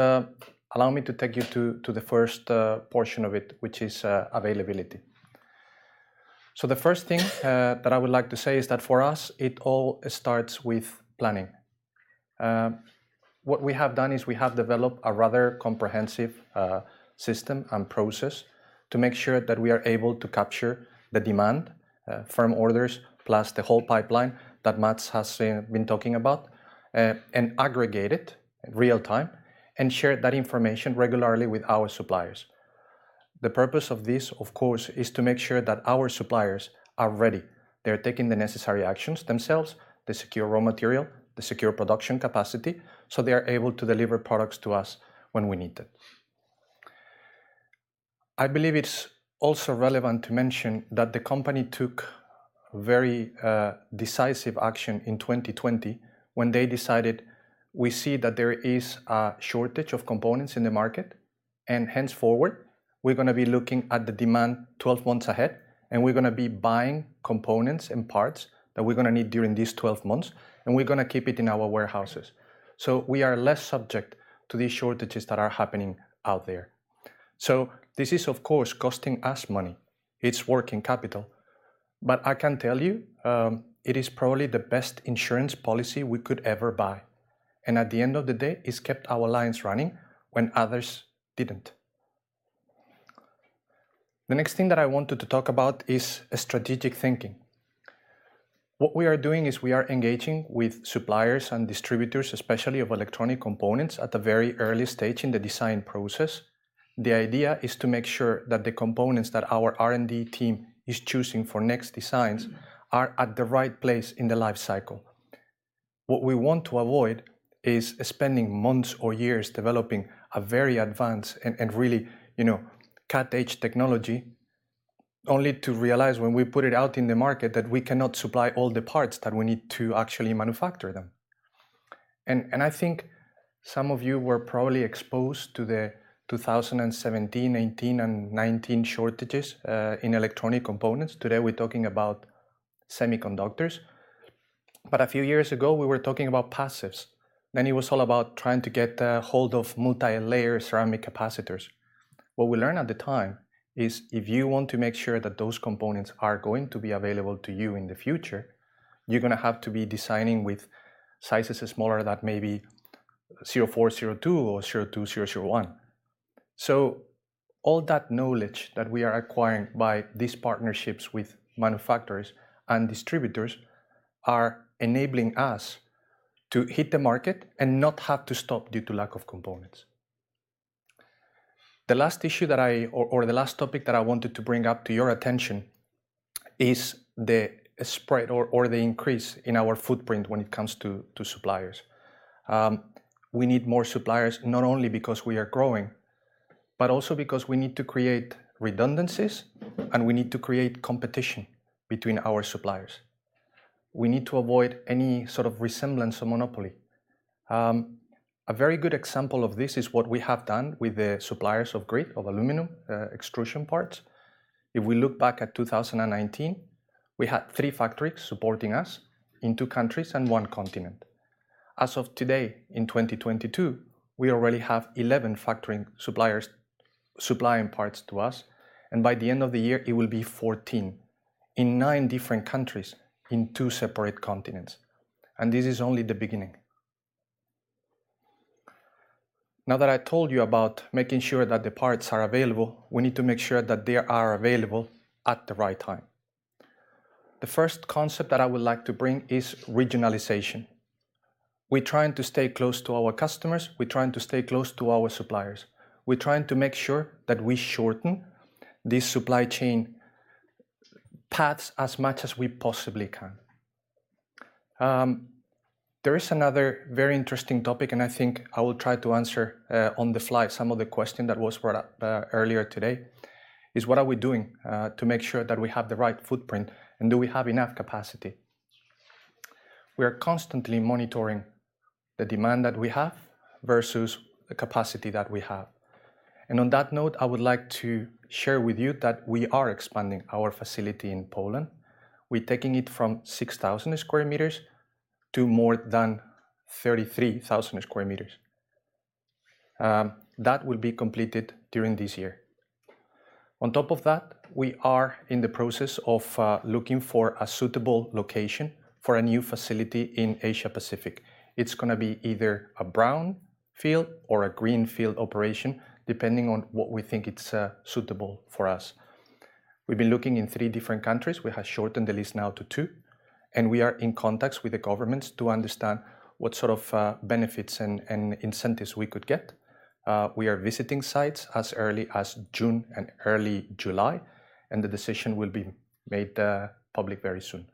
allow me to take you to the first portion of it, which is availability. The first thing that I would like to say is that for us, it all starts with planning. What we have done is we have developed a rather comprehensive system and process to make sure that we are able to capture the demand from orders, plus the whole pipeline that Mats has been talking about, and aggregate it in real time and share that information regularly with our suppliers. The purpose of this, of course, is to make sure that our suppliers are ready. They're taking the necessary actions themselves. They secure raw material, they secure production capacity, so they are able to deliver products to us when we need them. I believe it's also relevant to mention that the company took very decisive action in 2020 when they decided we see that there is a shortage of components in the market, and henceforward we're gonna be looking at the demand 12 months ahead, and we're gonna be buying components and parts that we're gonna need during these 12 months, and we're gonna keep it in our warehouses. We are less subject to these shortages that are happening out there. This is, of course, costing us money. It's working capital. But I can tell you, it is probably the best insurance policy we could ever buy, and at the end of the day, it's kept our lines running when others didn't. The next thing that I wanted to talk about is strategic thinking. What we are doing is we are engaging with suppliers and distributors, especially of electronic components, at the very early stage in the design process. The idea is to make sure that the components that our R&D team is choosing for next designs are at the right place in the life cycle. What we want to avoid is spending months or years developing a very advanced and really, you know, cutting-edge technology only to realize when we put it out in the market that we cannot supply all the parts that we need to actually manufacture them. I think some of you were probably exposed to the 2017, 2018, and 2019 shortages in electronic components. Today, we're talking about semiconductors, but a few years ago, we were talking about passives. It was all about trying to get a hold of multilayer ceramic capacitors. What we learned at the time is if you want to make sure that those components are going to be available to you in the future, you're gonna have to be designing with sizes smaller that may be 0402 or 02001. All that knowledge that we are acquiring by these partnerships with manufacturers and distributors are enabling us to hit the market and not have to stop due to lack of components. The last topic that I wanted to bring up to your attention is the spread or the increase in our footprint when it comes to suppliers. We need more suppliers, not only because we are growing, but also because we need to create redundancies, and we need to create competition between our suppliers. We need to avoid any sort of resemblance of monopoly. A very good example of this is what we have done with the suppliers of grid, of aluminum extrusion parts. If we look back at 2019, we had three factories supporting us in two countries and one continent. As of today in 2022, we already have 11 factories supplying parts to us, and by the end of the year, it will be 14 in nine different countries in two separate continents, and this is only the beginning. Now that I told you about making sure that the parts are available, we need to make sure that they are available at the right time. The first concept that I would like to bring is regionalization. We're trying to stay close to our customers. We're trying to stay close to our suppliers. We're trying to make sure that we shorten these supply chain paths as much as we possibly can. There is another very interesting topic, and I think I will try to answer on the fly some of the question that was brought up earlier today, is what are we doing to make sure that we have the right footprint, and do we have enough capacity? We are constantly monitoring the demand that we have versus the capacity that we have. On that note, I would like to share with you that we are expanding our facility in Poland. We're taking it from 6,000 square meters to more than 33,000 square meters. That will be completed during this year. On top of that, we are in the process of looking for a suitable location for a new facility in Asia Pacific. It's gonna be either a brownfield or a greenfield operation, depending on what we think it's suitable for us. We've been looking in three different countries. We have shortened the list now to two, and we are in contacts with the governments to understand what sort of benefits and incentives we could get. We are visiting sites as early as June and early July, and the decision will be made public very soon.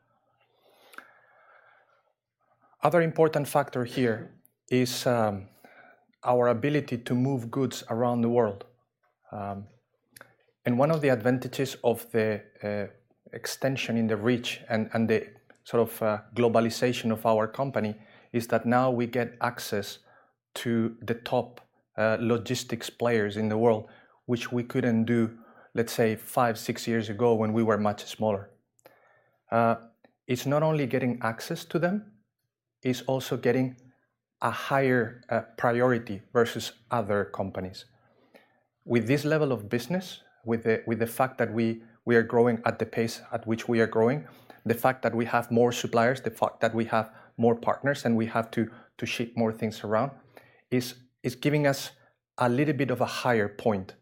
Other important factor here is our ability to move goods around the world. One of the advantages of the extension in the reach and the sort of globalization of our company is that now we get access to the top logistics players in the world, which we couldn't do, let's say, five, six years ago when we were much smaller. It's not only getting access to them, it's also getting a higher priority versus other companies. With this level of business, with the fact that we are growing at the pace at which we are growing, the fact that we have more suppliers, the fact that we have more partners and we have to ship more things around, is giving us a little bit of a higher point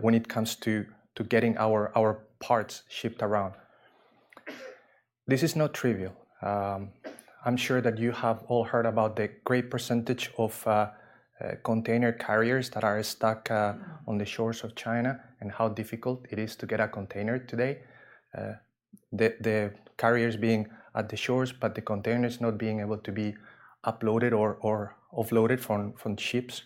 when it comes to getting our parts shipped around. This is not trivial. I'm sure that you have all heard about the great percentage of container carriers that are stuck on the shores of China, and how difficult it is to get a container today. The carriers being at the shores, but the containers not being able to be unloaded or offloaded from ships.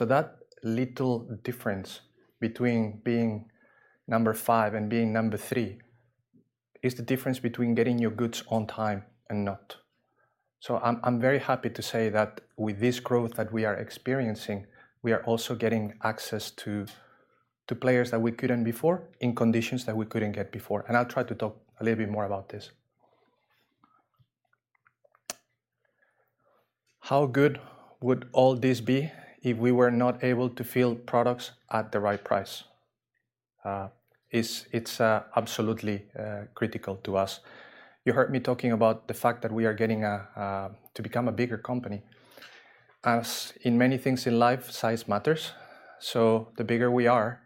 That little difference between being number five and being number three is the difference between getting your goods on time and not. I'm very happy to say that with this growth that we are experiencing, we are also getting access to players that we couldn't before in conditions that we couldn't get before, and I'll try to talk a little bit more about this. How good would all this be if we were not able to fill products at the right price? It's absolutely critical to us. You heard me talking about the fact that we are getting to become a bigger company. As in many things in life, size matters, so the bigger we are,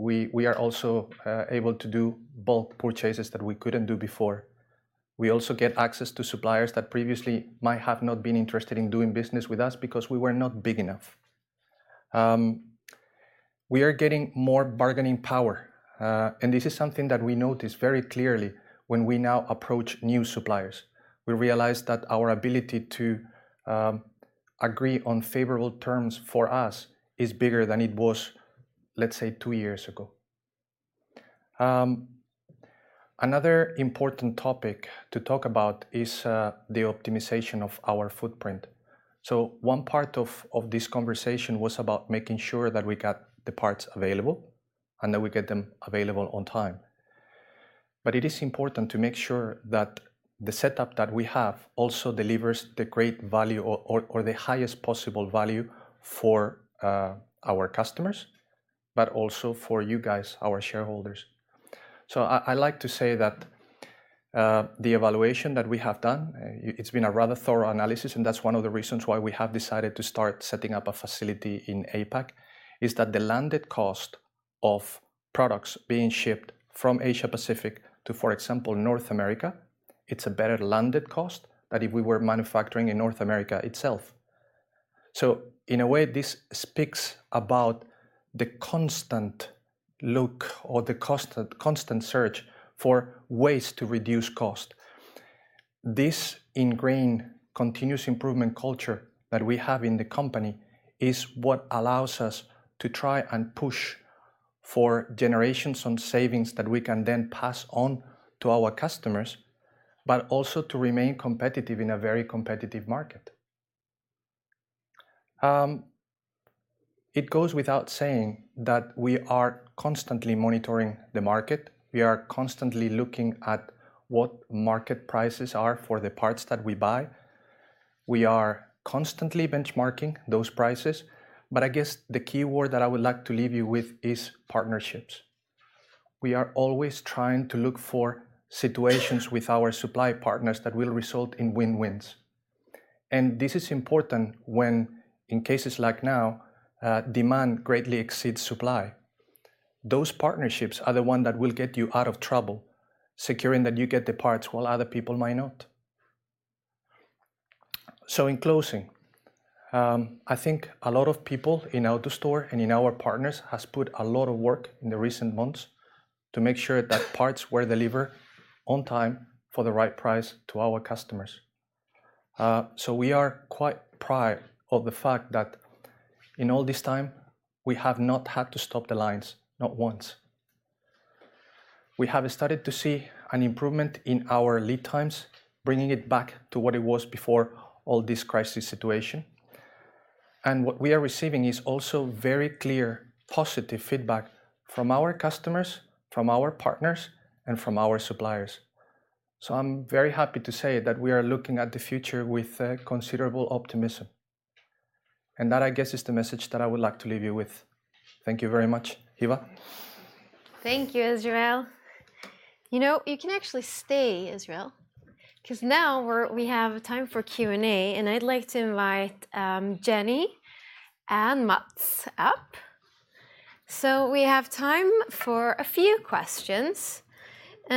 we are also able to do bulk purchases that we couldn't do before. We also get access to suppliers that previously might have not been interested in doing business with us because we were not big enough. We are getting more bargaining power, and this is something that we notice very clearly when we now approach new suppliers. We realize that our ability to agree on favorable terms for us is bigger than it was, let's say, two years ago. Another important topic to talk about is the optimization of our footprint. One part of this conversation was about making sure that we got the parts available and that we get them available on time. It is important to make sure that the setup that we have also delivers the great value or the highest possible value for our customers, but also for you guys, our shareholders. I like to say that the evaluation that we have done it's been a rather thorough analysis, and that's one of the reasons why we have decided to start setting up a facility in APAC, is that the landed cost of products being shipped from Asia-Pacific to, for example, North America, it's a better landed cost than if we were manufacturing in North America itself. In a way, this speaks about the constant search for ways to reduce cost. This ingrained continuous improvement culture that we have in the company is what allows us to try and push for generations on savings that we can then pass on to our customers, but also to remain competitive in a very competitive market. It goes without saying that we are constantly monitoring the market. We are constantly looking at what market prices are for the parts that we buy. We are constantly benchmarking those prices. I guess the key word that I would like to leave you with is partnerships. We are always trying to look for situations with our supply partners that will result in win-wins, and this is important when, in cases like now, demand greatly exceeds supply. Those partnerships are the one that will get you out of trouble, securing that you get the parts while other people might not. In closing, I think a lot of people in AutoStore and in our partners has put a lot of work in the recent months to make sure that parts were delivered on time for the right price to our customers. We are quite proud of the fact that in all this time we have not had to stop the lines, not once. We have started to see an improvement in our lead times, bringing it back to what it was before all this crisis situation. What we are receiving is also very clear, positive feedback from our customers, from our partners, and from our suppliers. I'm very happy to say that we are looking at the future with considerable optimism. That, I guess, is the message that I would like to leave you with. Thank you very much. Hiva? Thank you, Israel. You know, you can actually stay, Israel, 'cause we have time for Q&A, and I'd like to invite Jenny and Mats up. We have time for a few questions,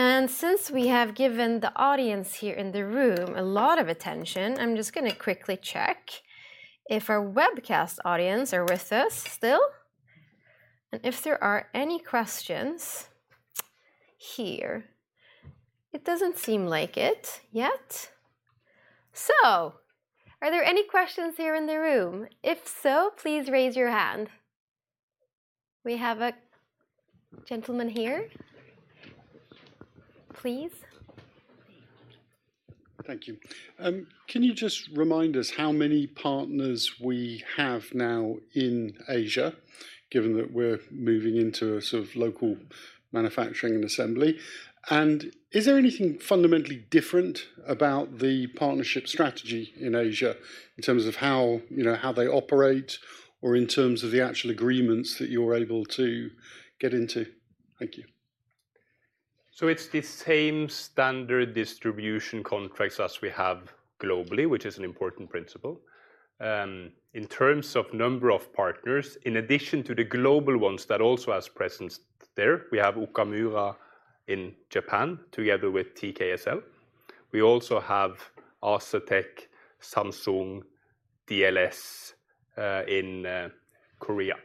and since we have given the audience here in the room a lot of attention, I'm just gonna quickly check if our webcast audience are with us still and if there are any questions here. It doesn't seem like it yet. Are there any questions here in the room? If so, please raise your hand. We have a gentleman here. Please. Thank you. Can you just remind us how many partners we have now in Asia, given that we're moving into a sort of local manufacturing and assembly? Is there anything fundamentally different about the partnership strategy in Asia in terms of how, you know, how they operate or in terms of the actual agreements that you're able to get into? Thank you. It's the same standard distribution contracts as we have globally, which is an important principle. In terms of number of partners, in addition to the global ones that also has presence there, we have Okamura in Japan together with TKSL. We also have Asetec, Samsung, DLS in Korea.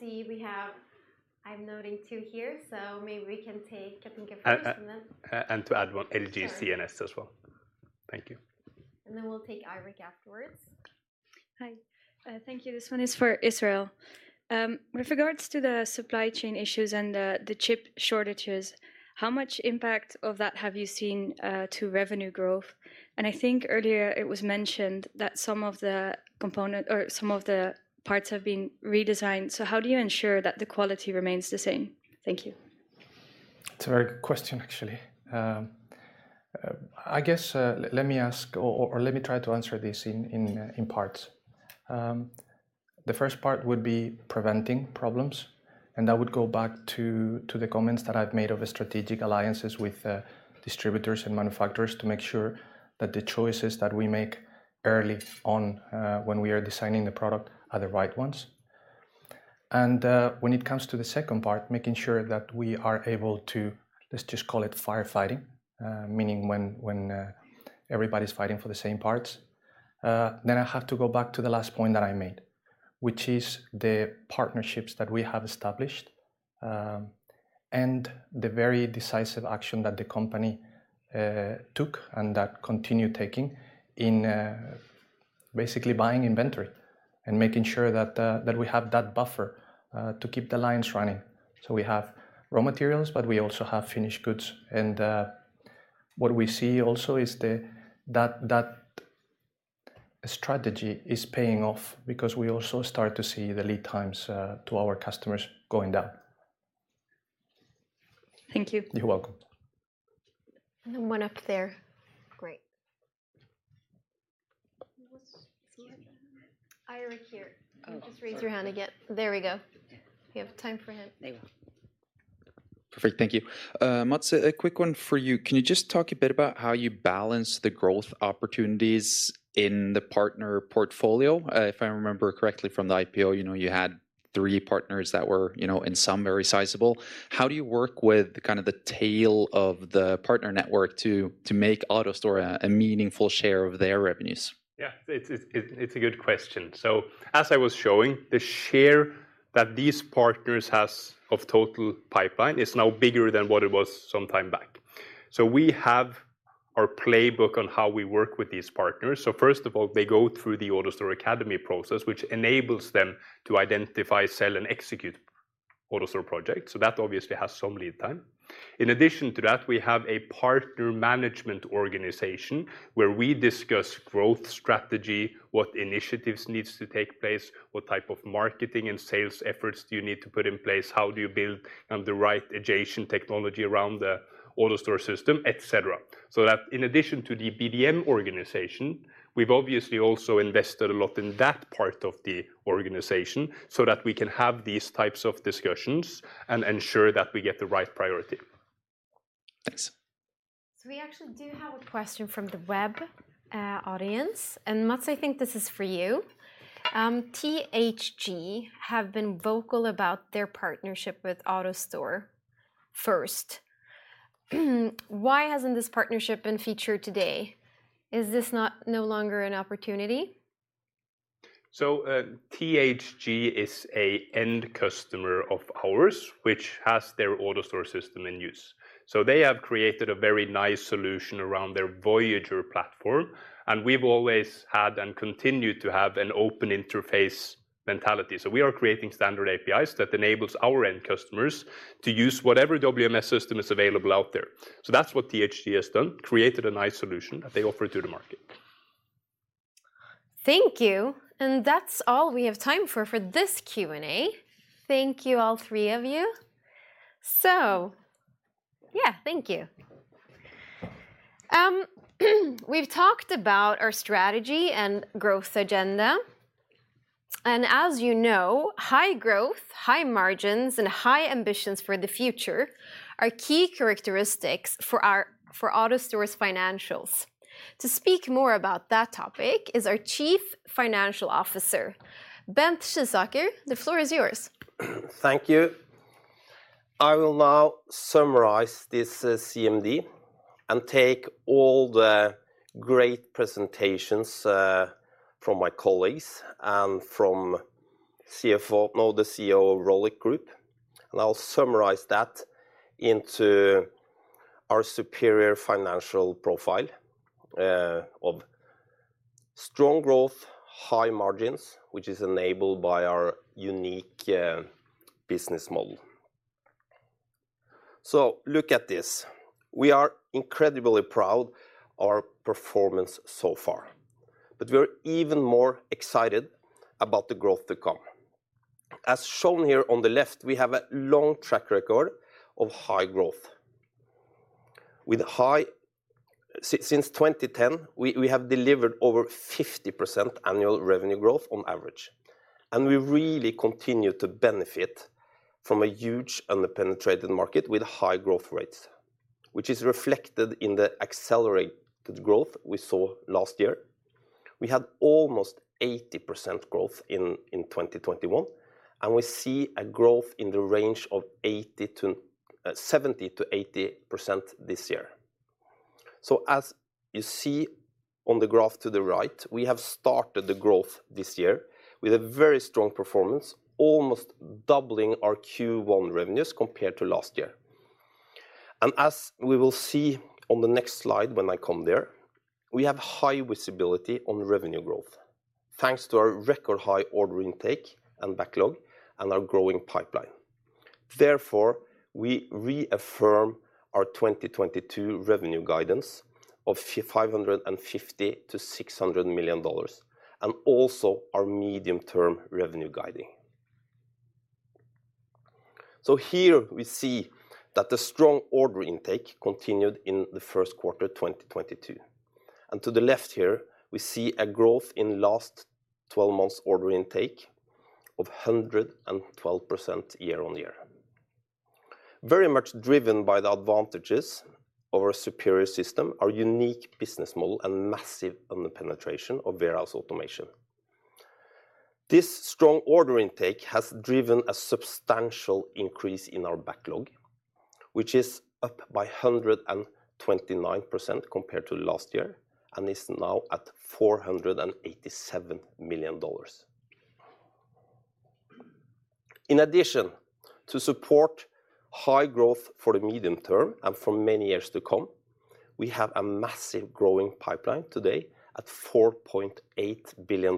Thank you. Let's see. We have. I'm noting two here, so maybe we can take. To add one. Sorry. LG CNS as well. Thank you. We'll take Eirik afterwards. Hi. Thank you. This one is for Israel. With regards to the supply chain issues and the chip shortages, how much impact of that have you seen to revenue growth? I think earlier it was mentioned that some of the component or some of the parts have been redesigned, so how do you ensure that the quality remains the same? Thank you. It's a very good question, actually. I guess, let me try to answer this in parts. The first part would be preventing problems, and that would go back to the comments that I've made of the strategic alliances with distributors and manufacturers to make sure that the choices that we make early on, when we are designing the product are the right ones. When it comes to the second part, making sure that we are able to, let's just call it firefighting, meaning when everybody's fighting for the same parts, then I have to go back to the last point that I made, which is the partnerships that we have established, and the very decisive action that the company took and that continue taking in, basically buying inventory and making sure that we have that buffer to keep the lines running. We have raw materials, but we also have finished goods. What we see also is that strategy is paying off because we also start to see the lead times to our customers going down. Thank you. You're welcome. One up there. Great. Eirik here. Oh, sorry. Can you just raise your hand again? There we go. We have time for him. There you go. Perfect. Thank you. Mats, a quick one for you. Can you just talk a bit about how you balance the growth opportunities in the partner portfolio? If I remember correctly from the IPO, you know, you had three partners that were, you know, in some very sizable. How do you work with kind of the tail of the partner network to make AutoStore a meaningful share of their revenues? Yeah. It's a good question. As I was showing, the share that these partners has of total pipeline is now bigger than what it was some time back. We have our playbook on how we work with these partners. First of all, they go through the AutoStore Academy process, which enables them to identify, sell, and execute AutoStore projects. That obviously has some lead time. In addition to that, we have a partner management organization where we discuss growth strategy, what initiatives needs to take place, what type of marketing and sales efforts do you need to put in place, how do you build the right adjacent technology around the AutoStore system, et cetera. That in addition to the BDM organization, we've obviously also invested a lot in that part of the organization so that we can have these types of discussions and ensure that we get the right priority. Thanks. We actually do have a question from the web audience, and Mats, I think this is for you. THG have been vocal about their partnership with AutoStore first. Why hasn't this partnership been featured today? Is this not no longer an opportunity? THG is an end customer of ours which has their AutoStore system in use. They have created a very nice solution around their Voyager platform, and we've always had and continue to have an open interface mentality. We are creating standard APIs that enables our end customers to use whatever WMS system is available out there. That's what THG has done, created a nice solution that they offer to the market. Thank you. That's all we have time for this Q&A. Thank you, all three of you. Yeah, thank you. We've talked about our strategy and growth agenda, and as you know, high growth, high margins, and high ambitions for the future are key characteristics for AutoStore's financials. To speak more about that topic is our Chief Financial Officer, Bent Skisaker. The floor is yours. Thank you. I will now summarize this CMD and take all the great presentations from my colleagues and from the CEO of Rohlik Group, and I'll summarize that into our superior financial profile of Strong growth, high margins, which is enabled by our unique business model. Look at this. We are incredibly proud our performance so far, but we are even more excited about the growth to come. As shown here on the left, we have a long track record of high growth. Since 2010, we have delivered over 50% annual revenue growth on average, and we really continue to benefit from a huge under-penetrated market with high growth rates, which is reflected in the accelerated growth we saw last year. We had almost 80% growth in 2021, and we see a growth in the range of 70%-80% this year. As you see on the graph to the right, we have started the growth this year with a very strong performance, almost doubling our Q1 revenues compared to last year. As we will see on the next slide when I come there, we have high visibility on revenue growth, thanks to our record high order intake and backlog and our growing pipeline. Therefore, we reaffirm our 2022 revenue guidance of $550 million-$600 million and also our medium-term revenue guiding. Here we see that the strong order intake continued in the first quarter 2022. To the left here, we see a growth in last twelve months' order intake of 112% year-on-year. Very much driven by the advantages of our superior system, our unique business model, and massive under-penetration of warehouse automation. This strong order intake has driven a substantial increase in our backlog, which is up by 129% compared to last year and is now at $487 million. In addition, to support high growth for the medium term and for many years to come, we have a massive growing pipeline today at $4.8 billion,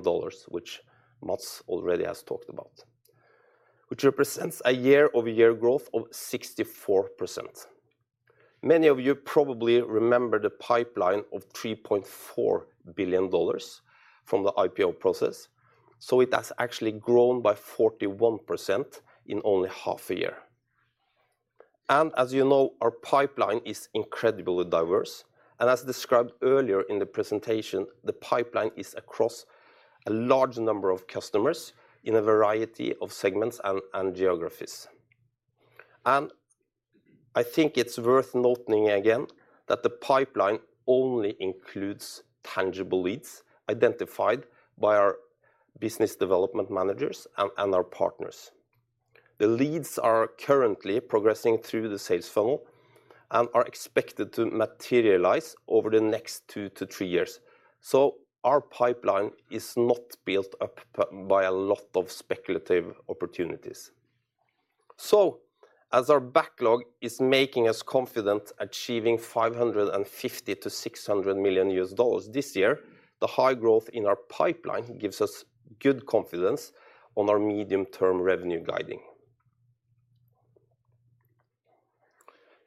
which Mats already has talked about, which represents a year-over-year growth of 64%. Many of you probably remember the pipeline of $3.4 billion from the IPO process, so it has actually grown by 41% in only half a year. As you know, our pipeline is incredibly diverse, and as described earlier in the presentation, the pipeline is across a large number of customers in a variety of segments and geographies. I think it's worth noting again that the pipeline only includes tangible leads identified by our business development managers and our partners. The leads are currently progressing through the sales funnel and are expected to materialize over the next 2-3 years. Our pipeline is not built up by a lot of speculative opportunities. As our backlog is making us confident achieving $550 million-$600 million this year, the high growth in our pipeline gives us good confidence on our medium-term revenue guiding.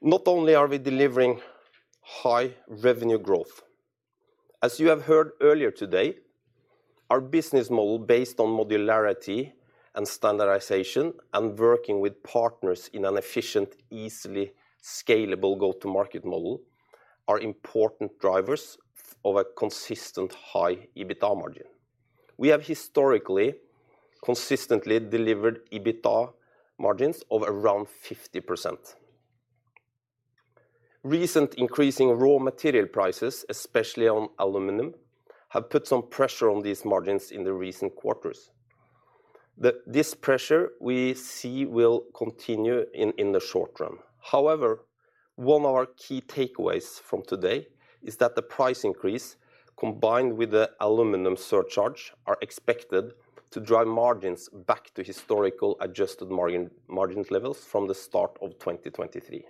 Not only are we delivering high revenue growth, as you have heard earlier today, our business model based on modularity and standardization and working with partners in an efficient, easily scalable go-to-market model are important drivers of a consistent high EBITDA margin. We have historically consistently delivered EBITDA margins of around 50%. Recent increasing raw material prices, especially on aluminum, have put some pressure on these margins in the recent quarters. This pressure we see will continue in the short run. However, one of our key takeaways from today is that the price increase combined with the aluminum surcharge are expected to drive margins back to historical adjusted margins levels from the start of 2023.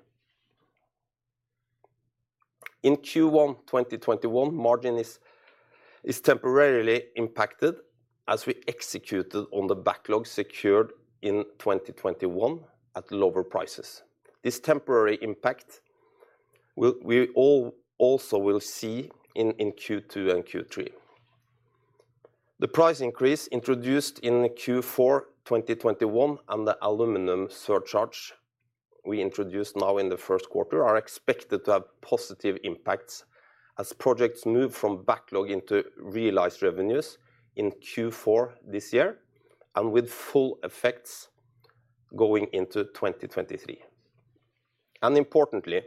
In Q1 2021 margin is temporarily impacted as we executed on the backlog secured in 2021 at lower prices. This temporary impact we also will see in Q2 and Q3. The price increase introduced in Q4 2021 and the aluminum surcharge we introduced now in the first quarter are expected to have positive impacts as projects move from backlog into realized revenues in Q4 this year and with full effects going into 2023. Importantly,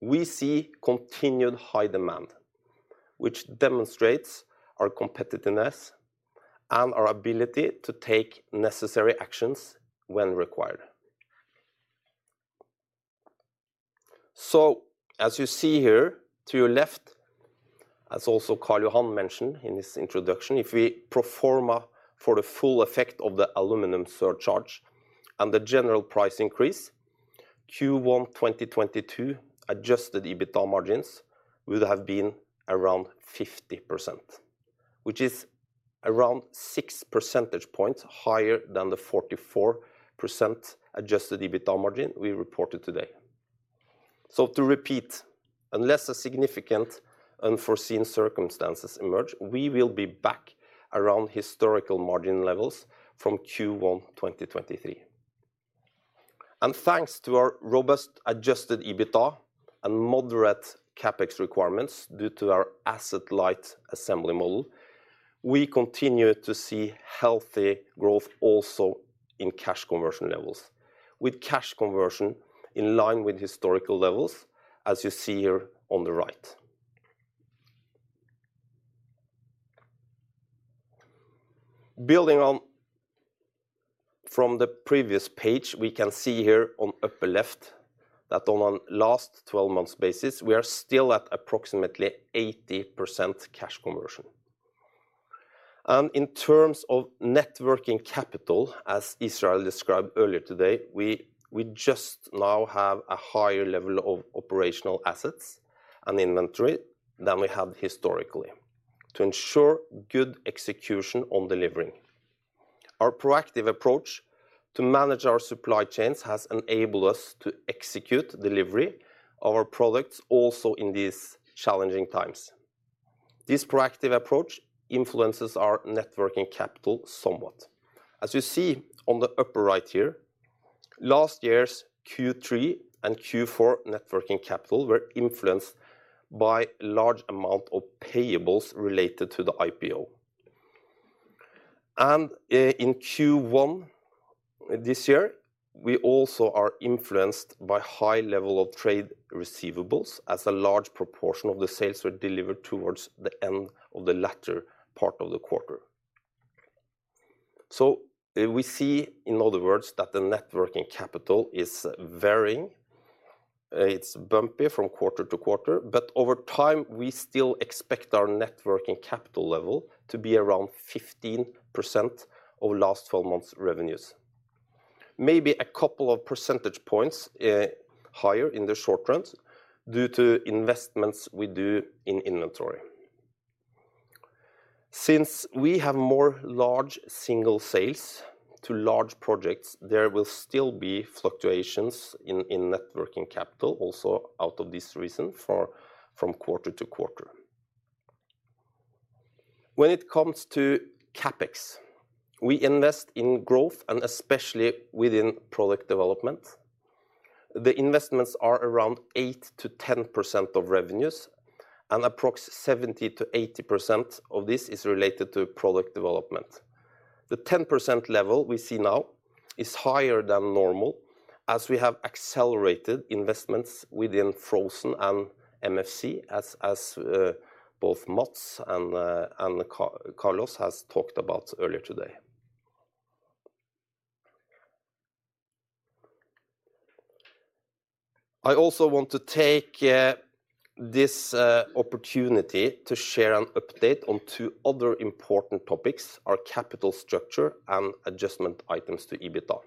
we see continued high demand, which demonstrates our competitiveness and our ability to take necessary actions when required. As you see here to your left, as also Karl Johan mentioned in his introduction, if we pro forma for the full effect of the aluminum surcharge and the general price increase, Q1 2022 adjusted EBITDA margins would have been around 50%, which is around 6 percentage points higher than the 44% adjusted EBITDA margin we reported today. To repeat, unless a significant unforeseen circumstances emerge, we will be back around historical margin levels from Q1 2023. Thanks to our robust adjusted EBITDA and moderate CapEx requirements due to our asset light assembly model, we continue to see healthy growth also in cash conversion levels, with cash conversion in line with historical levels as you see here on the right. Building on from the previous page, we can see here on upper left that on a last 12 months basis, we are still at approximately 80% cash conversion. In terms of net working capital, as Israel described earlier today, we just now have a higher level of operational assets and inventory than we have historically to ensure good execution on delivering. Our proactive approach to manage our supply chains has enabled us to execute delivery of our products also in these challenging times. This proactive approach influences our net working capital somewhat. As you see on the upper right here, last year's Q3 and Q4 net working capital were influenced by large amount of payables related to the IPO. In Q1 this year, we also are influenced by high level of trade receivables as a large proportion of the sales were delivered towards the end of the latter part of the quarter. We see, in other words, that the net working capital is varying. It's bumpy from quarter to quarter, but over time, we still expect our net working capital level to be around 15% of last twelve months revenues. Maybe a couple of percentage points higher in the short run due to investments we do in inventory. Since we have more large single sales to large projects, there will still be fluctuations in net working capital also out of this reason from quarter to quarter. When it comes to CapEx, we invest in growth and especially within product development. The investments are around 8%-10% of revenues, and approx 70%-80% of this is related to product development. The 10% level we see now is higher than normal as we have accelerated investments within frozen and MFC as both Mats and Carlos has talked about earlier today. I also want to take this opportunity to share an update on two other important topics, our capital structure and adjustment items to EBITDA.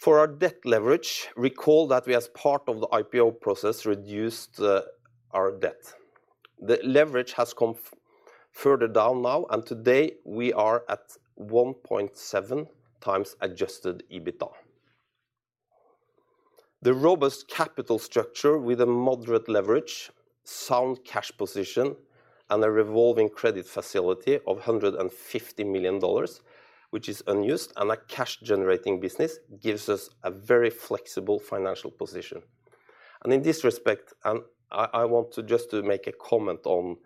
For our debt leverage, recall that we as part of the IPO process reduced our debt. The leverage has come further down now, and today we are at 1.7x adjusted EBITDA. The robust capital structure with a moderate leverage, sound cash position, and a revolving credit facility of $150 million, which is unused, and a cash-generating business gives us a very flexible financial position. In this respect, I want to just make a comment on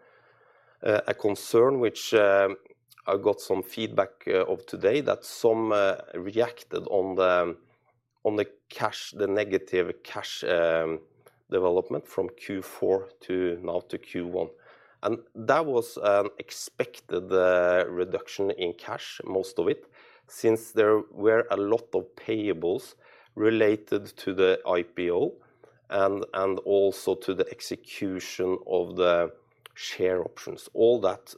a concern which I got some feedback of today that some reacted on the cash, the negative cash development from Q4 to now to Q1. That was an expected reduction in cash, most of it, since there were a lot of payables related to the IPO and also to the execution of the share options. All that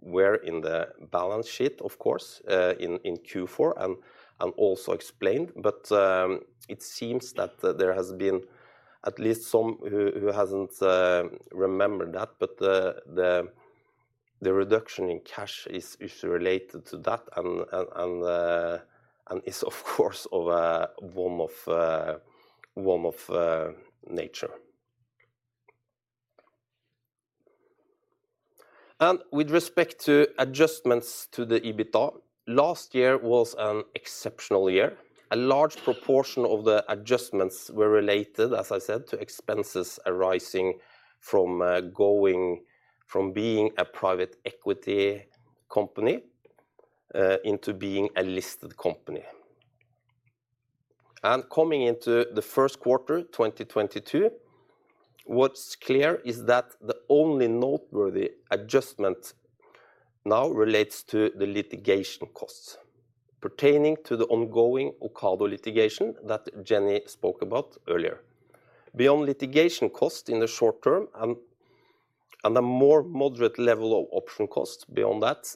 were in the balance sheet, of course, in Q4 and also explained. It seems that there has been at least some who hasn't remembered that, but the reduction in cash is related to that and is of course one-off in nature. With respect to adjustments to the EBITDA, last year was an exceptional year. A large proportion of the adjustments were related, as I said, to expenses arising from going from being a private equity company into being a listed company. Coming into the first quarter 2022, what's clear is that the only noteworthy adjustment now relates to the litigation costs pertaining to the ongoing Ocado litigation that Jenny spoke about earlier. Beyond litigation cost in the short term and a more moderate level of option costs beyond that,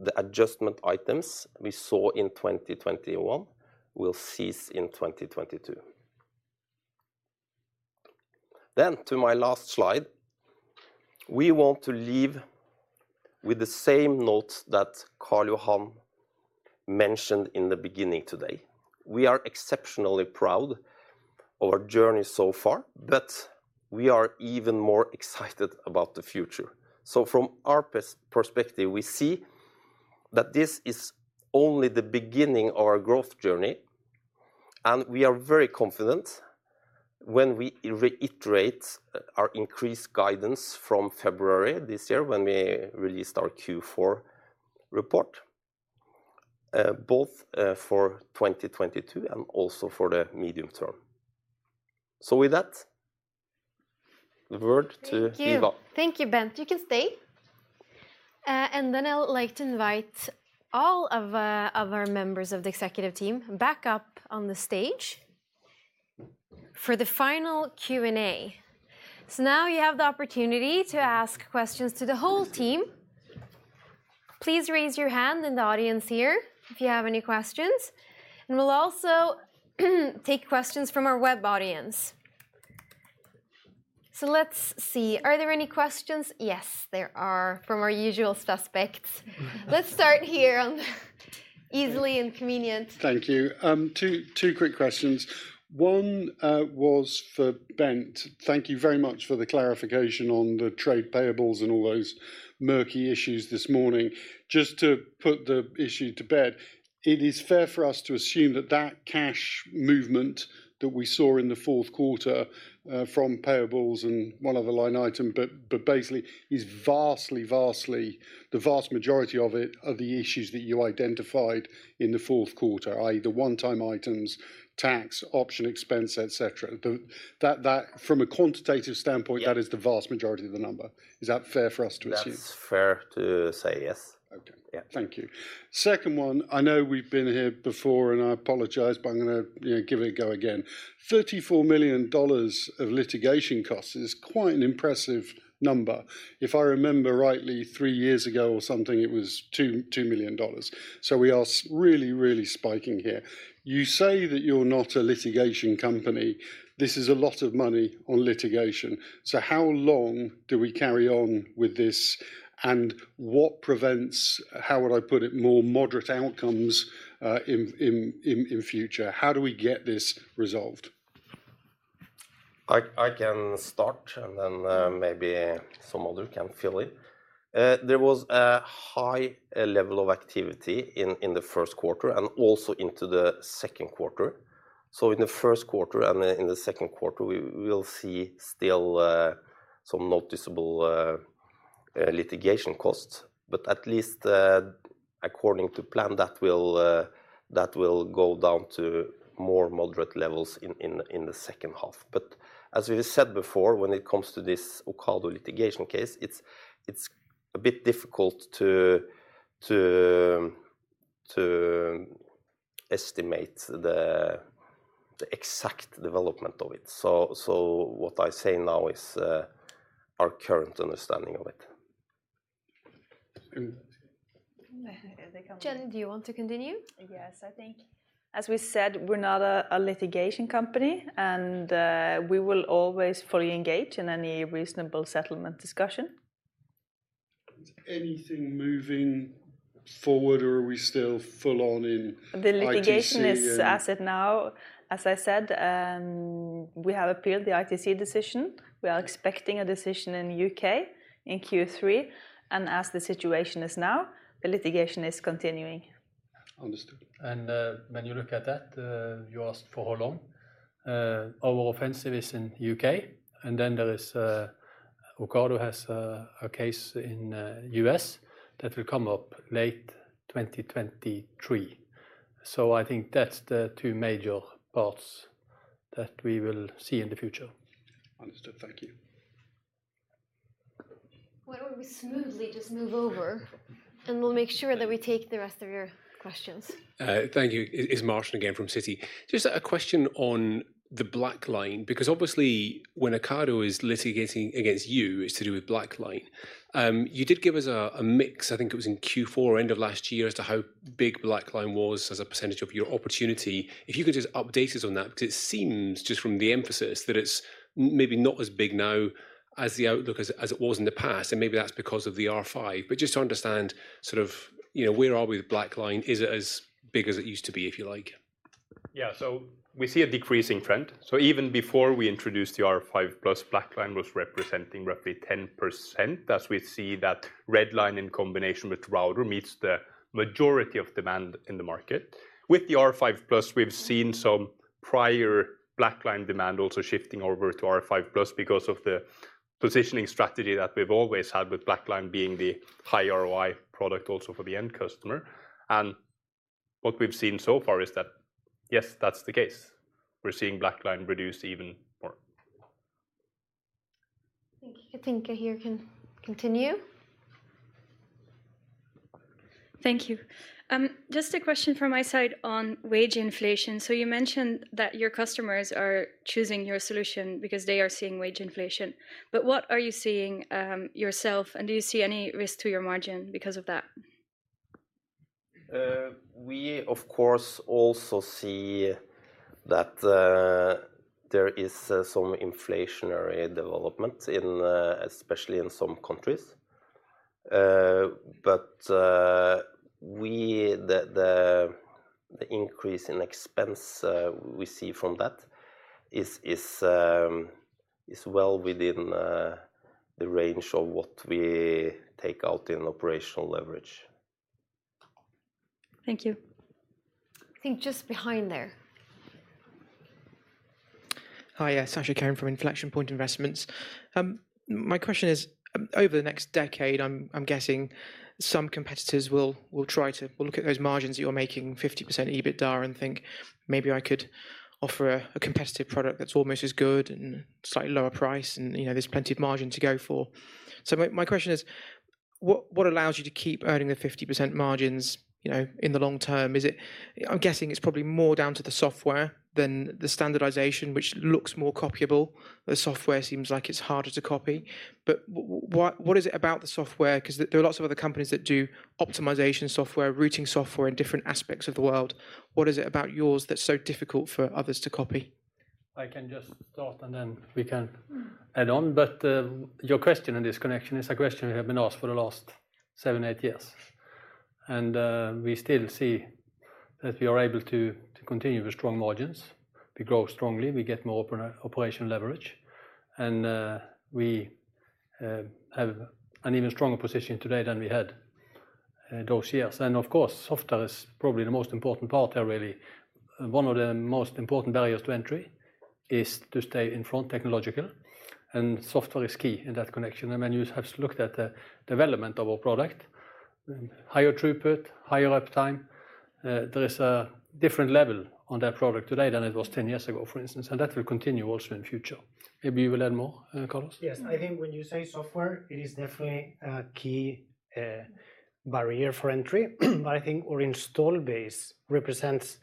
the adjustment items we saw in 2021 will cease in 2022. To my last slide, we want to leave with the same notes that Karl Johan mentioned in the beginning today. We are exceptionally proud of our journey so far, but we are even more excited about the future. From our perspective, we see that this is only the beginning of our growth journey, and we are very confident when we reiterate our increased guidance from February this year when we released our Q4 report, both for 2022 and also for the medium term. With that, the word to Hiva. Thank you. Thank you, Bent. You can stay. Then I would like to invite all of our members of the executive team back up on the stage for the final Q&A. Now you have the opportunity to ask questions to the whole team. Please raise your hand in the audience here if you have any questions, and we'll also take questions from our web audience. Let's see. Are there any questions? Yes, there are from our usual suspects. Let's start here on easily and convenient. Thank you. Two quick questions. One was for Bent. Thank you very much for the clarification on the trade payables and all those murky issues this morning. Just to put the issue to bed, it is fair for us to assume that that cash movement that we saw in the fourth quarter from payables and one other line item, but basically is vastly the vast majority of it are the issues that you identified in the fourth quarter, i.e., the one-time items, tax, option expense, et cetera. That from a quantitative standpoint. Yeah that is the vast majority of the number. Is that fair for us to assume? That's fair to say, yes. Okay. Yeah. Thank you. Second one, I know we've been here before, and I apologize, but I'm gonna, you know, give it a go again. $34 million of litigation costs is quite an impressive number. If I remember rightly, three years ago or something, it was $2 million. We are really, really spiking here. You say that you're not a litigation company. This is a lot of money on litigation. How long do we carry on with this? What prevents, how would I put it, more moderate outcomes in future? How do we get this resolved? I can start, and then maybe someone else can fill in. There was a high level of activity in the first quarter and also into the second quarter. In the first quarter and then in the second quarter, we will see still some noticeable litigation costs. At least according to plan, that will go down to more moderate levels in the second half. As we said before, when it comes to this Ocado litigation case, it's a bit difficult to estimate the exact development of it. What I say now is our current understanding of it. Jenny, do you want to continue? Yes. I think as we said, we're not a litigation company, and we will always fully engage in any reasonable settlement discussion. Is anything moving forward, or are we still full on in ITC and? The litigation is as it is now. As I said, we have appealed the ITC decision. We are expecting a decision in U.K. in Q3, and as the situation is now, the litigation is continuing. Understood. When you look at that, you asked for how long. Our offensive is in U.K., and then there is Ocado has a case in U.S. that will come up late 2023. I think that's the two major parts that we will see in the future. Understood. Thank you. Why don't we smoothly just move over, and we'll make sure that we take the rest of your questions. Thank you. It's Martin again from Citi. Just a question on the Black Line, because obviously when Ocado is litigating against you, it's to do with Black Line. You did give us a mix, I think it was in Q4 end of last year as to how big Black Line was as a percentage of your opportunity. If you could just update us on that, because it seems just from the emphasis that it's maybe not as big now as the outlook as it was in the past, and maybe that's because of the R5. Just to understand sort of, you know, where are we with Black Line? Is it as big as it used to be, if you like? Yeah. We see a decreasing trend. Even before we introduced the R5 Plus, Black Line was representing roughly 10%. Thus, we see that Red Line in combination with Router meets the majority of demand in the market. With the R5 Plus, we've seen some prior Black Line demand also shifting over to R5 Plus because of the positioning strategy that we've always had with Black Line being the high ROI product also for the end customer. What we've seen so far is that, yes, that's the case. We're seeing Black Line reduce even more. I think Katinka here can continue. Thank you. Just a question from my side on wage inflation. You mentioned that your customers are choosing your solution because they are seeing wage inflation, but what are you seeing, yourself and do you see any risk to your margin because of that? We of course also see that there is some inflationary development in, especially in some countries. The increase in expense we see from that is well within the range of what we take out in operational leverage. Thank you. I think just behind there. Hi, yeah, Sasha Karim from Inflection Point Investments. My question is, over the next decade I'm guessing some competitors will look at those margins that you're making, 50% EBITDA, and think, "Maybe I could offer a competitive product that's almost as good and slightly lower price, and, you know, there's plenty of margin to go for." My question is: what allows you to keep earning the 50% margins, you know, in the long term? Is it? I'm guessing it's probably more down to the software than the standardization, which looks more copyable. The software seems like it's harder to copy. But what is it about the software? 'Cause there are lots of other companies that do optimization software, routing software in different aspects of the world. What is it about yours that's so difficult for others to copy? I can just start and then we can add on. Your question in this connection is a question we have been asked for the last seven, eight years, and we still see that we are able to continue with strong margins. We grow strongly, we get more operational leverage, and we have an even stronger position today than we had those years. Of course, software is probably the most important part there, really. One of the most important barriers to entry is to stay in front technologically, and software is key in that connection. I mean, you have looked at the development of our product, higher throughput, higher uptime. There is a different level on that product today than it was 10 years ago, for instance, and that will continue also in future. Maybe you will add more, Carlos? Yes. I think when you say software, it is definitely a key barrier for entry. I think our install base represents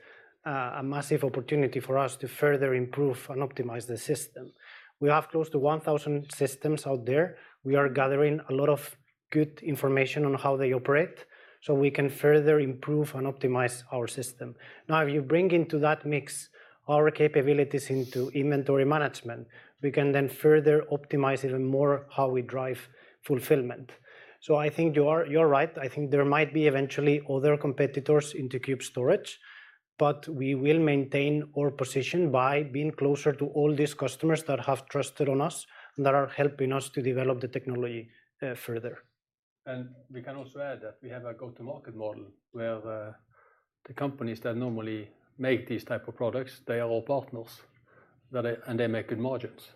a massive opportunity for us to further improve and optimize the system. We have close to 1,000 systems out there. We are gathering a lot of good information on how they operate, so we can further improve and optimize our system. Now, if you bring into that mix our capabilities into inventory management, we can then further optimize even more how we drive fulfillment. I think you are right. I think there might be eventually other competitors into Cube Storage, but we will maintain our position by being closer to all these customers that have trusted on us and that are helping us to develop the technology further. We can also add that we have a go-to-market model where the companies that normally make these type of products, they are all partners and they make good margins.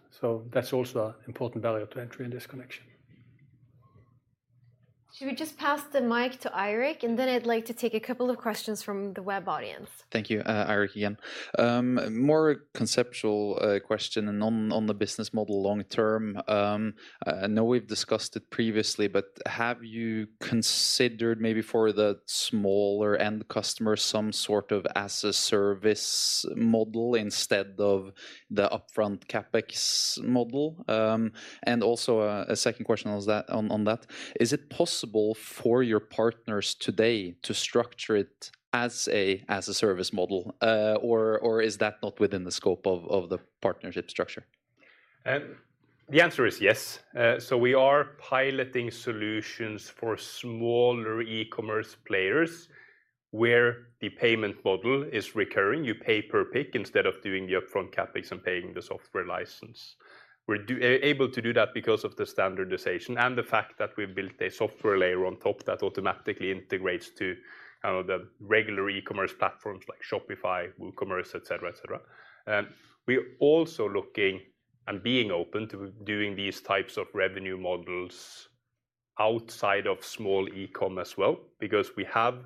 That's also an important barrier to entry in this connection. Should we just pass the mic to Eirik, and then I'd like to take a couple of questions from the web audience? Thank you. Eirik again. More conceptual question on the business model long term. I know we've discussed it previously, but have you considered maybe for the smaller end customer some sort of as a service model instead of the upfront CapEx model? Also a second question on that. Is it possible for your partners today to structure it as a service model, or is that not within the scope of the partnership structure? The answer is yes. We are piloting solutions for smaller e-commerce players where the payment model is recurring. You pay per pick instead of doing the upfront CapEx and paying the software license. We're able to do that because of the standardization and the fact that we've built a software layer on top that automatically integrates to the regular e-commerce platforms like Shopify, WooCommerce, et cetera, et cetera. We're also looking and being open to doing these types of revenue models outside of small e-com as well, because we have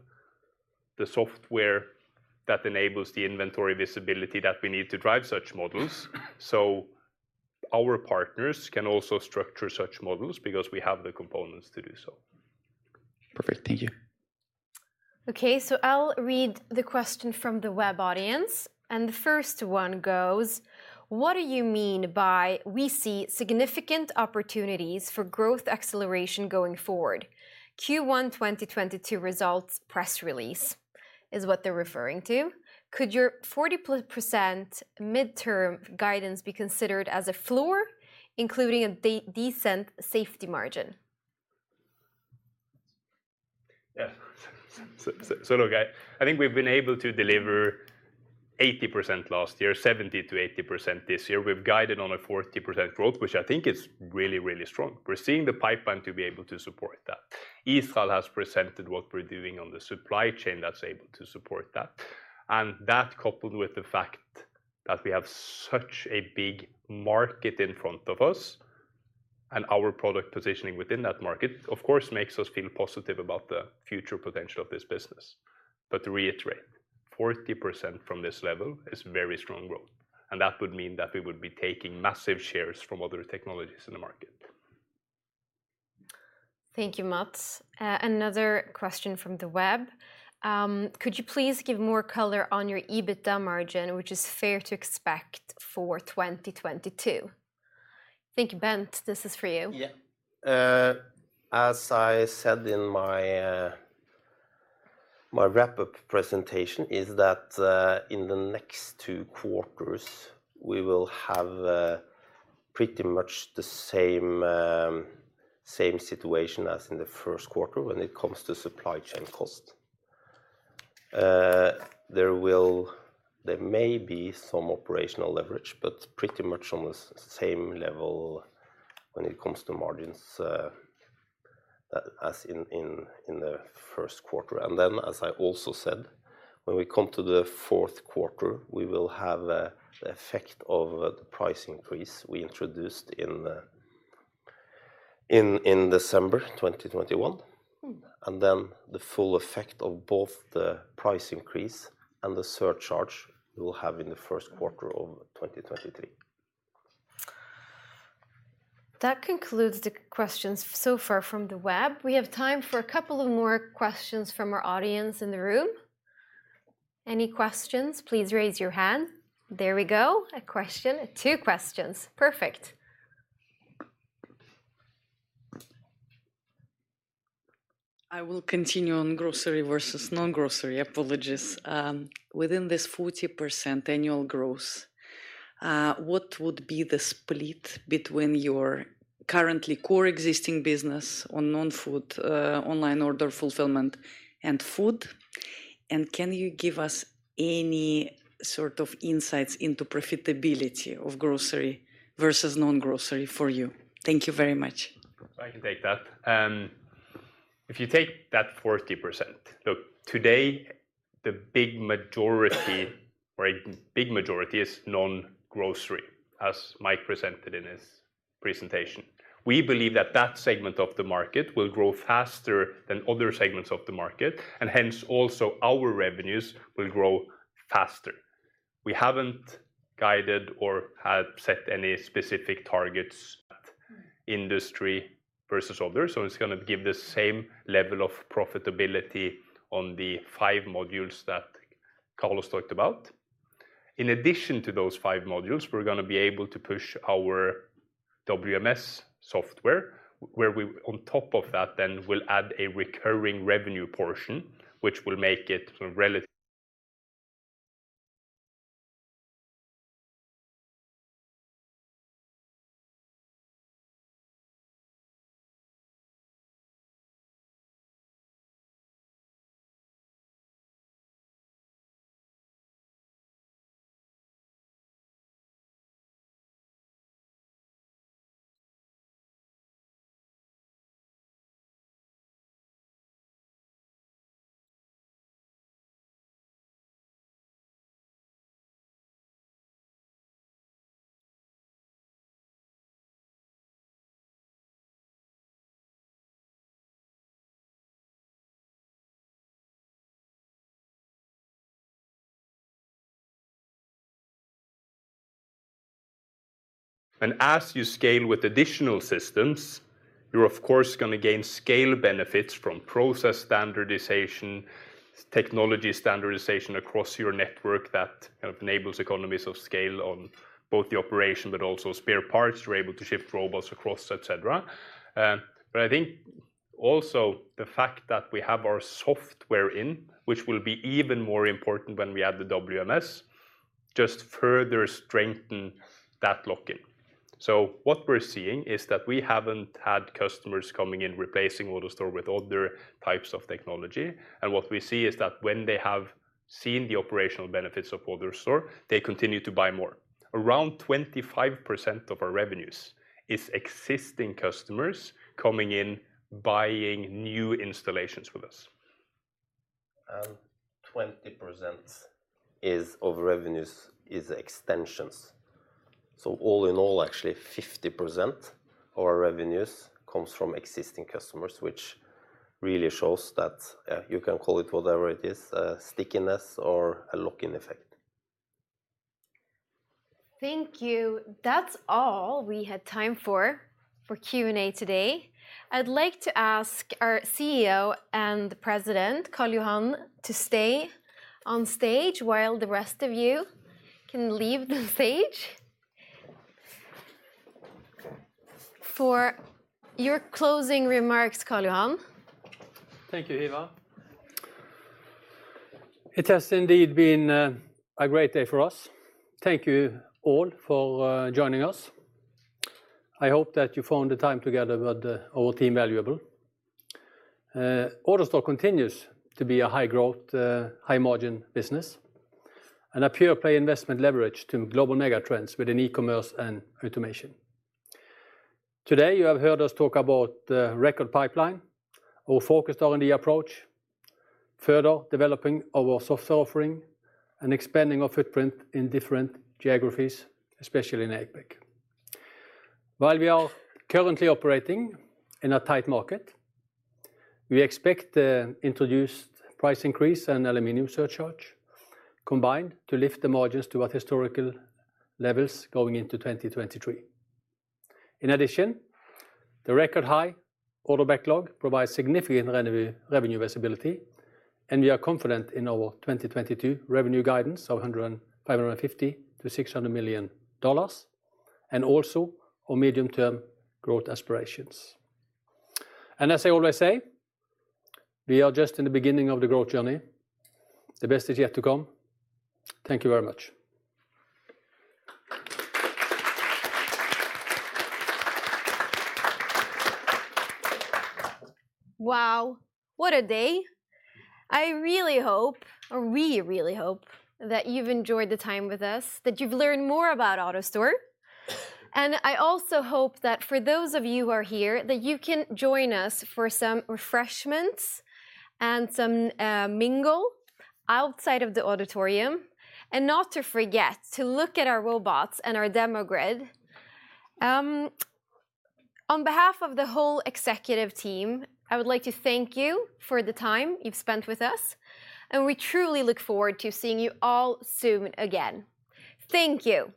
the software that enables the inventory visibility that we need to drive such models. Our partners can also structure such models because we have the components to do so. Perfect. Thank you. Okay, I'll read the question from the web audience, and the first one goes: What do you mean by, "We see significant opportunities for growth acceleration going forward"? Q1 2022 results press release is what they're referring to. Could your 40% midterm guidance be considered as a floor, including a decent safety margin? Yeah. Look, I think we've been able to deliver 80% last year, 70%-80% this year. We've guided on a 40% growth, which I think is really, really strong. We're seeing the pipeline to be able to support that. Isak has presented what we're doing on the supply chain that's able to support that. That coupled with the fact that we have such a big market in front of us and our product positioning within that market, of course makes us feel positive about the future potential of this business. To reiterate, 40% from this level is very strong growth, and that would mean that we would be taking massive shares from other technologies in the market. Thank you, Mats. Another question from the web. Could you please give more color on your EBITDA margin, what is fair to expect for 2022? I think, Bent, this is for you. Yeah. As I said in my wrap-up presentation is that, in the next two quarters, we will have pretty much the same situation as in the first quarter when it comes to supply chain cost. There may be some operational leverage, but pretty much on the same level when it comes to margins, as in the first quarter. Then as I also said, when we come to the fourth quarter, we will have the effect of the price increase we introduced in December 2021. Then the full effect of both the price increase and the surcharge we will have in the first quarter of 2023. That concludes the questions so far from the web. We have time for a couple of more questions from our audience in the room. Any questions, please raise your hand. There we go. A question. Two questions. Perfect. I will continue on grocery versus non-grocery. Apologies. Within this 40% annual growth, what would be the split between your currently core existing business on non-food, online order fulfillment and food? Can you give us any sort of insights into profitability of grocery versus non-grocery for you? Thank you very much. I can take that. If you take that 40%, look, today, a big majority is non-grocery, as Mike presented in his presentation. We believe that that segment of the market will grow faster than other segments of the market, and hence also our revenues will grow faster. We haven't guided or have set any specific targets, industry versus others, so it's gonna give the same level of profitability on the five modules that Carlos talked about. In addition to those five modules, we're gonna be able to push our WMS software, where we on top of that then will add a recurring revenue portion, which will make it a relative. As you scale with additional systems, you're of course gonna gain scale benefits from process standardization, technology standardization across your network that kind of enables economies of scale on both the operation but also spare parts. We're able to shift robots across, et cetera. I think also the fact that we have our software in, which will be even more important when we add the WMS, just further strengthen that lock-in. What we're seeing is that we haven't had customers coming in replacing AutoStore with other types of technology, and what we see is that when they have seen the operational benefits of AutoStore, they continue to buy more. Around 25% of our revenues is existing customers coming in buying new installations with us. 20% of revenues is extensions. All in all, actually 50% of our revenues comes from existing customers, which really shows that you can call it whatever it is, stickiness or a lock-in effect. Thank you. That's all we had time for Q&A today. I'd like to ask our CEO and President, Karl Johan Lier, to stay on stage while the rest of you can leave the stage. For your closing remarks, Karl Johan Lier. Thank you, Hiva. It has indeed been a great day for us. Thank you all for joining us. I hope that you found the time together with the whole team valuable. AutoStore continues to be a high growth, high margin business and a pure-play investment leverage to global mega trends within e-commerce and automation. Today, you have heard us talk about the record pipeline, our focused R&D approach, further developing our software offering, and expanding our footprint in different geographies, especially in APAC. While we are currently operating in a tight market, we expect the introduced price increase and aluminum surcharge combined to lift the margins to our historical levels going into 2023. In addition, the record high order backlog provides significant revenue visibility, and we are confident in our 2022 revenue guidance of $550 million-$600 million and also our medium-term growth aspirations. As I always say, we are just in the beginning of the growth journey. The best is yet to come. Thank you very much. Wow, what a day. I really hope, or we really hope, that you've enjoyed the time with us, that you've learned more about AutoStore, and I also hope that for those of you who are here, that you can join us for some refreshments and some mingle outside of the auditorium, and not to forget to look at our robots and our demo grid. On behalf of the whole executive team, I would like to thank you for the time you've spent with us, and we truly look forward to seeing you all soon again. Thank you.